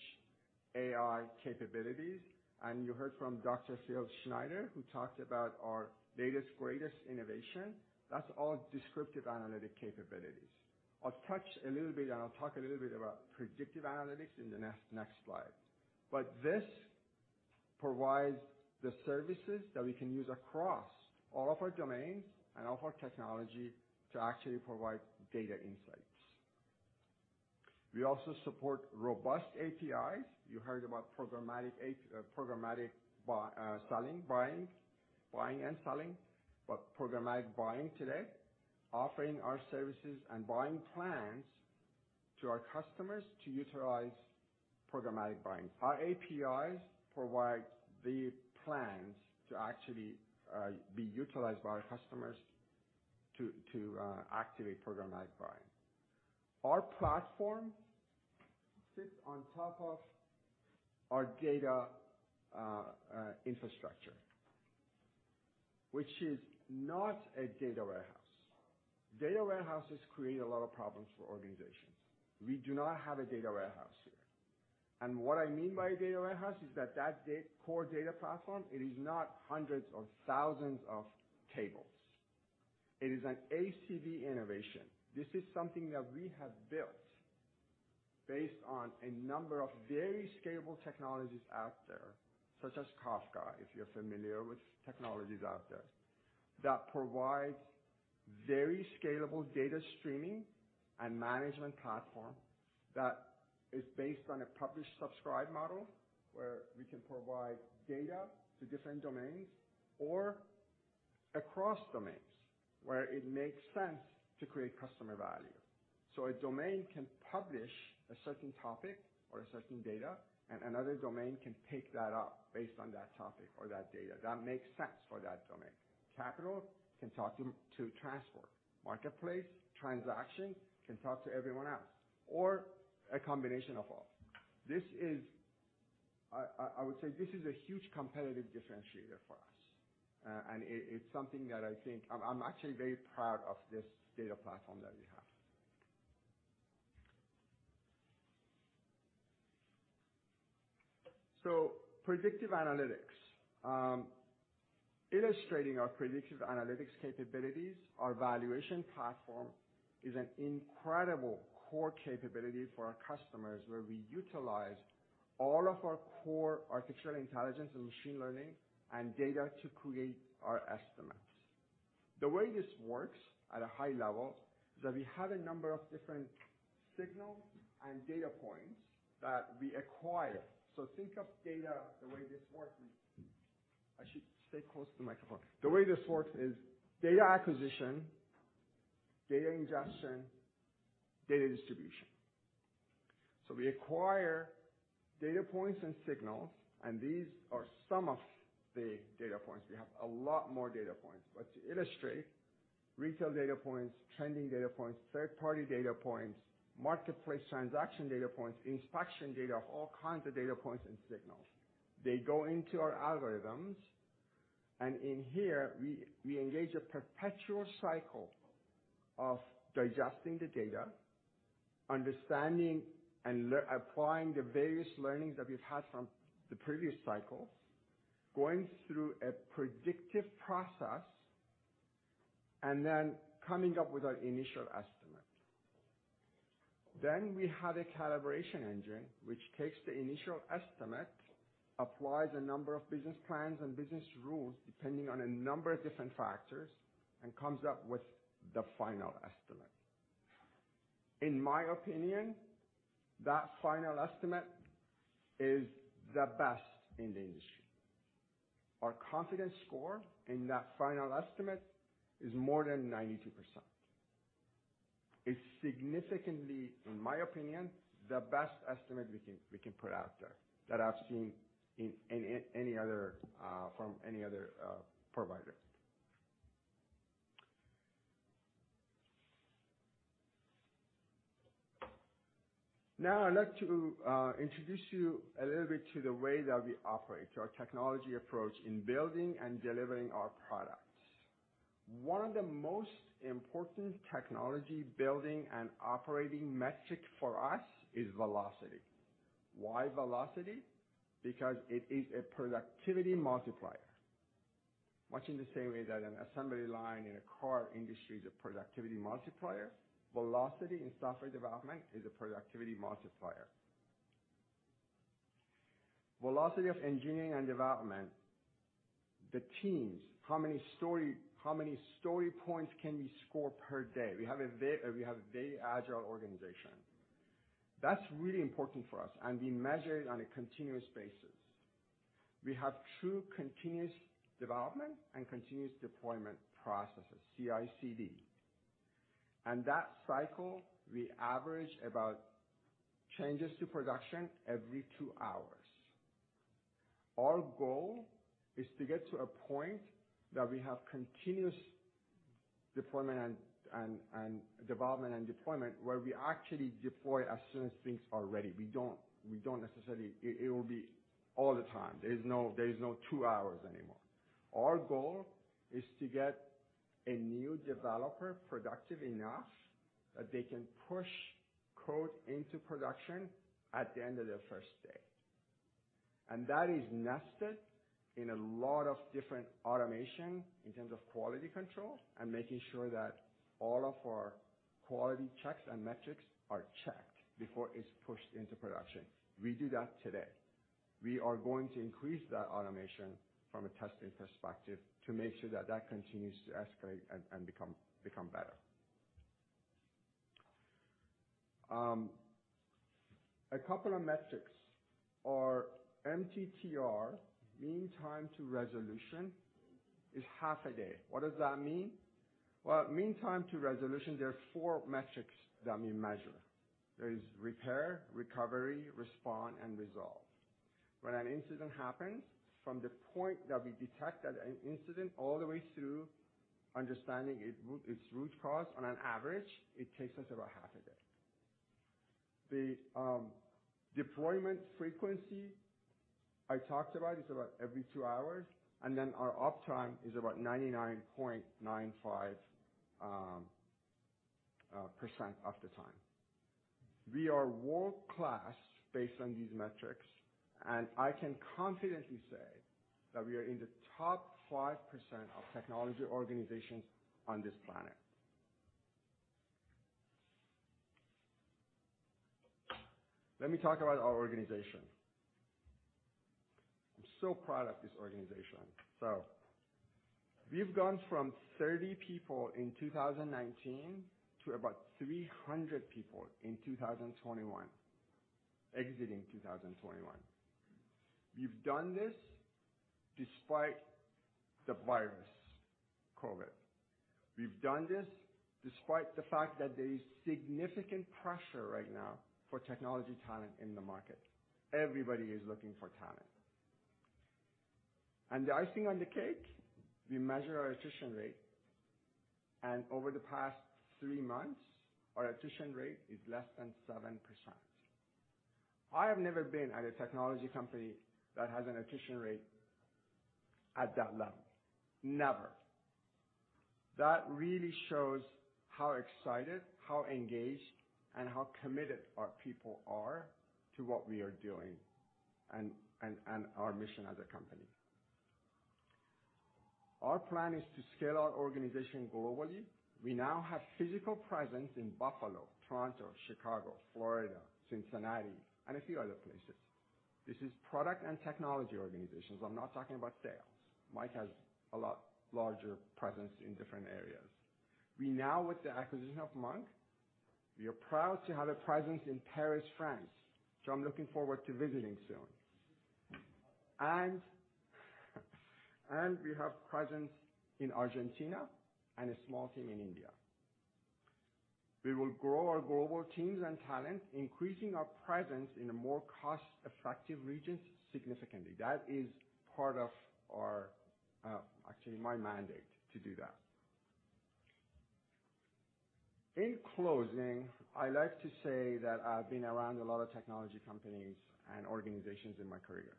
AI capabilities, and you heard from Dr. Phil Schneider, who talked about our latest greatest innovation. That's all descriptive analytic capabilities. I'll touch a little bit, and I'll talk a little bit about predictive analytics in the next slide. This provides the services that we can use across all of our domains and all of our technology to actually provide data insights. We also support robust APIs. You heard about programmatic selling, buying and selling, but programmatic buying today, offering our services and buying plans to our customers to utilize programmatic buying. Our APIs provide the plans to actually be utilized by our customers to activate programmatic buying. Our platform sits on top of our data infrastructure, which is not a data warehouse. Data warehouses create a lot of problems for organizations. We do not have a data warehouse here. What I mean by a data warehouse is that core data platform, it is not hundreds or thousands of tables. It is an ACV innovation. This is something that we have built based on a number of very scalable technologies out there, such as Kafka, if you're familiar with technologies out there, that provide very scalable data streaming and management platform that is based on a publish-subscribe model, where we can provide data to different domains or across domains where it makes sense to create customer value. A domain can publish a certain topic or a certain data, and another domain can pick that up based on that topic or that data that makes sense for that domain. Capital can talk to transport. Marketplace, transaction can talk to everyone else or a combination of all. This is a huge competitive differentiator for us. I would say this is a huge competitive differentiator for us. It's something that I think I'm actually very proud of this data platform that we have. Predictive analytics. Illustrating our predictive analytics capabilities, our valuation platform is an incredible core capability for our customers, where we utilize all of our core artificial intelligence and machine learning and data to create our estimates. The way this works at a high level is that we have a number of different signals and data points that we acquire. Think of data, the way this works is. I should stay close to the microphone. The way this works is data acquisition, data ingestion, data distribution. We acquire data points and signals, and these are some of the data points. We have a lot more data points. To illustrate, retail data points, trending data points, third-party data points, marketplace transaction data points, inspection data, all kinds of data points and signals. They go into our algorithms, and in here we engage a perpetual cycle of digesting the data, understanding and applying the various learnings that we've had from the previous cycles, going through a predictive process and then coming up with our initial estimate. We have a calibration engine, which takes the initial estimate, applies a number of business plans and business rules depending on a number of different factors, and comes up with the final estimate. In my opinion, that final estimate is the best in the industry. Our confidence score in that final estimate is more than 92%. It's significantly, in my opinion, the best estimate we can put out there that I've seen from any other provider. Now I'd like to introduce you a little bit to the way that we operate, our technology approach in building and delivering our products. One of the most important technology building and operating metric for us is velocity. Why velocity? Because it is a productivity multiplier. Much in the same way that an assembly line in a car industry is a productivity multiplier, velocity in software development is a productivity multiplier. Velocity of engineering and development, the teams, how many story points can we score per day? We have a very agile organization. That's really important for us, and we measure it on a continuous basis. We have true continuous development and continuous deployment processes, CI/CD. That cycle, we average about changes to production every two hours. Our goal is to get to a point that we have continuous deployment and development and deployment, where we actually deploy as soon as things are ready. We don't necessarily. It will be all the time. There is no two hours anymore. Our goal is to get a new developer productive enough that they can push code into production at the end of their first day. That is nested in a lot of different automation in terms of quality control and making sure that all of our quality checks and metrics are checked before it's pushed into production. We do that today. We are going to increase that automation from a testing perspective to make sure that that continues to escalate and become better. A couple of metrics are MTTR, mean time to resolution, is half a day. What does that mean? Well, mean time to resolution, there are four metrics that we measure. There is repair, recovery, respond, and resolve. When an incident happens, from the point that we detect that an incident all the way through understanding its root cause, on average, it takes us about half a day. The deployment frequency I talked about is about every two hours, and then our uptime is about 99.95% of the time. We are world-class based on these metrics, and I can confidently say that we are in the top 5% of technology organizations on this planet. Let me talk about our organization. I'm so proud of this organization. We've gone from 30 people in 2019 to about 300 people in 2021, exiting 2021. We've done this despite the virus, COVID. We've done this despite the fact that there is significant pressure right now for technology talent in the market. Everybody is looking for talent. The icing on the cake, we measure our attrition rate, and over the past 3 months, our attrition rate is less than 7%. I have never been at a technology company that has an attrition rate at that level. Never. That really shows how excited, how engaged, and how committed our people are to what we are doing and our mission as a company. Our plan is to scale our organization globally. We now have physical presence in Buffalo, Toronto, Chicago, Florida, Cincinnati, and a few other places. This is product and technology organizations. I'm not talking about sales. Mike has a lot larger presence in different areas. We now, with the acquisition of Monk, we are proud to have a presence in Paris, France, which I'm looking forward to visiting soon. We have presence in Argentina and a small team in India. We will grow our global teams and talent, increasing our presence in a more cost-effective regions significantly. That is part of our, actually my mandate to do that. In closing, I like to say that I've been around a lot of technology companies and organizations in my career.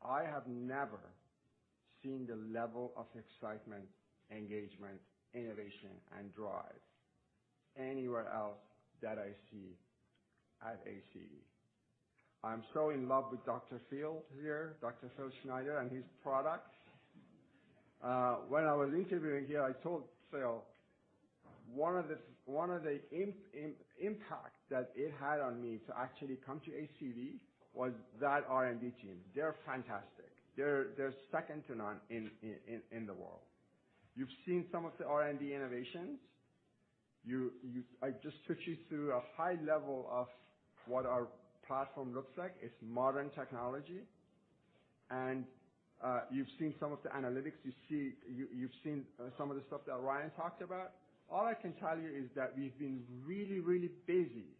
I have never seen the level of excitement, engagement, innovation, and drive anywhere else that I see at ACV. I'm so in love with Dr. Phil here, Dr. Phil Schneider, and his products. When I was interviewing here, I told Phil, one of the impact that it had on me to actually come to ACV was that R&D team. They're fantastic. They're second to none in the world. You've seen some of the R&D innovations. I just took you through a high level of what our platform looks like. It's modern technology. You've seen some of the analytics. You've seen some of the stuff that Ryan talked about. All I can tell you is that we've been really, really busy.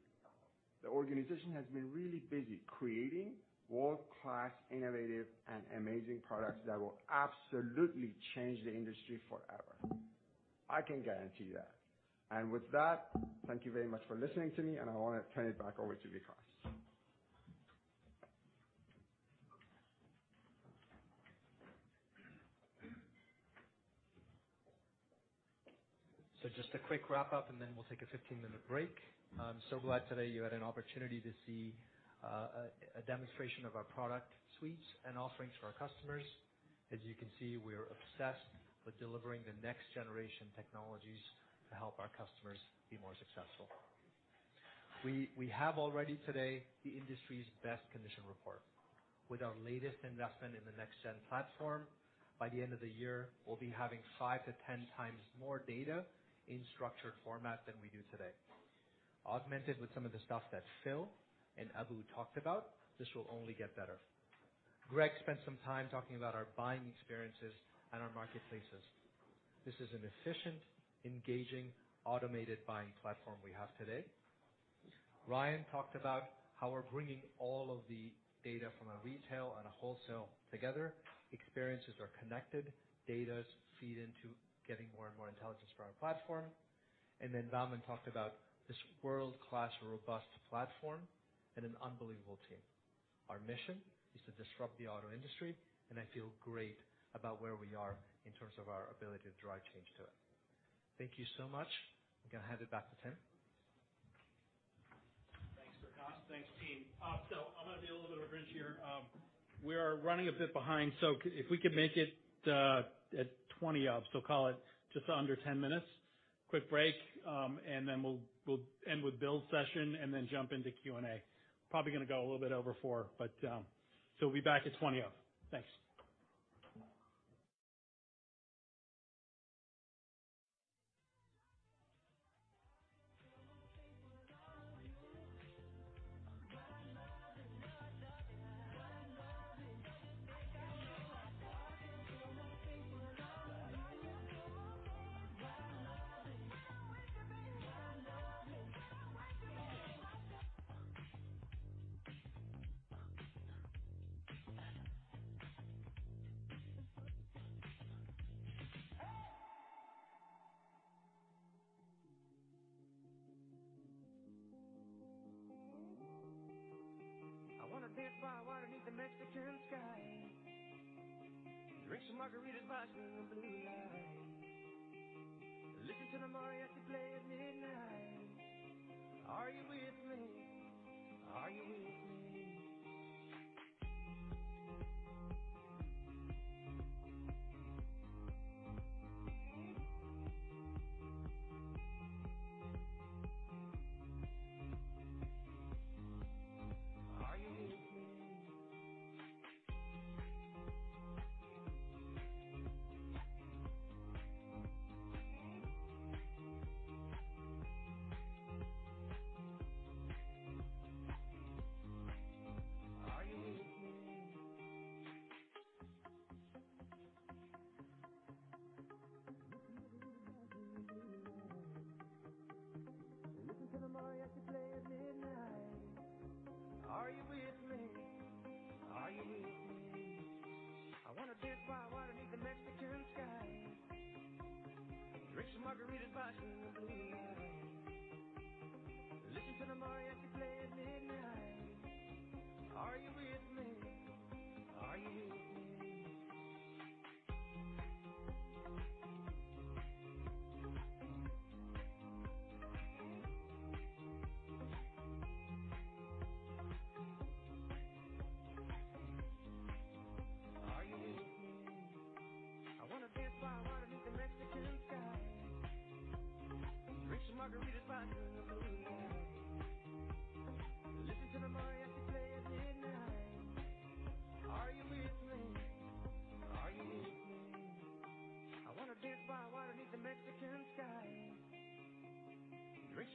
The organization has been really busy creating world-class, innovative, and amazing products that will absolutely change the industry forever. I can guarantee that. And with that, thank you very much for listening to me, and I wanna turn it back over to Vikas.
Just a quick wrap up, and then we'll take a 15-minute break. I'm so glad today you had an opportunity to see a demonstration of our product suites and offerings for our customers. As you can see, we are obsessed with delivering the next generation technologies to help our customers be more successful. We have already today the industry's best condition report. With our latest investment in the next gen platform, by the end of the year, we'll be having 5-10 times more data in structured format than we do today. Augmented with some of the stuff that Phil and Abou-El-Raki talked about, this will only get better. Greg spent some time talking about our buying experiences and our marketplaces. This is an efficient, engaging, automated buying platform we have today. Ryan talked about how we're bringing all of the data from retail and wholesale together. Experiences are connected. Data feeds into getting more and more intelligence for our platform. Then Bahman talked about this world-class, robust platform and an unbelievable team. Our mission is to disrupt the auto industry, and I feel great about where we are in terms of our ability to drive change to it. Thank you so much. I'm gonna hand it back to Tim.
Thanks, Vikas. Thanks, team. I'm gonna be a little bit of a bridge here. We are running a bit behind, if we could make it at 20 of. Call it just under 10 minutes. Quick break, and then we'll end with Bill's session and then jump into Q&A. Probably gonna go a little bit over four, but we'll be back at 20 of. Thanks.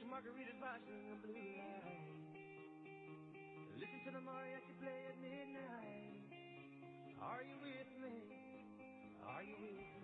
I wanna dance by water 'neath the Mexican sky. Drink some margaritas by smooth blue light. Listen to the mariachi play at midnight. Are you with me? Are you with me?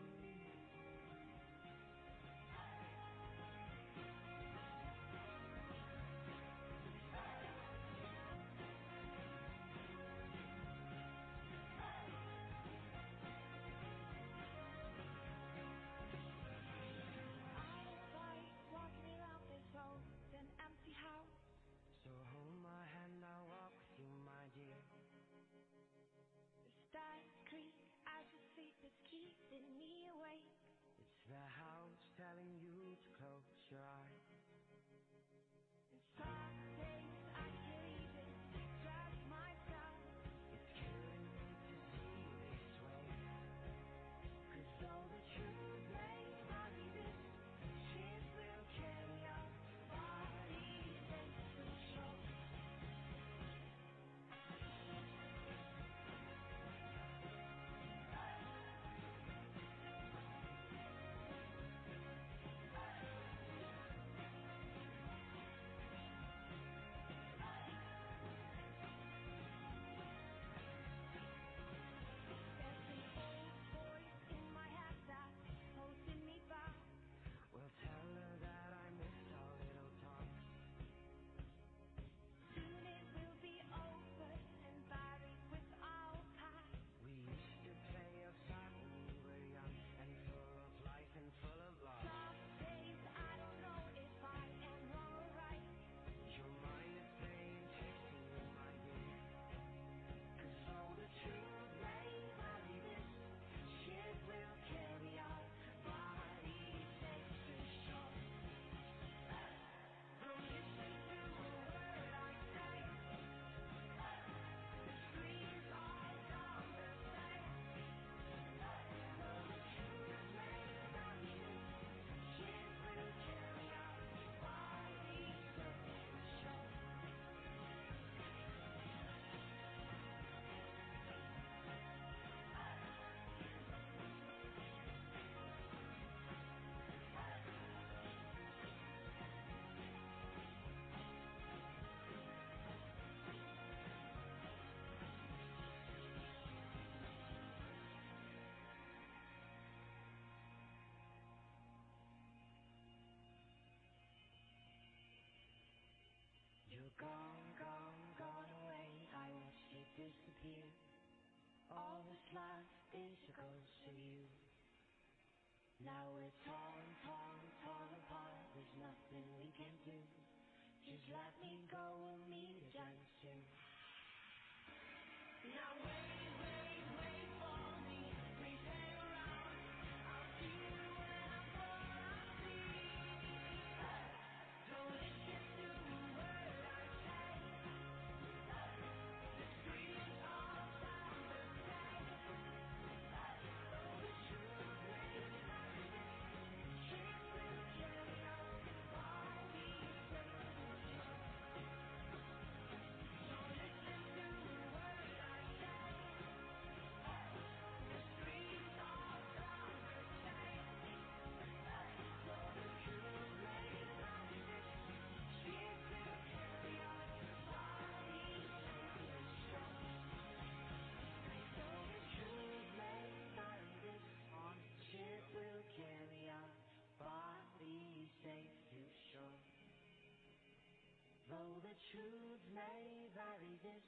when I fall asleep. Don't listen to a word I say. The streets are paved with shame. Though the truth may vary this.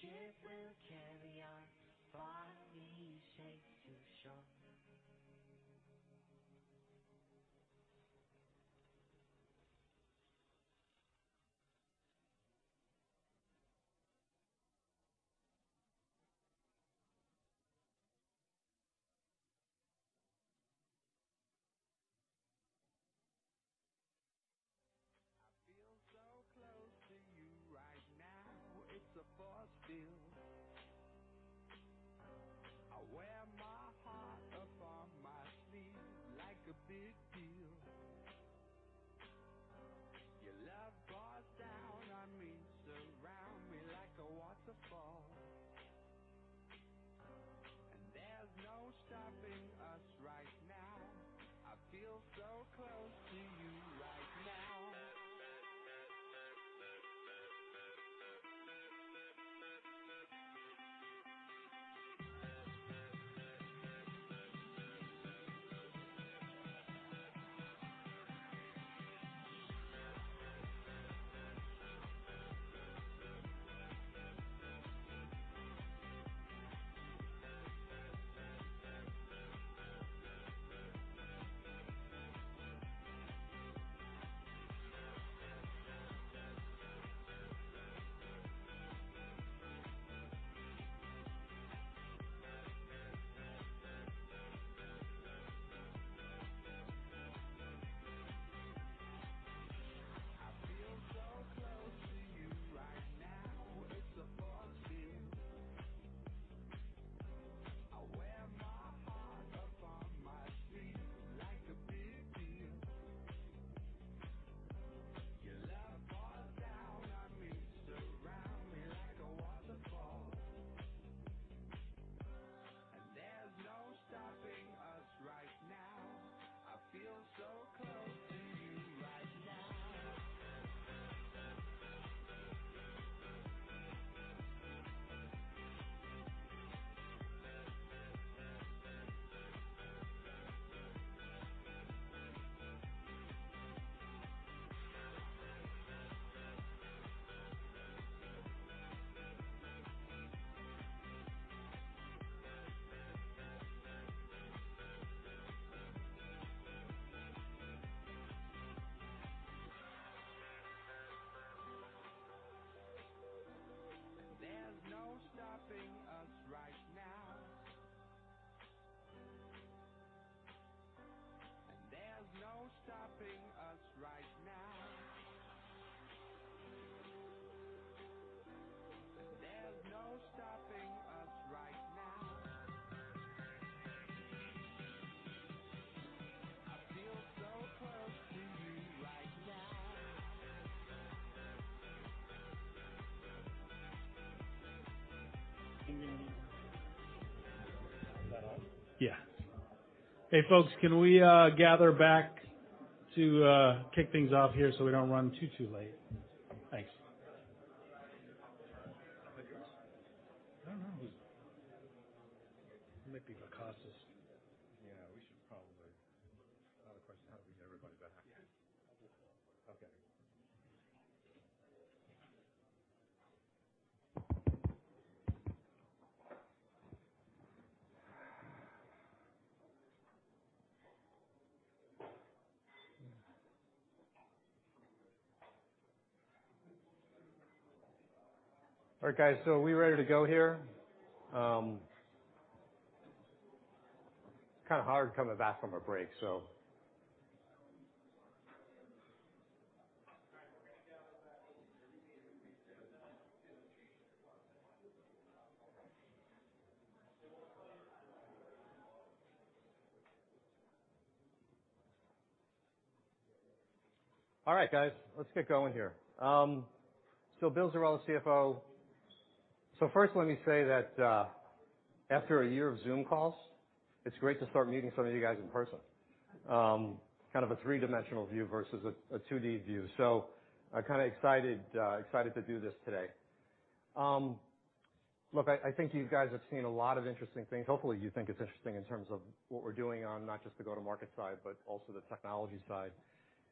Ship will Thanks.
Somebody else?
I don't know who. It might be Vikas.
Yeah, we should probably. Not a question. How do we get everybody back?
Yeah. Okay. All right, guys. Are we ready to go here? It's kinda hard coming back from a break, so.
All right, we're gonna gather back in 30 minutes.
All right, guys, let's get going here. Bill Zerella, CFO. First, let me say that, after a year of Zoom calls, it's great to start meeting some of you guys in person. Kind of a three-dimensional view versus a 2D view. I'm kinda excited to do this today. Look, I think you guys have seen a lot of interesting things. Hopefully, you think it's interesting in terms of what we're doing on not just the go-to-market side, but also the technology side.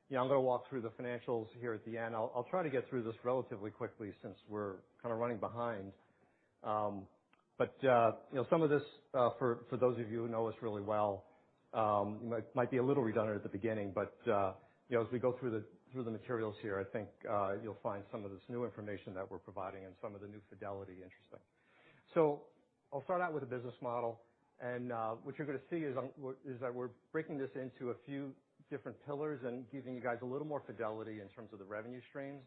Yeah, I'm gonna walk through the financials here at the end. I'll try to get through this relatively quickly since we're kinda running behind. You know, some of this for those of you who know us really well might be a little redundant at the beginning. You know, as we go through the materials here, I think you'll find some of this new information that we're providing and some of the new fidelity interesting. I'll start out with the business model, and what you're gonna see is that we're breaking this into a few different pillars and giving you guys a little more fidelity in terms of the revenue streams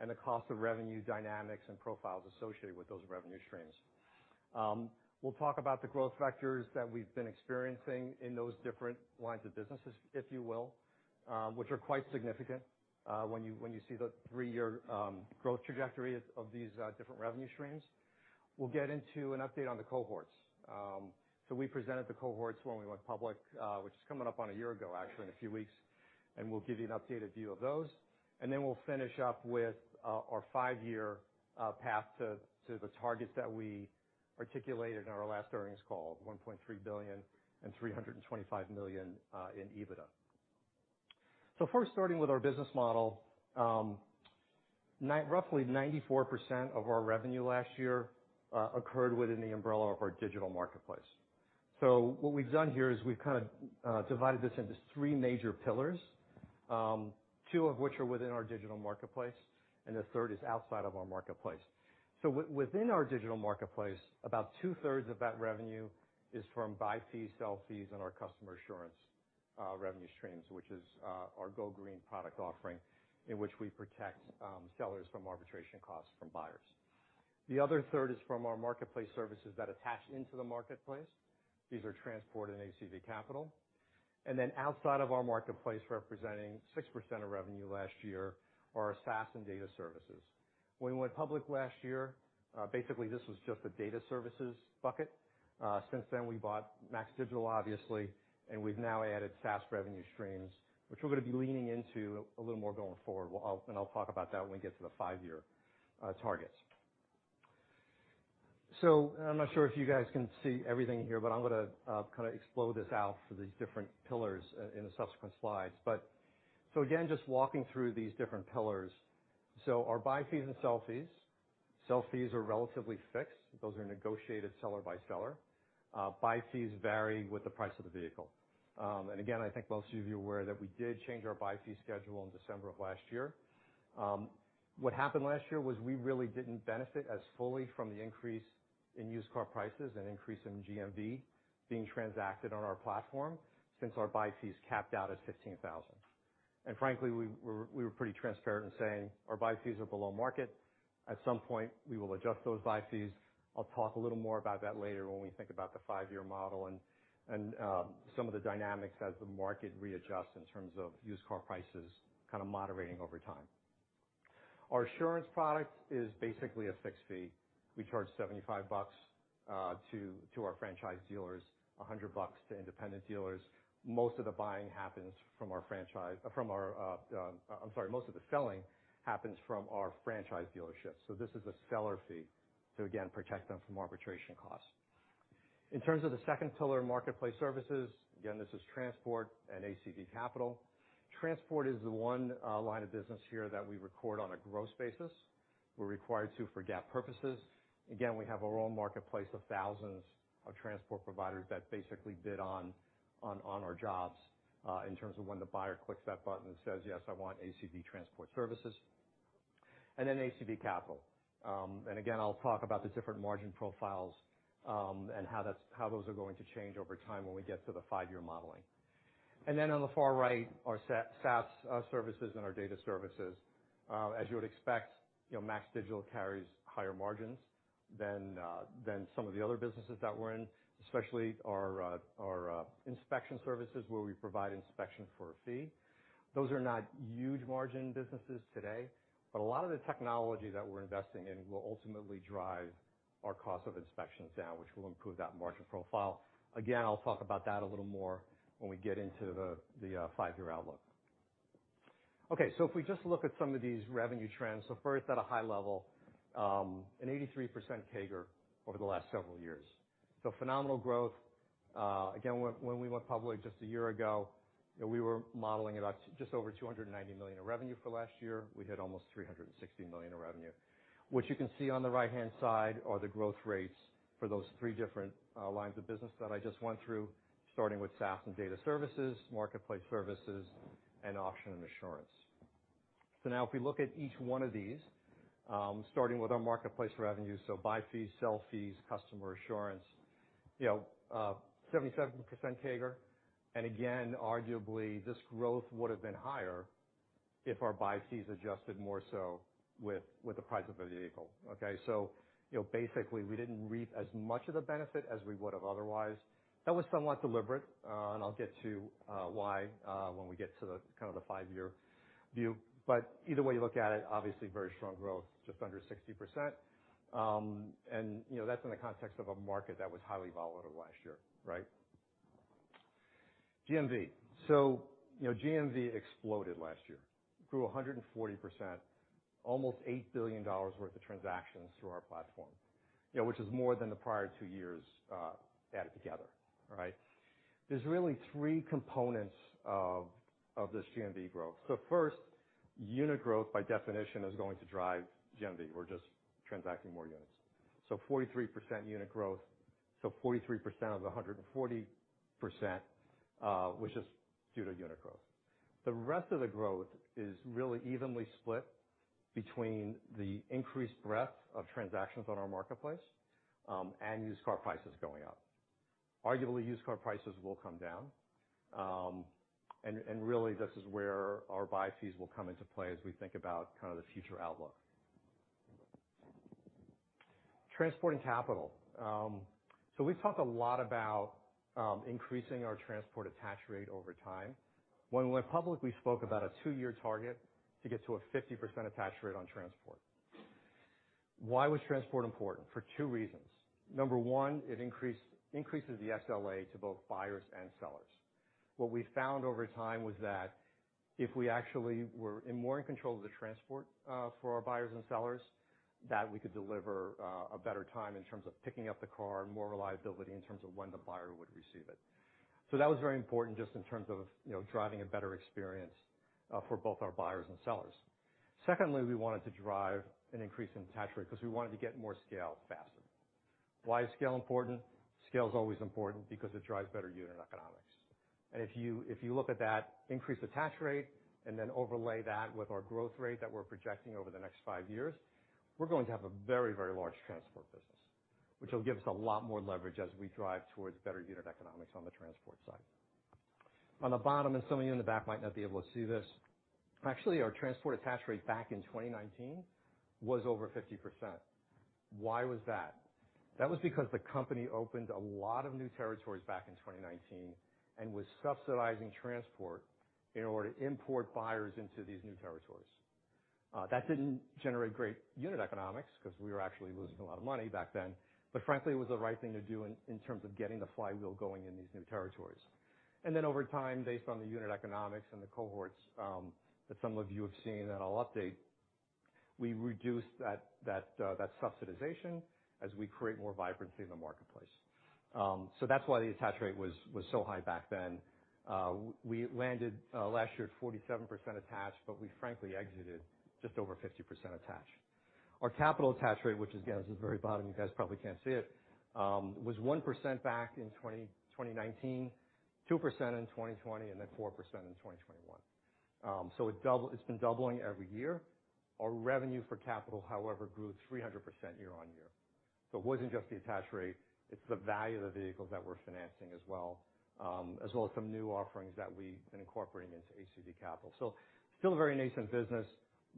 and the cost of revenue dynamics and profiles associated with those revenue streams. We'll talk about the growth factors that we've been experiencing in those different lines of businesses, if you will, which are quite significant when you see the three-year growth trajectory of these different revenue streams. We'll get into an update on the cohorts. We presented the cohorts when we went public, which is coming up on a year ago, actually, in a few weeks, and we'll give you an updated view of those. We'll finish up with our five-year path to the targets that we articulated in our last earnings call, $1.3 billion and $325 million in EBITDA. First starting with our business model, roughly 94% of our revenue last year occurred within the umbrella of our digital marketplace. What we've done here is we've kind of divided this into three major pillars, two of which are within our digital marketplace, and the third is outside of our marketplace. Within our digital marketplace, about two-thirds of that revenue is from buy fees, sell fees, and our customer assurance revenue streams, which is our Go Green product offering, in which we protect sellers from arbitration costs from buyers. The other third is from our marketplace services that attach into the marketplace. These are transport and ACV Capital. Then outside of our marketplace, representing 6% of revenue last year, are our SaaS and data services. When we went public last year, basically this was just a data services bucket. Since then, we bought MAX Digital, obviously, and we've now added SaaS revenue streams, which we're gonna be leaning into a little more going forward. I'll talk about that when we get to the five-year targets. I'm not sure if you guys can see everything here, but I'm gonna kind of explode this out for these different pillars in the subsequent slides. Again, just walking through these different pillars. Our buy fees and sell fees. Sell fees are relatively fixed. Those are negotiated seller by seller. Buy fees vary with the price of the vehicle. And again, I think most of you are aware that we did change our buy fee schedule in December of last year. What happened last year was we really didn't benefit as fully from the increase in used car prices and increase in GMV being transacted on our platform since our buy fees capped out at 15,000. Frankly, we were pretty transparent in saying our buy fees are below market. At some point, we will adjust those buy fees. I'll talk a little more about that later when we think about the five-year model and some of the dynamics as the market readjusts in terms of used car prices kind of moderating over time. Our assurance product is basically a fixed fee. We charge $75 to our franchise dealers, $100 to independent dealers. Most of the selling happens from our franchise dealerships. This is a seller fee to, again, protect them from arbitration costs. In terms of the second pillar, marketplace services, again, this is transport and ACV Capital. Transport is the one line of business here that we record on a gross basis. We're required to for GAAP purposes. Again, we have our own marketplace of thousands of transport providers that basically bid on our jobs in terms of when the buyer clicks that button and says, "Yes, I want ACV Transportation Services." And then ACV Capital. And again, I'll talk about the different margin profiles and how those are going to change over time when we get to the five-year modeling. Then on the far right, our SaaS services and our data services. As you would expect, you know, MAX Digital carries higher margins than some of the other businesses that we're in, especially our inspection services, where we provide inspection for a fee. Those are not huge margin businesses today, but a lot of the technology that we're investing in will ultimately drive our cost of inspections down, which will improve that margin profile. Again, I'll talk about that a little more when we get into the five-year outlook. Okay, so if we just look at some of these revenue trends, first at a high level, an 83% CAGR over the last several years. So phenomenal growth. Again, when we went public just a year ago, you know, we were modeling about just over $290 million in revenue for last year. We hit almost $360 million in revenue. What you can see on the right-hand side are the growth rates for those three different lines of business that I just went through, starting with SaaS and data services, marketplace services, and auction and assurance. Now if we look at each one of these, starting with our marketplace revenue, so buy fees, sell fees, customer assurance, you know, 77% CAGR. Again, arguably, this growth would have been higher if our buy fees adjusted more so with the price of the vehicle, okay? You know, basically, we didn't reap as much of the benefit as we would have otherwise. That was somewhat deliberate, and I'll get to why when we get to the kind of the five-year view. Either way you look at it, obviously very strong growth, just under 60%. You know, that's in the context of a market that was highly volatile last year, right? GMV. You know, GMV exploded last year. Grew 140%, almost $8 billion worth of transactions through our platform, you know, which is more than the prior two years added together, right? There's really three components of this GMV growth. First, unit growth by definition is going to drive GMV. We're just transacting more units. 43% unit growth. 43% of the 140% was just due to unit growth. The rest of the growth is really evenly split between the increased breadth of transactions on our marketplace, and used car prices going up. Arguably, used car prices will come down. Really, this is where our buy fees will come into play as we think about kind of the future outlook. Transport and capital. We've talked a lot about increasing our transport attach rate over time. When we went public, we spoke about a two-year target to get to a 50% attach rate on transport. Why was transport important? For two reasons. Number one, it increases the SLA to both buyers and sellers. What we found over time was that if we actually were more in control of the transport for our buyers and sellers, that we could deliver a better time in terms of picking up the car and more reliability in terms of when the buyer would receive it. That was very important just in terms of, you know, driving a better experience for both our buyers and sellers. Secondly, we wanted to drive an increase in attach rate because we wanted to get more scale faster. Why is scale important? Scale is always important because it drives better unit economics. If you look at that increase attach rate and then overlay that with our growth rate that we're projecting over the next five years, we're going to have a very, very large transport business, which will give us a lot more leverage as we drive towards better unit economics on the transport side. On the bottom, some of you in the back might not be able to see this. Actually, our transport attach rate back in 2019 was over 50%. Why was that? That was because the company opened a lot of new territories back in 2019 and was subsidizing transport in order to import buyers into these new territories. That didn't generate great unit economics because we were actually losing a lot of money back then. Frankly, it was the right thing to do in terms of getting the flywheel going in these new territories. Over time, based on the unit economics and the cohorts that some of you have seen, and I'll update, we reduced that subsidization as we create more vibrancy in the marketplace. That's why the attach rate was so high back then. We landed last year at 47% attach, but we frankly exited just over 50% attach. Our ACV Capital attach rate, which again is at the very bottom, you guys probably can't see it, was 1% back in 2019, 2% in 2020, and then 4% in 2021. It's been doubling every year. Our revenue for ACV Capital, however, grew 300% year-over-year. It wasn't just the attach rate, it's the value of the vehicles that we're financing as well as some new offerings that we've been incorporating into ACV Capital. Still a very nascent business,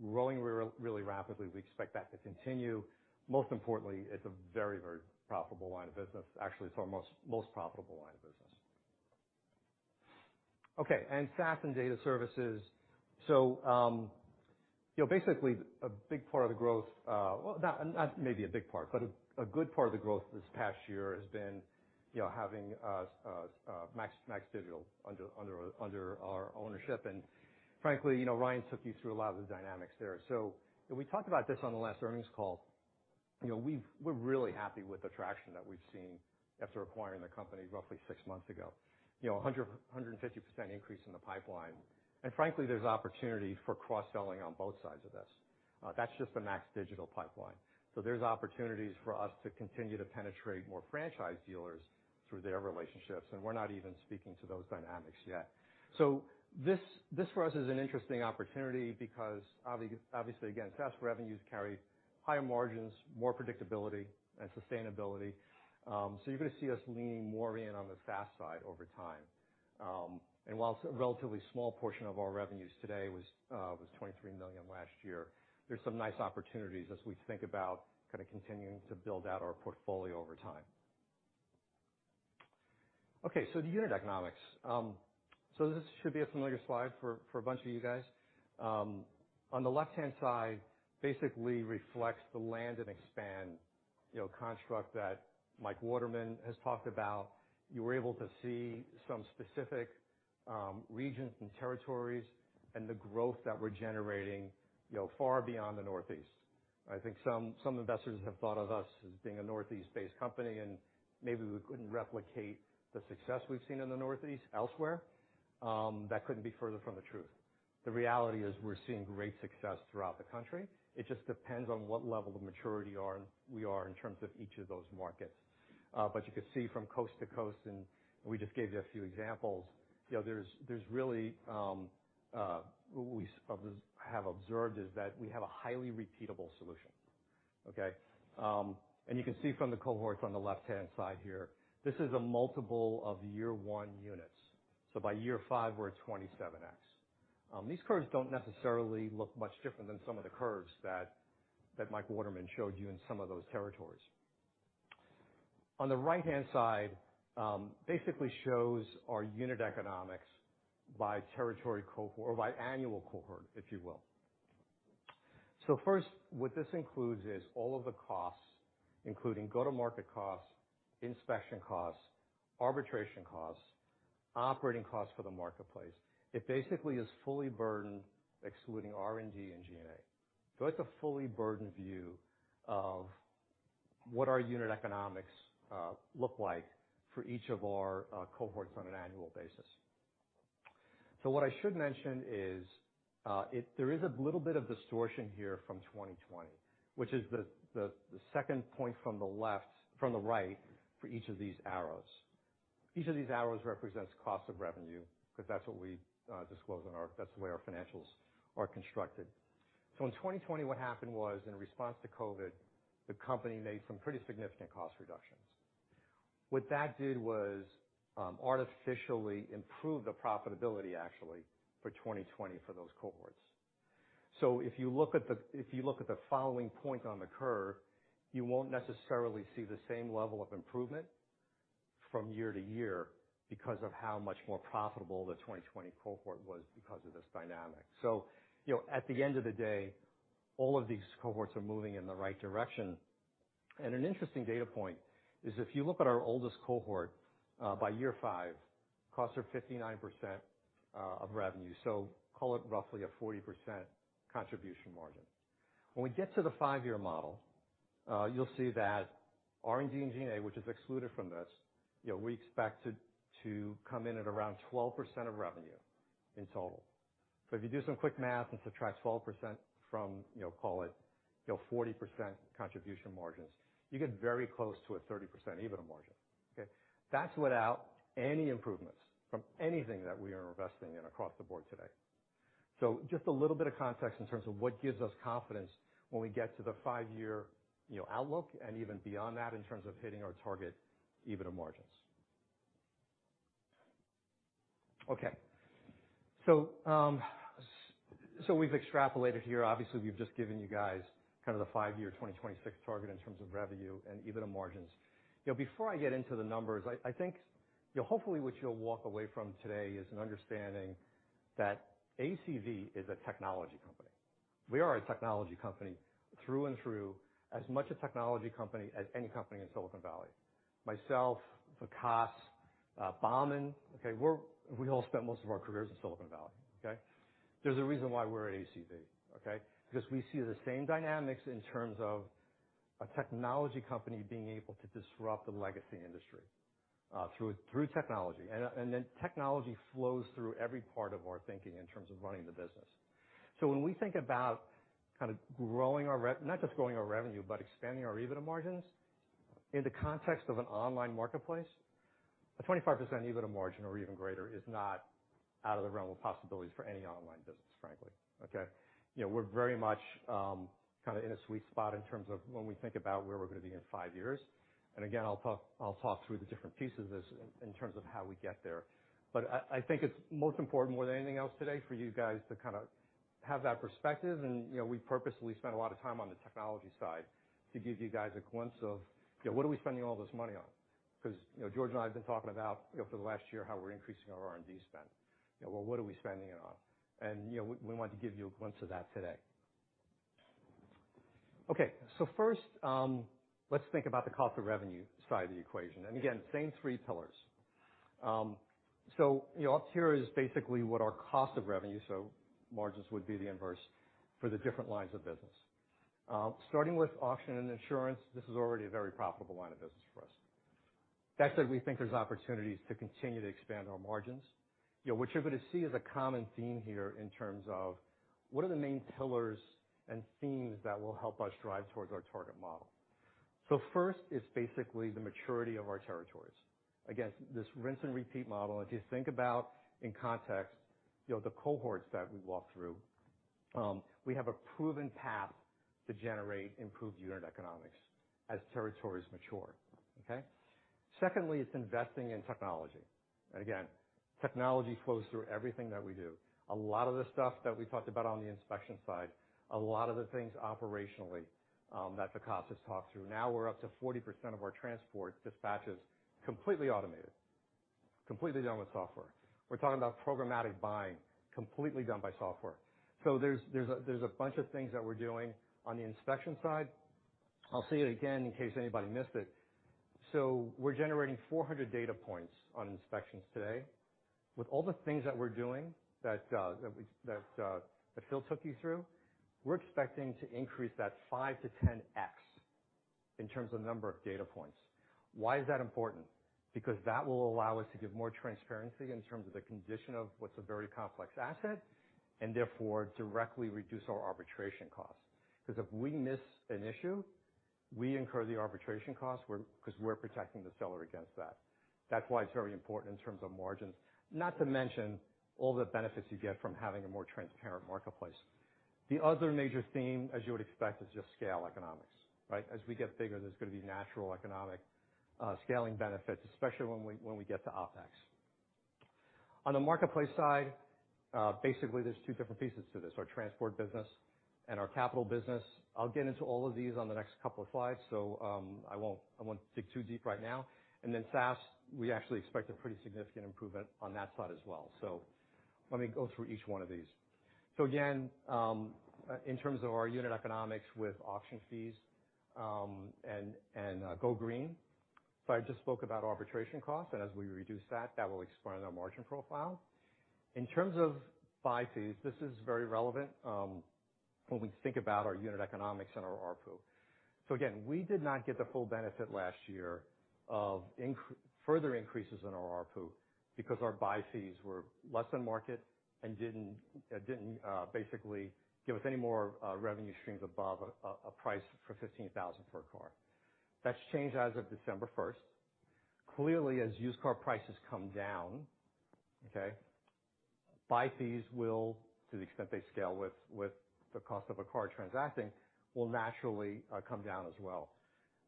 growing really rapidly. We expect that to continue. Most importantly, it's a very, very profitable line of business. Actually, it's our most profitable line of business. Okay, and SaaS and data services. You know, basically a big part of the growth, well, not maybe a big part, but a good part of the growth this past year has been, you know, having MAX Digital under our ownership. Frankly, you know, Ryan took you through a lot of the dynamics there. When we talked about this on the last earnings call, you know, we're really happy with the traction that we've seen after acquiring the company roughly six months ago. You know, 150% increase in the pipeline. Frankly, there's opportunity for cross-selling on both sides of this. That's just the MAX Digital pipeline. There's opportunities for us to continue to penetrate more franchise dealers through their relationships, and we're not even speaking to those dynamics yet. This for us is an interesting opportunity because obviously, again, SaaS revenues carry higher margins, more predictability and sustainability. You're going to see us leaning more in on the SaaS side over time. While it's a relatively small portion of our revenues today, it was $23 million last year, there's some nice opportunities as we think about kind of continuing to build out our portfolio over time. Okay, the unit economics. This should be a familiar slide for a bunch of you guys. On the left-hand side basically reflects the land and expand, you know, construct that Mike Waterman has talked about. You were able to see some specific regions and territories and the growth that we're generating, you know, far beyond the Northeast. I think some investors have thought of us as being a Northeast-based company, and maybe we couldn't replicate the success we've seen in the Northeast elsewhere. That couldn't be further from the truth. The reality is we're seeing great success throughout the country. It just depends on what level of maturity we are in terms of each of those markets. But you can see from coast to coast, and we just gave you a few examples. You know, there's really what we have observed is that we have a highly repeatable solution. Okay? And you can see from the cohorts on the left-hand side here, this is a multiple of year one units. By year five, we're at 27x. These curves don't necessarily look much different than some of the curves that Mike Waterman showed you in some of those territories. On the right-hand side, basically shows our unit economics by territory cohort or by annual cohort, if you will. First, what this includes is all of the costs, including go-to-market costs, inspection costs, arbitration costs, operating costs for the marketplace. It basically is fully burdened, excluding R&D and G&A. It's a fully burdened view of what our unit economics look like for each of our cohorts on an annual basis. What I should mention is, there is a little bit of distortion here from 2020, which is the second point from the right for each of these arrows. Each of these arrows represents cost of revenue, because that's what we disclose on our financials. That's the way our financials are constructed. In 2020, what happened was, in response to COVID, the company made some pretty significant cost reductions. What that did was artificially improve the profitability actually for 2020 for those cohorts. If you look at the following point on the curve, you won't necessarily see the same level of improvement from year to year because of how much more profitable the 2020 cohort was because of this dynamic. You know, at the end of the day, all of these cohorts are moving in the right direction. An interesting data point is if you look at our oldest cohort, by year five, costs are 59% of revenue, so call it roughly a 40% contribution margin. When we get to the five-year model, you'll see that R&D and G&A, which is excluded from this, you know, we expect it to come in at around 12% of revenue in total. So if you do some quick math and subtract 12% from, you know, call it, you know, 40% contribution margins, you get very close to a 30% EBITDA margin. Okay. That's without any improvements from anything that we are investing in across the board today. Just a little bit of context in terms of what gives us confidence when we get to the five-year, you know, outlook and even beyond that in terms of hitting our target EBITDA margins. Okay. We've extrapolated here. Obviously, we've just given you guys kind of the five-year 2026 target in terms of revenue and EBITDA margins. You know, before I get into the numbers, I think, you know, hopefully what you'll walk away from today is an understanding that ACV is a technology company. We are a technology company through and through, as much a technology company as any company in Silicon Valley. Myself, Vikas, Bahman, okay, we all spent most of our careers in Silicon Valley, okay? There's a reason why we're at ACV, okay? Because we see the same dynamics in terms of a technology company being able to disrupt the legacy industry through technology. Technology flows through every part of our thinking in terms of running the business. When we think about kind of not just growing our revenue, but expanding our EBITDA margins in the context of an online marketplace, a 25% EBITDA margin or even greater is not out of the realm of possibilities for any online business, frankly. Okay. You know, we're very much kind of in a sweet spot in terms of when we think about where we're gonna be in five years. Again, I'll talk through the different pieces of this in terms of how we get there. I think it's most important more than anything else today for you guys to kind of have that perspective. You know, we purposely spent a lot of time on the technology side to give you guys a glimpse of, you know, what are we spending all this money on? Because, you know, George and I have been talking about, you know, for the last year how we're increasing our R&D spend. You know, well, what are we spending it on? You know, we wanted to give you a glimpse of that today. Okay. First, let's think about the cost of revenue side of the equation. Again, same three pillars. You know, up here is basically what our cost of revenue, so margins would be the inverse for the different lines of business. Starting with Auction and Assurance, this is already a very profitable line of business for us. That said, we think there's opportunities to continue to expand our margins. You know, what you're gonna see is a common theme here in terms of what are the main pillars and themes that will help us drive towards our target model. First is basically the maturity of our territories. Again, this rinse and repeat model. If you think about in context, you know, the cohorts that we walked through, we have a proven path to generate improved unit economics as territories mature. Secondly, it's investing in technology. And again, technology flows through everything that we do. A lot of the stuff that we talked about on the inspection side, a lot of the things operationally, that Vikas has talked through. Now we're up to 40% of our transport dispatches completely automated, completely done with software. We're talking about programmatic buying completely done by software. There's a bunch of things that we're doing on the inspection side. I'll say it again in case anybody missed it. We're generating 400 data points on inspections today. With all the things that we're doing that Phil took you through, we're expecting to increase that 5-10x in terms of number of data points. Why is that important? Because that will allow us to give more transparency in terms of the condition of what's a very complex asset, and therefore directly reduce our arbitration costs. If we miss an issue, we incur the arbitration costs because we're protecting the seller against that. That's why it's very important in terms of margins, not to mention all the benefits you get from having a more transparent marketplace. The other major theme, as you would expect, is just scale economics, right? As we get bigger, there's gonna be natural economic scaling benefits, especially when we get to OpEx. On the marketplace side, basically, there's two different pieces to this, our transport business and our capital business. I'll get into all of these on the next couple of slides, so I won't dig too deep right now. Then SaaS, we actually expect a pretty significant improvement on that side as well. Let me go through each one of these. Again, in terms of our unit economics with auction fees, and Go Green. I just spoke about arbitration costs, and as we reduce that will expand our margin profile. In terms of buy fees, this is very relevant, when we think about our unit economics and our ARPU. Again, we did not get the full benefit last year of further increases in our ARPU because our buy fees were less than market and didn't basically give us any more revenue streams above a price for $15,000 per car. That's changed as of December 1. Clearly, as used car prices come down, okay, buy fees will, to the extent they scale with the cost of a car transacting, will naturally come down as well.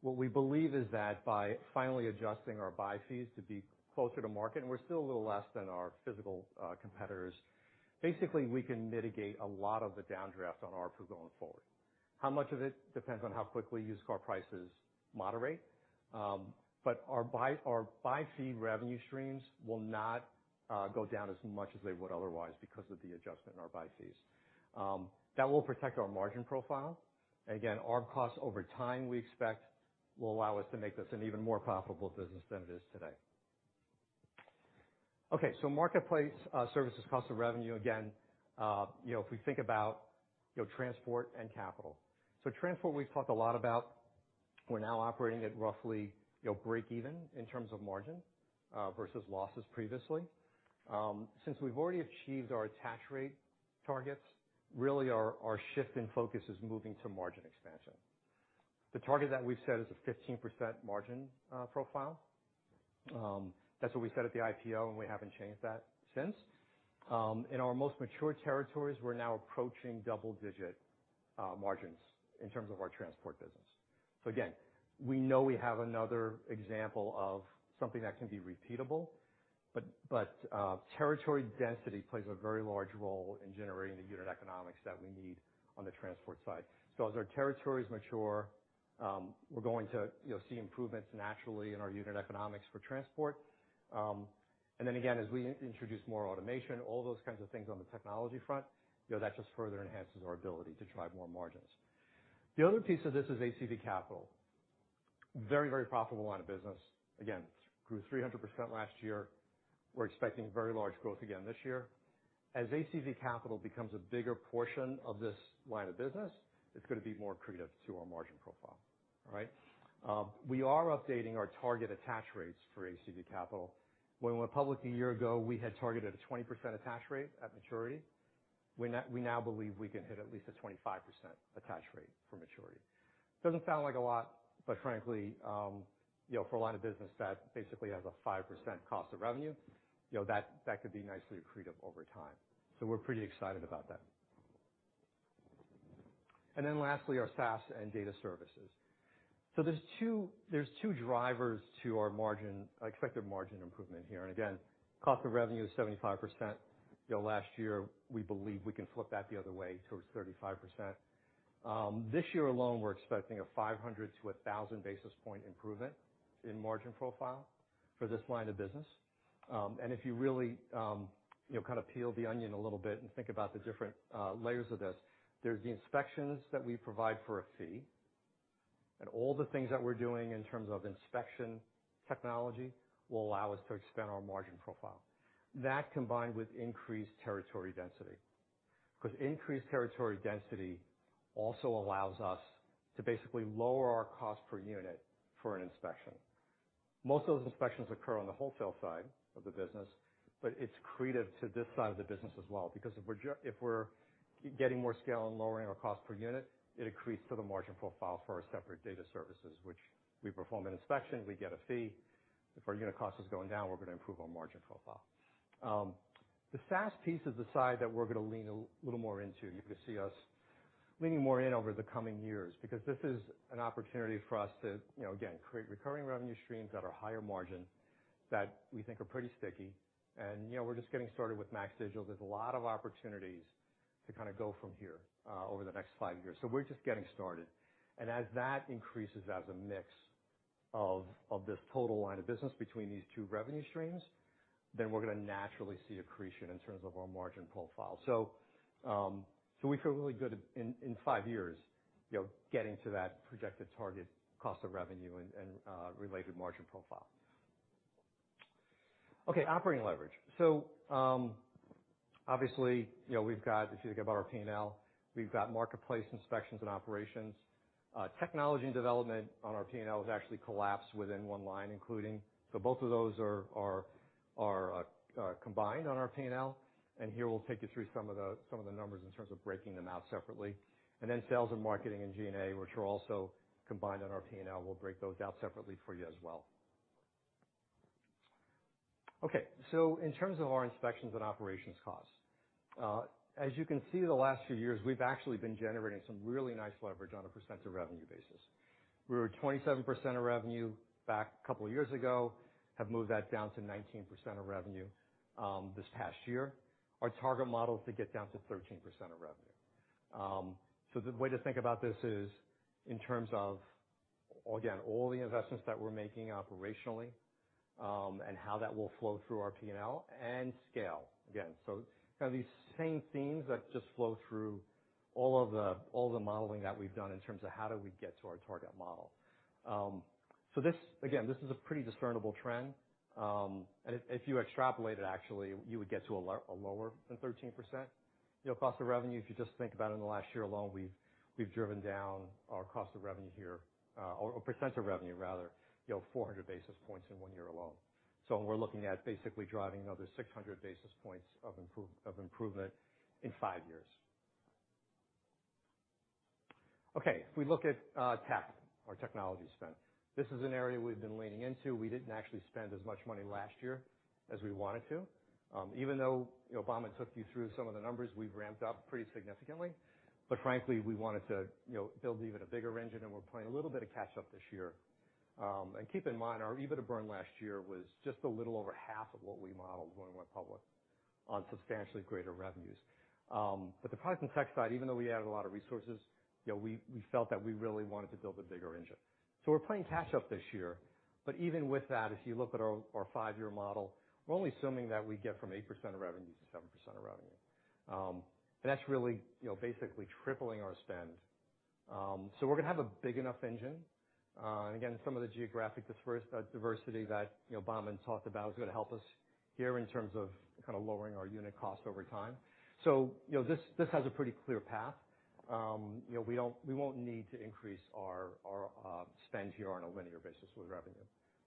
What we believe is that by finally adjusting our buy fees to be closer to market, and we're still a little less than our physical competitors, basically, we can mitigate a lot of the downdraft on ARPU going forward. How much of it depends on how quickly used car prices moderate. Our buy fee revenue streams will not go down as much as they would otherwise because of the adjustment in our buy fees. That will protect our margin profile. Again, ARPU costs over time, we expect, will allow us to make this an even more profitable business than it is today. Okay, marketplace services cost of revenue. Again, you know, if we think about, you know, transport and capital. Transport, we've talked a lot about. We're now operating at roughly, you know, breakeven in terms of margin versus losses previously. Since we've already achieved our attach rate targets, really our shift in focus is moving to margin expansion. The target that we've set is a 15% margin profile. That's what we said at the IPO, and we haven't changed that since. In our most mature territories, we're now approaching double-digit margins in terms of our transport business. Again, we know we have another example of something that can be repeatable, but territory density plays a very large role in generating the unit economics that we need on the transport side. As our territories mature, we're going to, you know, see improvements naturally in our unit economics for transport. Again, as we introduce more automation, all those kinds of things on the technology front, you know, that just further enhances our ability to drive more margins. The other piece of this is ACV Capital. Very, very profitable line of business. Again, it grew 300% last year. We're expecting very large growth again this year. As ACV Capital becomes a bigger portion of this line of business, it's gonna be more accretive to our margin profile. All right. We are updating our target attach rates for ACV Capital. When we went public a year ago, we had targeted a 20% attach rate at maturity. We now believe we can hit at least a 25% attach rate for maturity. Doesn't sound like a lot, but frankly, you know, for a line of business that basically has a 5% cost of revenue, you know, that could be nicely accretive over time. We're pretty excited about that. Lastly, our SaaS and data services. There's two drivers to our margin, expected margin improvement here. Again, cost of revenue is 75%. You know, last year, we believe we can flip that the other way towards 35%. This year alone, we're expecting a 500-1,000 basis point improvement in margin profile for this line of business. If you really, you know, kind of peel the onion a little bit and think about the different layers of this, there's the inspections that we provide for a fee, and all the things that we're doing in terms of inspection technology will allow us to expand our margin profile. That combined with increased territory density, because increased territory density also allows us to basically lower our cost per unit for an inspection. Most of those inspections occur on the wholesale side of the business, but it's accretive to this side of the business as well, because if we're getting more scale and lowering our cost per unit, it accretes to the margin profile for our separate data services, which we perform an inspection, we get a fee. If our unit cost is going down, we're gonna improve our margin profile. The SaaS piece is the side that we're gonna lean a little more into. You're gonna see us leaning more into over the coming years because this is an opportunity for us to, you know, again, create recurring revenue streams that are higher margin that we think are pretty sticky. You know, we're just getting started with MAX Digital. There's a lot of opportunities to kind of go from here over the next five years. We're just getting started. As that increases as a mix of this total line of business between these two revenue streams, then we're gonna naturally see accretion in terms of our margin profile. We feel really good in five years, you know, getting to that projected target cost of revenue and related margin profile. Okay, operating leverage.
Obviously, you know, we've got, if you think about our P&L, we've got marketplace inspections and operations. Technology and development on our P&L is actually collapsed within one line including. Both of those are combined on our P&L. Here we'll take you through some of the numbers in terms of breaking them out separately. Then sales and marketing and G&A, which are also combined on our P&L. We'll break those out separately for you as well. In terms of our inspections and operations costs, as you can see the last few years, we've actually been generating some really nice leverage on a % of revenue basis. We were at 27% of revenue back a couple of years ago, have moved that down to 19% of revenue this past year.
Our target model is to get down to 13% of revenue. The way to think about this is in terms of, again, all the investments that we're making operationally. How that will flow through our P&L and scale again. Kind of these same themes that just flow through all of the modeling that we've done in terms of how do we get to our target model. This again is a pretty discernible trend. If you extrapolate it, actually, you would get to a lower than 13%, you know, cost of revenue. If you just think about it in the last year alone, we've driven down our cost of revenue here, or percent of revenue rather, you know, 400 basis points in one year alone. We're looking at basically driving another 600 basis points of improvement in five years. Okay, if we look at tech, our technology spend. This is an area we've been leaning into. We didn't actually spend as much money last year as we wanted to. Even though, you know, Bahman took you through some of the numbers, we've ramped up pretty significantly. Frankly, we wanted to, you know, build even a bigger engine, and we're playing a little bit of catch up this year. Keep in mind, our EBITDA burn last year was just a little over half of what we modeled when we went public on substantially greater revenues. The product and tech side, even though we added a lot of resources, you know, we felt that we really wanted to build a bigger engine. We're playing catch up this year. Even with that, if you look at our five-year model, we're only assuming that we get from 8% of revenue to 7% of revenue. That's really, you know, basically tripling our spend. We're gonna have a big enough engine. Again, some of the geographic diversity that, you know, Bahman talked about is gonna help us here in terms of kind of lowering our unit cost over time. You know, this has a pretty clear path. You know, we won't need to increase our spend here on a linear basis with revenue.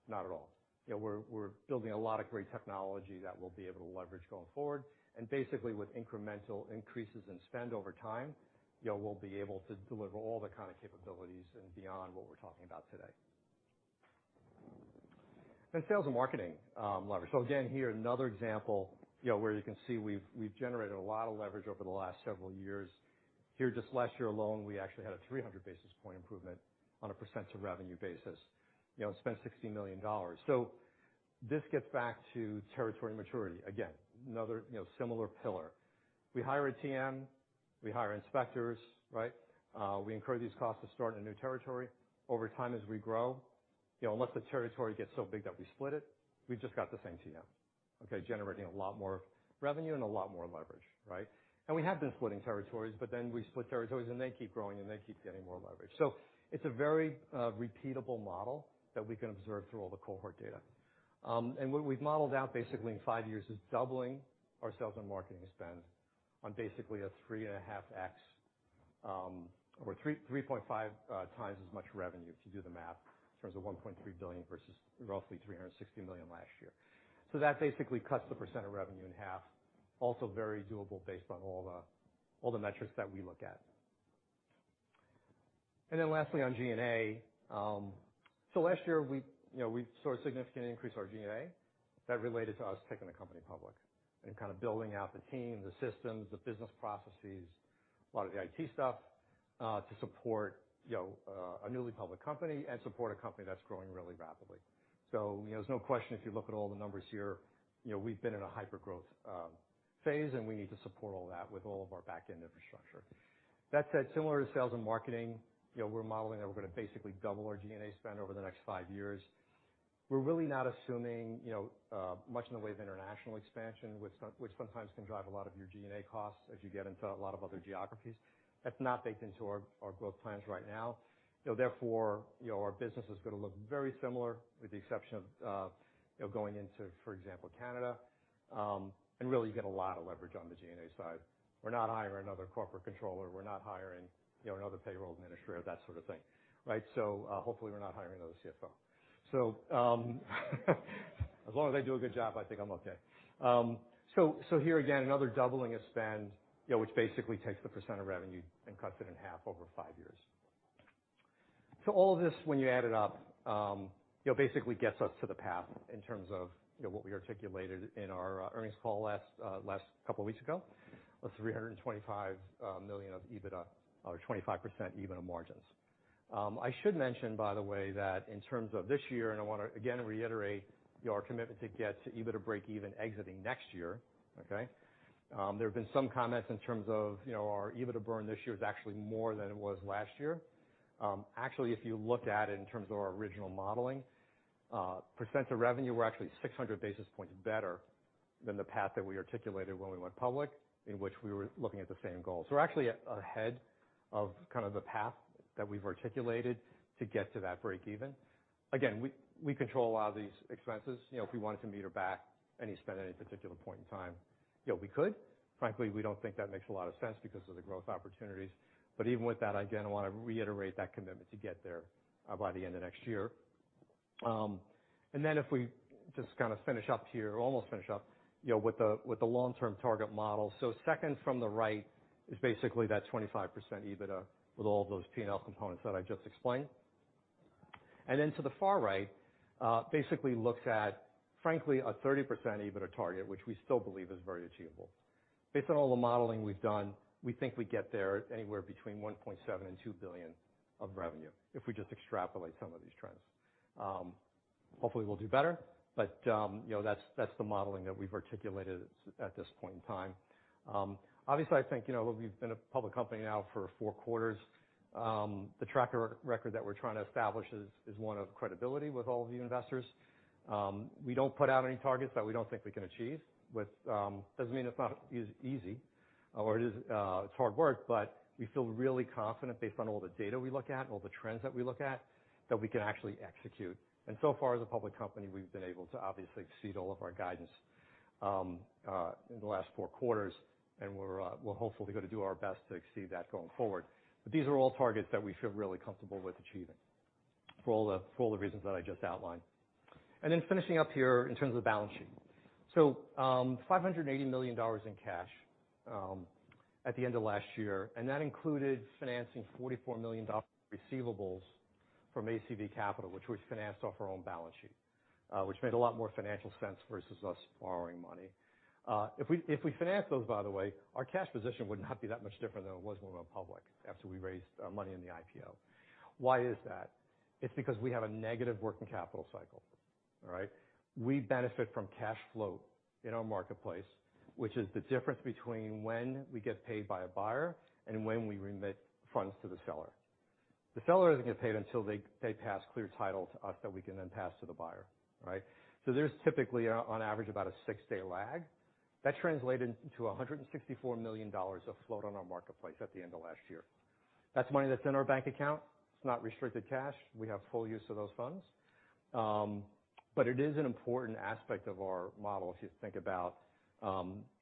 Not at all. You know, we're building a lot of great technology that we'll be able to leverage going forward. Basically, with incremental increases in spend over time, you know, we'll be able to deliver all the kind of capabilities and beyond what we're talking about today. Sales and marketing leverage. Again, here, another example, you know, where you can see we've generated a lot of leverage over the last several years. Here just last year alone, we actually had a 300 basis point improvement on a percent of revenue basis, you know, spent $60 million. This gets back to territory maturity. Again, another, you know, similar pillar. We hire a TM, we hire inspectors, right? We incur these costs to start in a new territory. Over time, as we grow, you know, unless the territory gets so big that we split it, we've just got the same TM, okay, generating a lot more revenue and a lot more leverage, right? We have been splitting territories, but then we split territories, and they keep growing, and they keep getting more leverage. It's a very repeatable model that we can observe through all the cohort data. What we've modeled out basically in 5 years is doubling our sales and marketing spend on basically a 3.5x or 3.5 times as much revenue, if you do the math, in terms of $1.3 billion versus roughly $360 million last year. That basically cuts the % of revenue in half, also very doable based on all the metrics that we look at. Then lastly, on G&A. Last year, we, you know, we saw a significant increase in our G&A that related to us taking the company public and kind of building out the team, the systems, the business processes, a lot of the IT stuff to support, you know, a newly public company and support a company that's growing really rapidly. You know, there's no question if you look at all the numbers here, you know, we've been in a hypergrowth phase, and we need to support all that with all of our back-end infrastructure. That said, similar to sales and marketing, you know, we're modeling that we're gonna basically double our G&A spend over the next five years. We're really not assuming, you know, much in the way of international expansion, which sometimes can drive a lot of your G&A costs as you get into a lot of other geographies. That's not baked into our growth plans right now. You know, therefore, you know, our business is gonna look very similar with the exception of, you know, going into, for example, Canada. Really, you get a lot of leverage on the G&A side. We're not hiring another corporate controller. We're not hiring, you know, another payroll administrator, that sort of thing, right? Hopefully, we're not hiring another CFO. As long as they do a good job, I think I'm okay. Here again, another doubling of spend, you know, which basically takes the % of revenue and cuts it in half over five years. All of this, when you add it up, you know, basically gets us to the path in terms of, you know, what we articulated in our earnings call last couple weeks ago of $325 million of EBITDA or 25% EBITDA margins. I should mention, by the way, that in terms of this year, and I wanna again reiterate, you know, our commitment to get to EBITDA breakeven exiting next year, okay. There have been some comments in terms of, you know, our EBITDA burn this year is actually more than it was last year. Actually, if you looked at it in terms of our original modeling, percent of revenue were actually 600 basis points better than the path that we articulated when we went public, in which we were looking at the same goals. We're actually ahead of kind of the path that we've articulated to get to that breakeven. Again, we control a lot of these expenses. You know, if we wanted to meter back any spend at any particular point in time, you know, we could. Frankly, we don't think that makes a lot of sense because of the growth opportunities. Even with that, again, I wanna reiterate that commitment to get there by the end of next year. Then if we just kind of finish up here, almost finish up, you know, with the long-term target model. Second from the right is basically that 25% EBITDA with all those P&L components that I just explained. Then to the far right basically looks at, frankly, a 30% EBITDA target, which we still believe is very achievable. Based on all the modeling we've done, we think we get there anywhere between $1.7 billion-$2 billion of revenue if we just extrapolate some of these trends. Hopefully, we'll do better, but you know, that's the modeling that we've articulated at this point in time. Obviously, I think you know, we've been a public company now for four quarters. The track record that we're trying to establish is one of credibility with all of you investors. We don't put out any targets that we don't think we can achieve. Doesn't mean it's not easy, it's hard work, but we feel really confident based on all the data we look at and all the trends that we look at, that we can actually execute. As a public company, we've been able to obviously exceed all of our guidance in the last four quarters, and we're hopeful we're gonna do our best to exceed that going forward. These are all targets that we feel really comfortable with achieving for all the, for all the reasons that I just outlined. Then finishing up here in terms of the balance sheet. $580 million in cash at the end of last year, and that included financing $44 million receivables from ACV Capital, which was financed off our own balance sheet, which made a lot more financial sense versus us borrowing money. If we finance those, by the way, our cash position would not be that much different than it was when we went public after we raised our money in the IPO. Why is that? It's because we have a negative working capital cycle. All right? We benefit from cash flow in our marketplace, which is the difference between when we get paid by a buyer and when we remit funds to the seller. The seller doesn't get paid until they pass clear title to us that we can then pass to the buyer, right? So there's typically on average about a 6-day lag. That translated into $164 million of float on our marketplace at the end of last year. That's money that's in our bank account. It's not restricted cash. We have full use of those funds. It is an important aspect of our model if you think about, you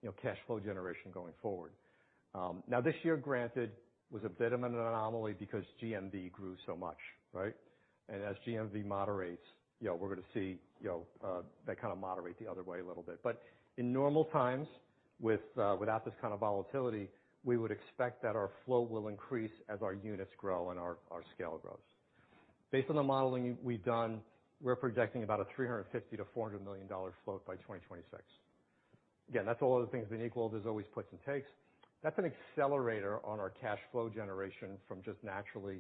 know, cash flow generation going forward. Now this year, granted, was a bit of an anomaly because GMV grew so much, right? As GMV moderates, you know, we're gonna see, you know, that kind of moderate the other way a little bit. In normal times with, without this kind of volatility, we would expect that our float will increase as our units grow and our scale grows. Based on the modeling we've done, we're projecting about a $350 million-$400 million float by 2026. Again, that's all other things being equal. There's always puts and takes. That's an accelerator on our cash flow generation from just naturally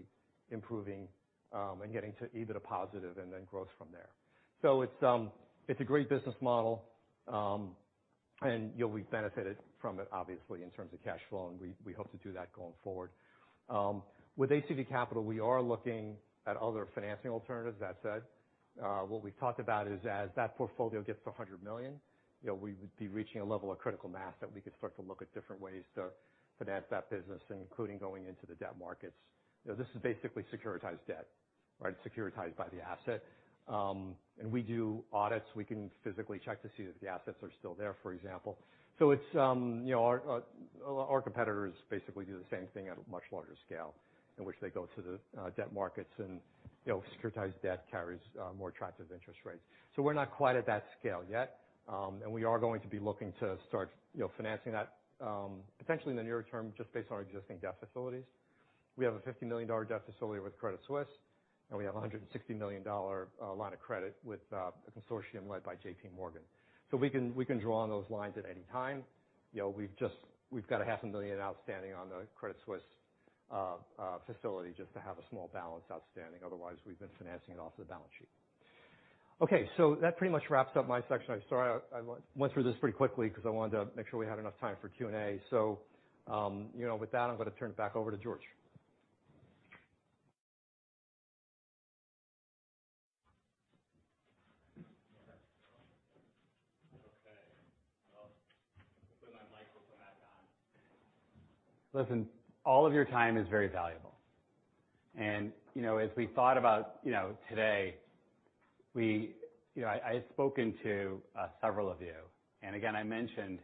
improving, and getting to EBITDA positive and then grows from there. It's a great business model, and we've benefited from it obviously in terms of cash flow, and we hope to do that going forward. With ACV Capital, we are looking at other financing alternatives. That said, what we've talked about is as that portfolio gets to $100 million, you know, we would be reaching a level of critical mass that we could start to look at different ways to finance that business, including going into the debt markets. You know, this is basically securitized debt, right? It's securitized by the asset. And we do audits. We can physically check to see that the assets are still there, for example. It's you know, our competitors basically do the same thing at a much larger scale in which they go to the debt markets and you know, securitized debt carries more attractive interest rates. We're not quite at that scale yet, and we are going to be looking to start you know, financing that potentially in the near term, just based on our existing debt facilities. We have a $50 million debt facility with Credit Suisse, and we have a $160 million line of credit with a consortium led by JP Morgan. We can draw on those lines at any time. You know, we've just we've got half a million outstanding on the Credit Suisse facility just to have a small balance outstanding. Otherwise, we've been financing it off the balance sheet. Okay, so that pretty much wraps up my section. I'm sorry, I went through this pretty quickly because I wanted to make sure we had enough time for Q&A. You know, with that, I'm gonna turn it back over to George.
Okay. Well, put my microphone back on. Listen, all of your time is very valuable. You know, as we thought about, you know, today, you know, I had spoken to several of you, and again, I mentioned,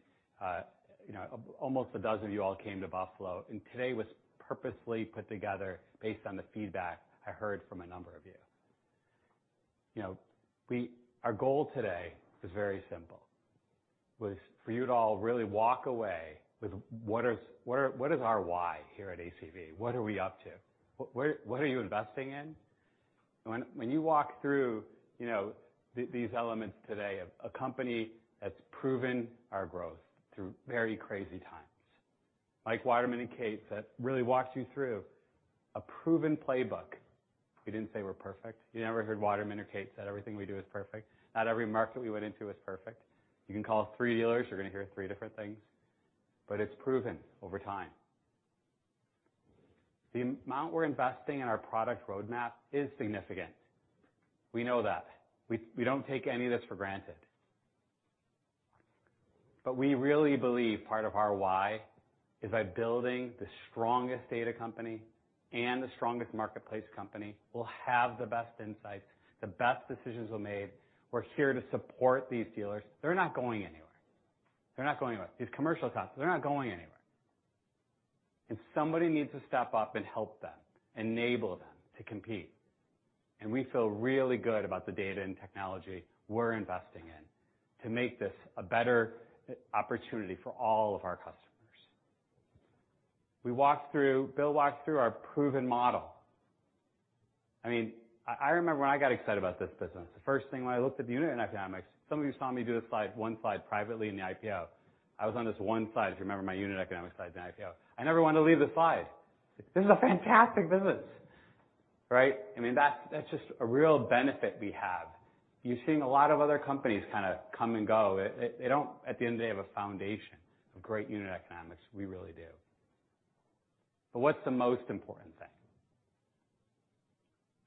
you know, almost a dozen of you all came to Buffalo, and today was purposely put together based on the feedback I heard from a number of you. You know, our goal today is very simple, was for you to all really walk away with what is, what are, what is our why here at ACV? What are we up to? What are you investing in? When you walk through, you know, these elements today of a company that's proven our growth through very crazy times, Mike Waterman and Kate that really walked you through a proven playbook. We didn't say we're perfect. You never heard Waterman or Kate said everything we do is perfect. Not every market we went into is perfect. You can call three dealers, you're gonna hear three different things. It's proven over time. The amount we're investing in our product roadmap is significant. We know that. We don't take any of this for granted. We really believe part of our why is by building the strongest data company and the strongest marketplace company, we'll have the best insights, the best decisions were made. We're here to support these dealers. They're not going anywhere. They're not going anywhere. These commercial customers, they're not going anywhere. Somebody needs to step up and help them, enable them to compete. We feel really good about the data and technology we're investing in to make this a better opportunity for all of our customers. Bill walked through our proven model. I mean, I remember when I got excited about this business, the first thing when I looked at the unit economics, some of you saw me do this slide, one slide privately in the IPO. I was on this one slide, if you remember my unit economics slide in the IPO. I never wanted to leave the slide. This is a fantastic business, right? I mean, that's just a real benefit we have. You're seeing a lot of other companies kinda come and go. They don't, at the end of the day, have a foundation of great unit economics. We really do. What's the most important thing?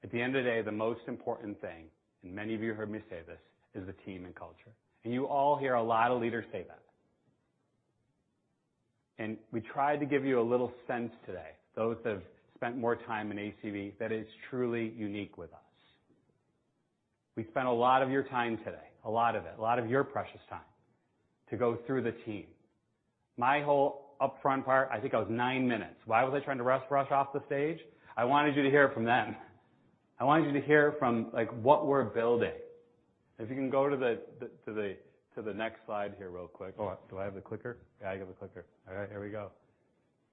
At the end of the day, the most important thing, and many of you heard me say this, is the team and culture. You all hear a lot of leaders say that. We tried to give you a little sense today, those that have spent more time in ACV, that is truly unique with us. We spent a lot of your precious time today to go through the team. My whole upfront part, I think I was nine minutes. Why was I trying to rush off the stage? I wanted you to hear from them. I wanted you to hear from, like, what we're building. If you can go to the next slide here real quick. Hold on. Do I have the clicker? Yeah, I got the clicker. All right, here we go.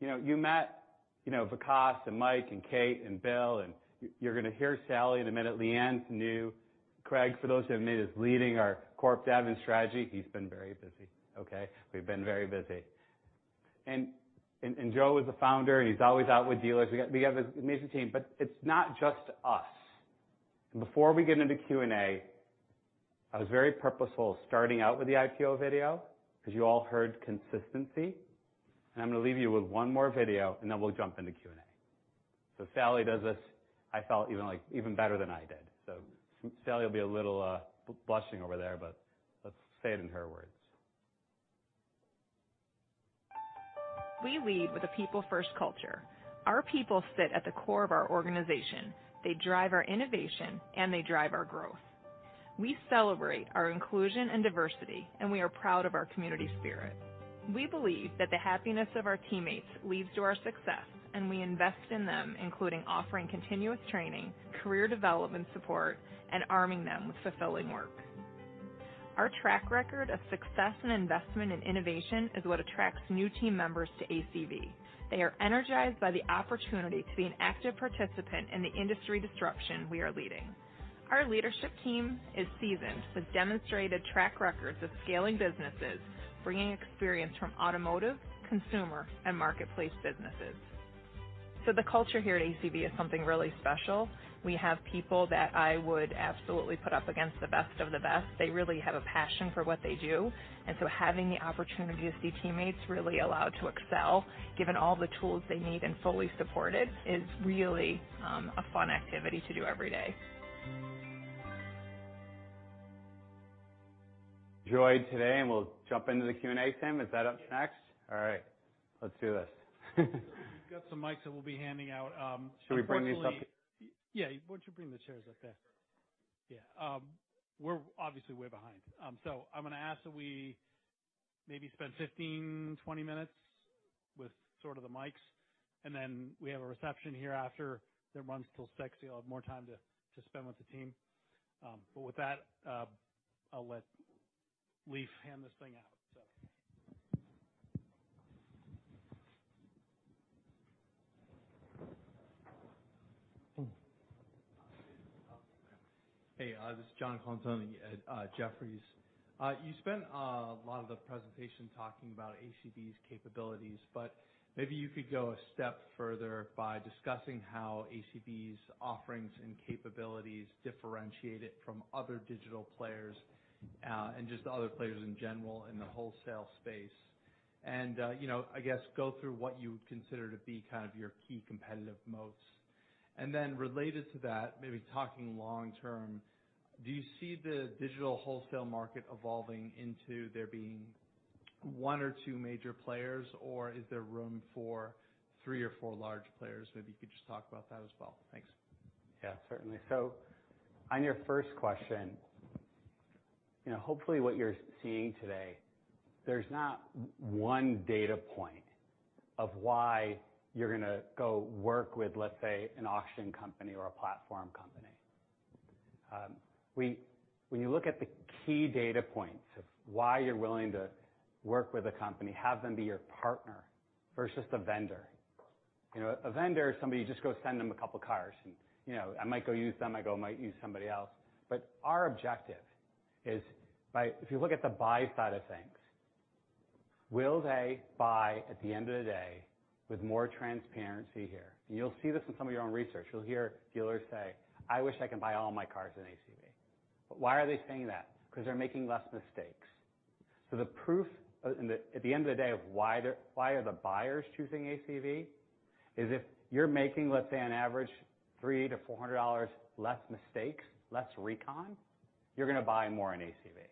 You know, you met, you know, Vikas and Mike and Kate and Bill, and you're gonna hear Sally in a minute. Leanne's new. Craig, for those who have met, is leading our corp dev and strategy. He's been very busy, okay? We've been very busy. Joe is the founder, and he's always out with dealers. We have an amazing team, but it's not just us. Before we get into Q&A, I was very purposeful starting out with the IPO video because you all heard consistency. I'm gonna leave you with one more video, and then we'll jump into Q&A. Sally does this, I felt even better than I did. Sally will be a little blushing over there, but let's say it in her words.
We lead with a people-first culture. Our people sit at the core of our organization. They drive our innovation, and they drive our growth. We celebrate our inclusion and diversity, and we are proud of our community spirit. We believe that the happiness of our teammates leads to our success, and we invest in them, including offering continuous training, career development support, and arming them with fulfilling work. Our track record of success and investment in innovation is what attracts new team members to ACV. They are energized by the opportunity to be an active participant in the industry disruption we are leading. Our leadership team is seasoned with demonstrated track records of scaling businesses, bringing experience from automotive, consumer, and marketplace businesses. The culture here at ACV is something really special. We have people that I would absolutely put up against the best of the best. They really have a passion for what they do, and so having the opportunity to see teammates really allowed to excel, given all the tools they need and fully supported, is really a fun activity to do every day.
Enjoy today, and we'll jump into the Q&A. Tim, is that up next?
Yes.
All right. Let's do this.
We've got some mics that we'll be handing out, so frankly.
Can we bring these up here?
Yeah. Why don't you bring the chairs up there? Yeah. We're obviously way behind. I'm gonna ask that we maybe spend 15, 20 minutes with sort of the mics, and then we have a reception hereafter that runs till 6. You'll have more time to spend with the team. With that, I'll let Lee hand this thing out, so.
Hey, this is John Colantuoni at Jefferies. You spent a lot of the presentation talking about ACV's capabilities, but maybe you could go a step further by discussing how ACV's offerings and capabilities differentiate it from other digital players, and just other players in general in the wholesale space. You know, I guess go through what you would consider to be kind of your key competitive moats. Related to that, maybe talking long-term, do you see the digital wholesale market evolving into there being one or two major players, or is there room for three or four large players? Maybe you could just talk about that as well. Thanks.
Yeah, certainly. On your first question, hopefully what you're seeing today, there's not one data point of why you're gonna go work with, let's say, an auction company or a platform company. When you look at the key data points of why you're willing to work with a company, have them be your partner versus the vendor. A vendor is somebody you just go send them a couple cars and, I might go use them, might use somebody else. Our objective is if you look at the buy side of things, will they buy at the end of the day with more transparency here? You'll see this in some of your own research. You'll hear dealers say, "I wish I can buy all my cars in ACV." Why are they saying that? Because they're making less mistakes. The proof of—in the—at the end of the day, why are the buyers choosing ACV is if you're making, let's say, on average $300-$400 less mistakes, less recon, you're gonna buy more in ACV.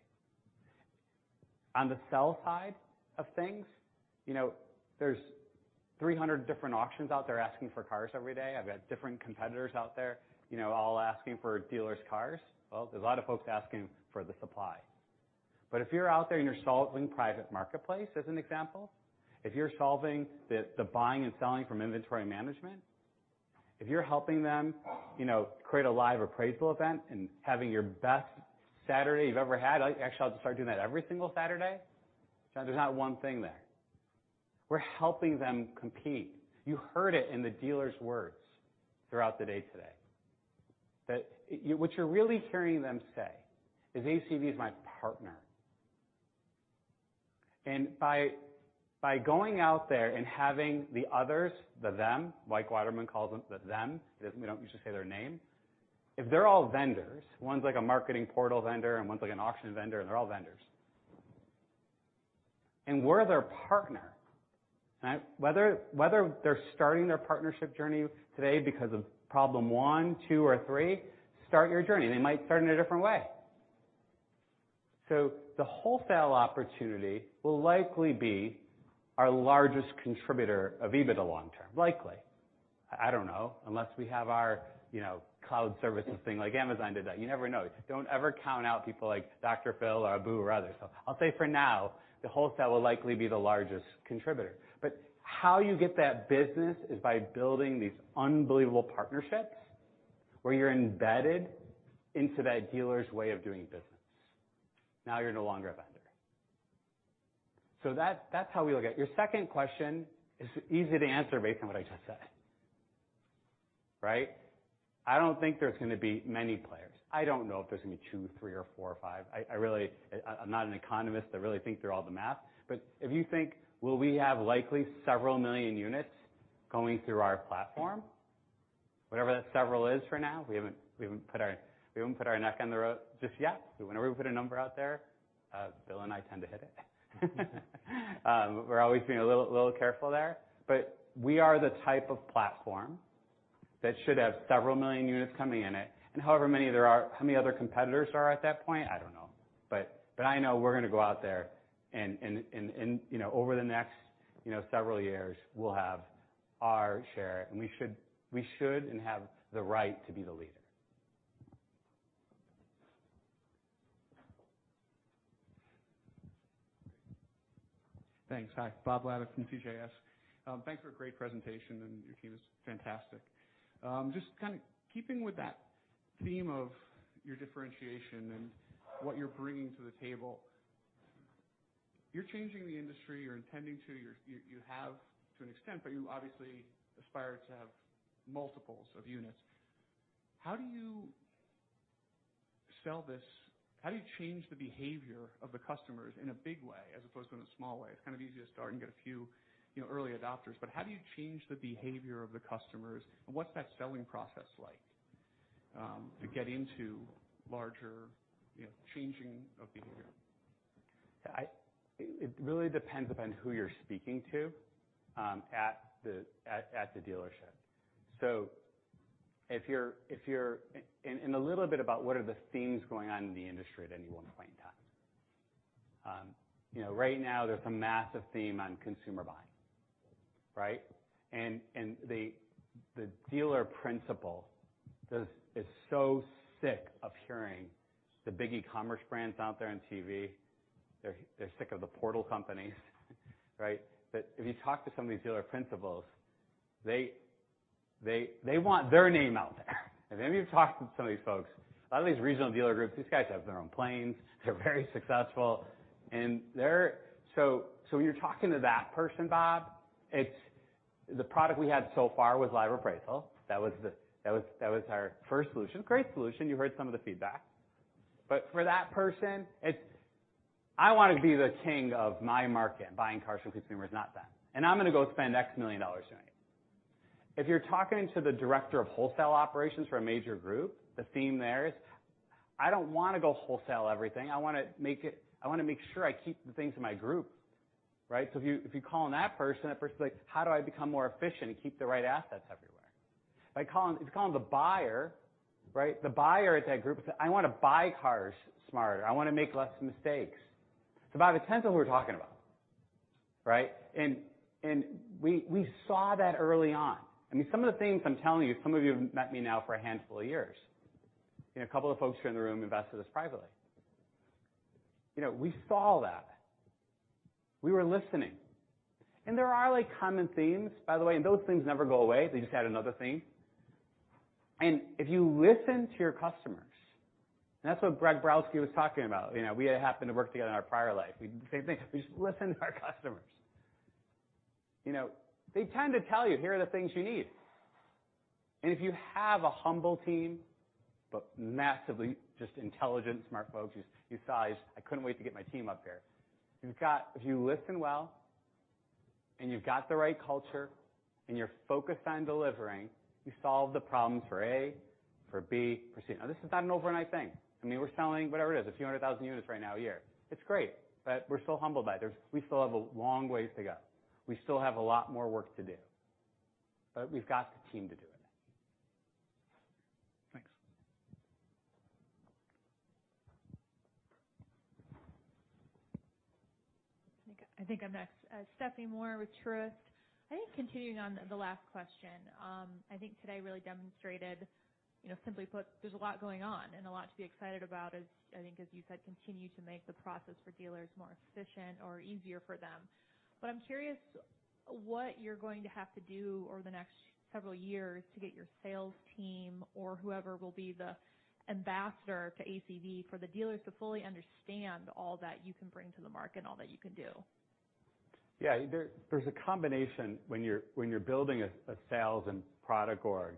On the sell side of things, you know, there's 300 different auctions out there asking for cars every day. I've got different competitors out there, you know, all asking for dealers' cars. Well, there's a lot of folks asking for the supply. If you're out there in your solving Private Marketplace, as an example, if you're solving the buying and selling from inventory management, if you're helping them, you know, create a Live Appraisal event and having your best Saturday you've ever had, actually I'll just start doing that every single Saturday. There's not one thing there. We're helping them compete. You heard it in the dealers' words throughout the day today, that what you're really hearing them say is ACV is my partner. By going out there and having the others, the them, Mike Waterman calls them the them. We don't usually say their name. If they're all vendors, one's like a marketing portal vendor, and one's like an auction vendor, and they're all vendors. We're their partner, right? Whether they're starting their partnership journey today because of problem one, two, or three, start your journey. They might start in a different way. The wholesale opportunity will likely be our largest contributor of EBITDA long term, likely. I don't know, unless we have our, you know, cloud services thing like Amazon did that. You never know. Just don't ever count out people like Dr. Phil or Abou-El-Raki or others. I'll say for now, the wholesale will likely be the largest contributor. How you get that business is by building these unbelievable partnerships where you're embedded into that dealer's way of doing business. Now you're no longer a vendor. That, that's how we look at it. Your second question is easy to answer based on what I just said, right? I don't think there's gonna be many players. I don't know if there's gonna be two, three or four or five. I really, I'm not an economist to really think through all the math. If you think, will we have likely several million units going through our platform? Whatever that several is for now, we haven't put our neck on the line just yet. Whenever we put a number out there, Bill and I tend to hit it. We're always being a little careful there. We are the type of platform that should have several million units coming in it, and however many there are, how many other competitors there are at that point, I don't know. I know we're gonna go out there and you know, over the next, you know, several years, we'll have our share, and we should and have the right to be the leader.
Thanks. Hi. Bob Labick from CJS Securities. Thanks for a great presentation, and your team is fantastic. Just kind of keeping with that theme of your differentiation and what you're bringing to the table, you're changing the industry or intending to, you have to an extent, but you obviously aspire to have multiples of units. How do you sell this? How do you change the behavior of the customers in a big way as opposed to in a small way? It's kind of easy to start and get a few, you know, early adopters, but how do you change the behavior of the customers, and what's that selling process like, to get into larger, you know, changing of behavior?
It really depends upon who you're speaking to at the dealership. A little bit about what are the themes going on in the industry at any one point in time. You know, right now there's a massive theme on consumer buying, right? The dealer principal is so sick of hearing the big e-commerce brands out there on TV. They're sick of the portal companies, right? But if you talk to some of these dealer principals, they want their name out there. If any of you have talked to some of these folks, a lot of these regional dealer groups, these guys have their own planes. They're very successful, and when you're talking to that person, Bob, it's the product we had so far was Live Appraisal. That was our first solution. Great solution. You heard some of the feedback. For that person, it's, "I wanna be the king of my market and buying cars from consumers, not them, and I'm gonna go spend $X million doing it." If you're talking to the director of wholesale operations for a major group, the theme there is, "I don't wanna go wholesale everything. I wanna make sure I keep the things in my group." Right? If you call on that person, that person's like, "How do I become more efficient and keep the right assets everywhere?" If you're calling the buyer, right, the buyer at that group, it's like, "I wanna buy cars smarter. I wanna make less mistakes." Bob, it depends on who we're talking about, right? We saw that early on. I mean, some of the things I'm telling you, some of you have met me now for a handful of years, and a couple of folks here in the room invested with us privately. You know, we saw that. We were listening. There are, like, common themes, by the way, and those themes never go away, they just add another theme. If you listen to your customers, and that's what Greg Borowski was talking about. You know, we happened to work together in our prior life. We did the same thing. We just listened to our customers. You know, they tend to tell you, "Here are the things you need." If you have a humble team, but massively just intelligent, smart folks, you saw I couldn't wait to get my team up here. You've got... If you listen well, and you've got the right culture, and you're focused on delivering, you solve the problems for A, for B, for C. Now, this is not an overnight thing. I mean, we're selling, whatever it is, a few hundred thousand units right now a year. It's great, but we're still humbled by it. We still have a long ways to go. We still have a lot more work to do, but we've got the team to do it.
Thanks.
I think I'm next. Stephanie Moore with Truist. I think continuing on the last question, I think today really demonstrated, you know, simply put, there's a lot going on and a lot to be excited about as, I think, as you said, continue to make the process for dealers more efficient or easier for them. I'm curious what you're going to have to do over the next several years to get your sales team or whoever will be the ambassador to ACV for the dealers to fully understand all that you can bring to the market and all that you can do.
Yeah. There's a combination when you're building a sales and product org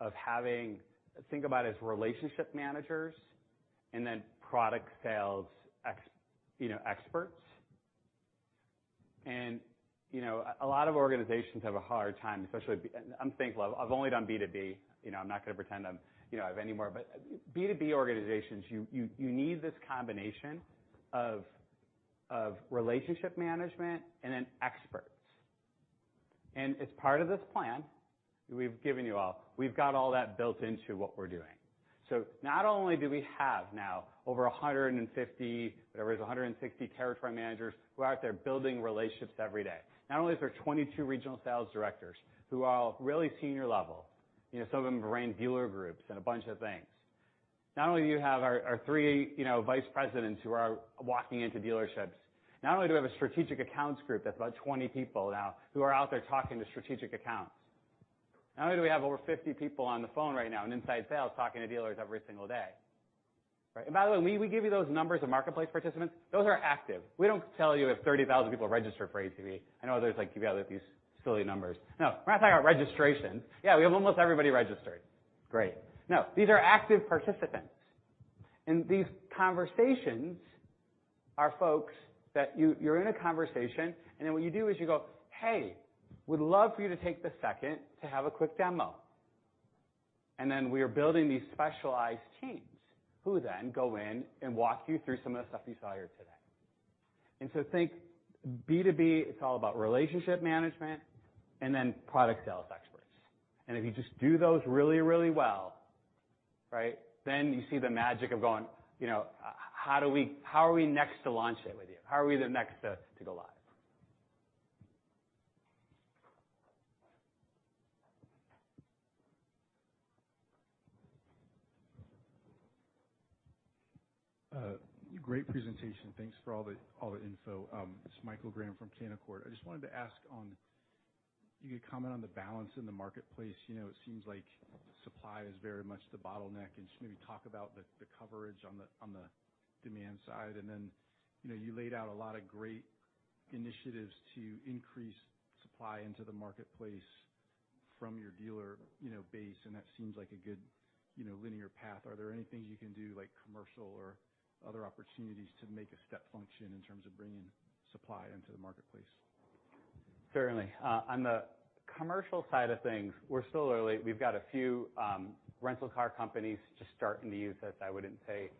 of having. Think about it as relationship managers and then product sales experts. You know, a lot of organizations have a hard time, especially. I'm thinking, I've only done B2B, you know, I'm not gonna pretend I'm, you know, I have any more. B2B organizations, you need this combination of relationship management and then experts. As part of this plan we've given you all, we've got all that built into what we're doing. Not only do we have now over 150, whatever it is, 160 territory managers who are out there building relationships every day. Not only is there 22 regional sales directors who are all really senior level, you know, some of them have ran dealer groups and a bunch of things. Not only do you have our three, you know, vice presidents who are walking into dealerships. Not only do we have a strategic accounts group that's about 20 people now who are out there talking to strategic accounts. Not only do we have over 50 people on the phone right now in inside sales talking to dealers every single day, right? By the way, we give you those numbers of marketplace participants, those are active. We don't tell you if 30,000 people registered for ACV. I know others like give you all these silly numbers. No, we're not talking about registration. Yeah, we have almost everybody registered. Great. No, these are active participants. These conversations are folks that you're in a conversation, and then what you do is you go, "Hey, we'd love for you to take a second to have a quick demo." We are building these specialized teams who then go in and walk you through some of the stuff you saw here today. Think B2B, it's all about relationship management and then product sales experts. If you just do those really, really well, right? You see the magic of going, you know, how are we next to launch it with you? How are we the next to go live?
Great presentation. Thanks for all the info. It's Michael Graham from Canaccord Genuity. I just wanted to ask on if you could comment on the balance in the marketplace. You know, it seems like supply is very much the bottleneck, and just maybe talk about the coverage on the demand side. You know, you laid out a lot of great initiatives to increase supply into the marketplace from your dealer base, and that seems like a good linear path. Are there any things you can do like commercial or other opportunities to make a step function in terms of bringing supply into the marketplace?
Certainly. On the commercial side of things, we're still early. We've got a few rental car companies just starting to use us. I wouldn't say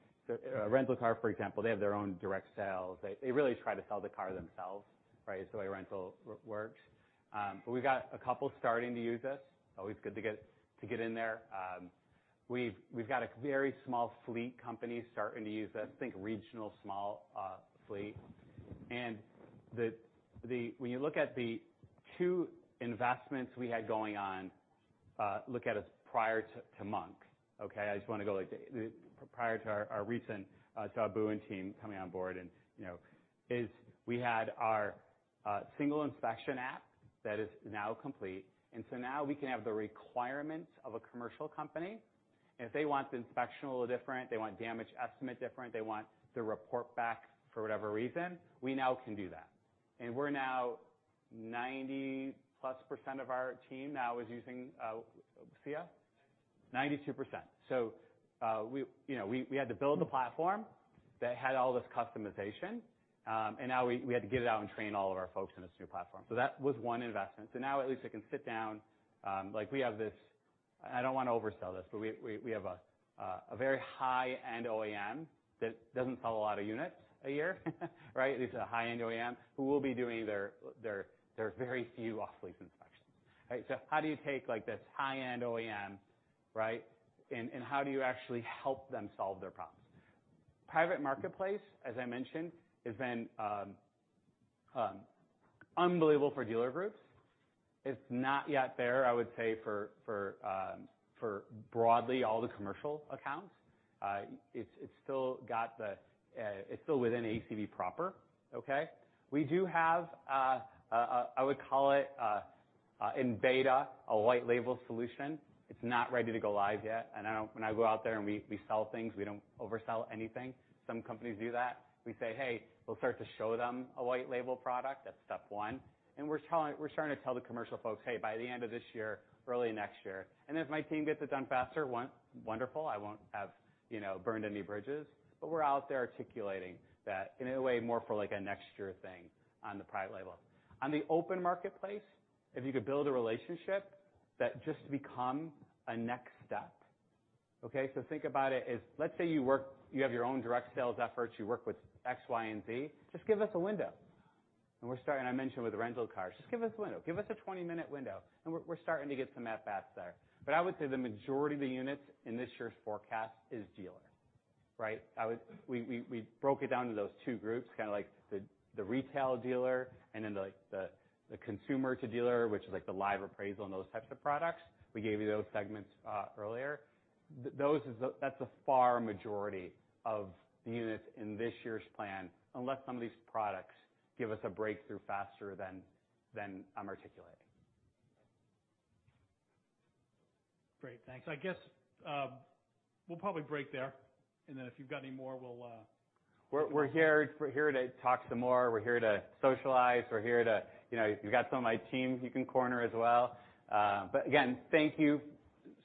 rental car, for example, they have their own direct sales. They really try to sell the car themselves, right? It's the way rental works. We've got a couple starting to use us. Always good to get in there. We've got a very small fleet company starting to use us, think regional small fleet. When you look at the two investments we had going on, look at us prior to Monk. Okay? I just want to go like the prior to our recent Abou Laraki and team coming on board and you know we had our single inspection app that is now complete and now we can have the requirements of a commercial company and if they want the inspection a little different they want damage estimate different they want the report back for whatever reason we now can do that. We're now 90+% of our team is using SIA. 92%. We you know we had to build the platform that had all this customization and now we had to get it out and train all of our folks in this new platform. That was one investment. Now at least I can sit down like we have this. I don't wanna oversell this, but we have a very high-end OEM that doesn't sell a lot of units a year, right? These are high-end OEM who will be doing their very few off-lease inspections, right? How do you take like this high-end OEM, right? How do you actually help them solve their problems? Private Marketplace, as I mentioned, has been unbelievable for dealer groups. It's not yet there, I would say for broadly all the commercial accounts. It's still within ACV proper, okay? We do have a I would call it in beta, a white label solution. It's not ready to go live yet. I know when I go out there and we sell things, we don't oversell anything. Some companies do that. We say, "Hey," we'll start to show them a white label product. That's step one. We're starting to tell the commercial folks, "Hey, by the end of this year, early next year," and if my team gets it done faster, wonderful, I won't have, you know, burned any bridges. We're out there articulating that in a way more for like a next year thing on the private label. On the open marketplace, if you could build a relationship that just become a next step, okay? Think about it as, let's say you have your own direct sales efforts, you work with X, Y, and Z, just give us a window. We're starting, I mentioned with the rental cars, just give us a window. Give us a 20-minute window, and we're starting to get some of that back there. I would say the majority of the units in this year's forecast is dealer, right? We broke it down to those two groups, kinda like the retail dealer and then like the consumer to dealer, which is like the Live Appraisal and those types of products. We gave you those segments earlier. Those is the-- that's a far majority of the units in this year's plan, unless some of these products give us a breakthrough faster than I'm articulating.
Great. Thanks. I guess we'll probably break there, and then if you've got any more, we'll
We're here to talk some more. We're here to socialize. We're here to, you know, you've got some of my teams you can corner as well. But again, thank you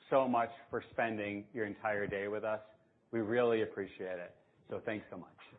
so much for spending your entire day with us. We really appreciate it. Thanks so much.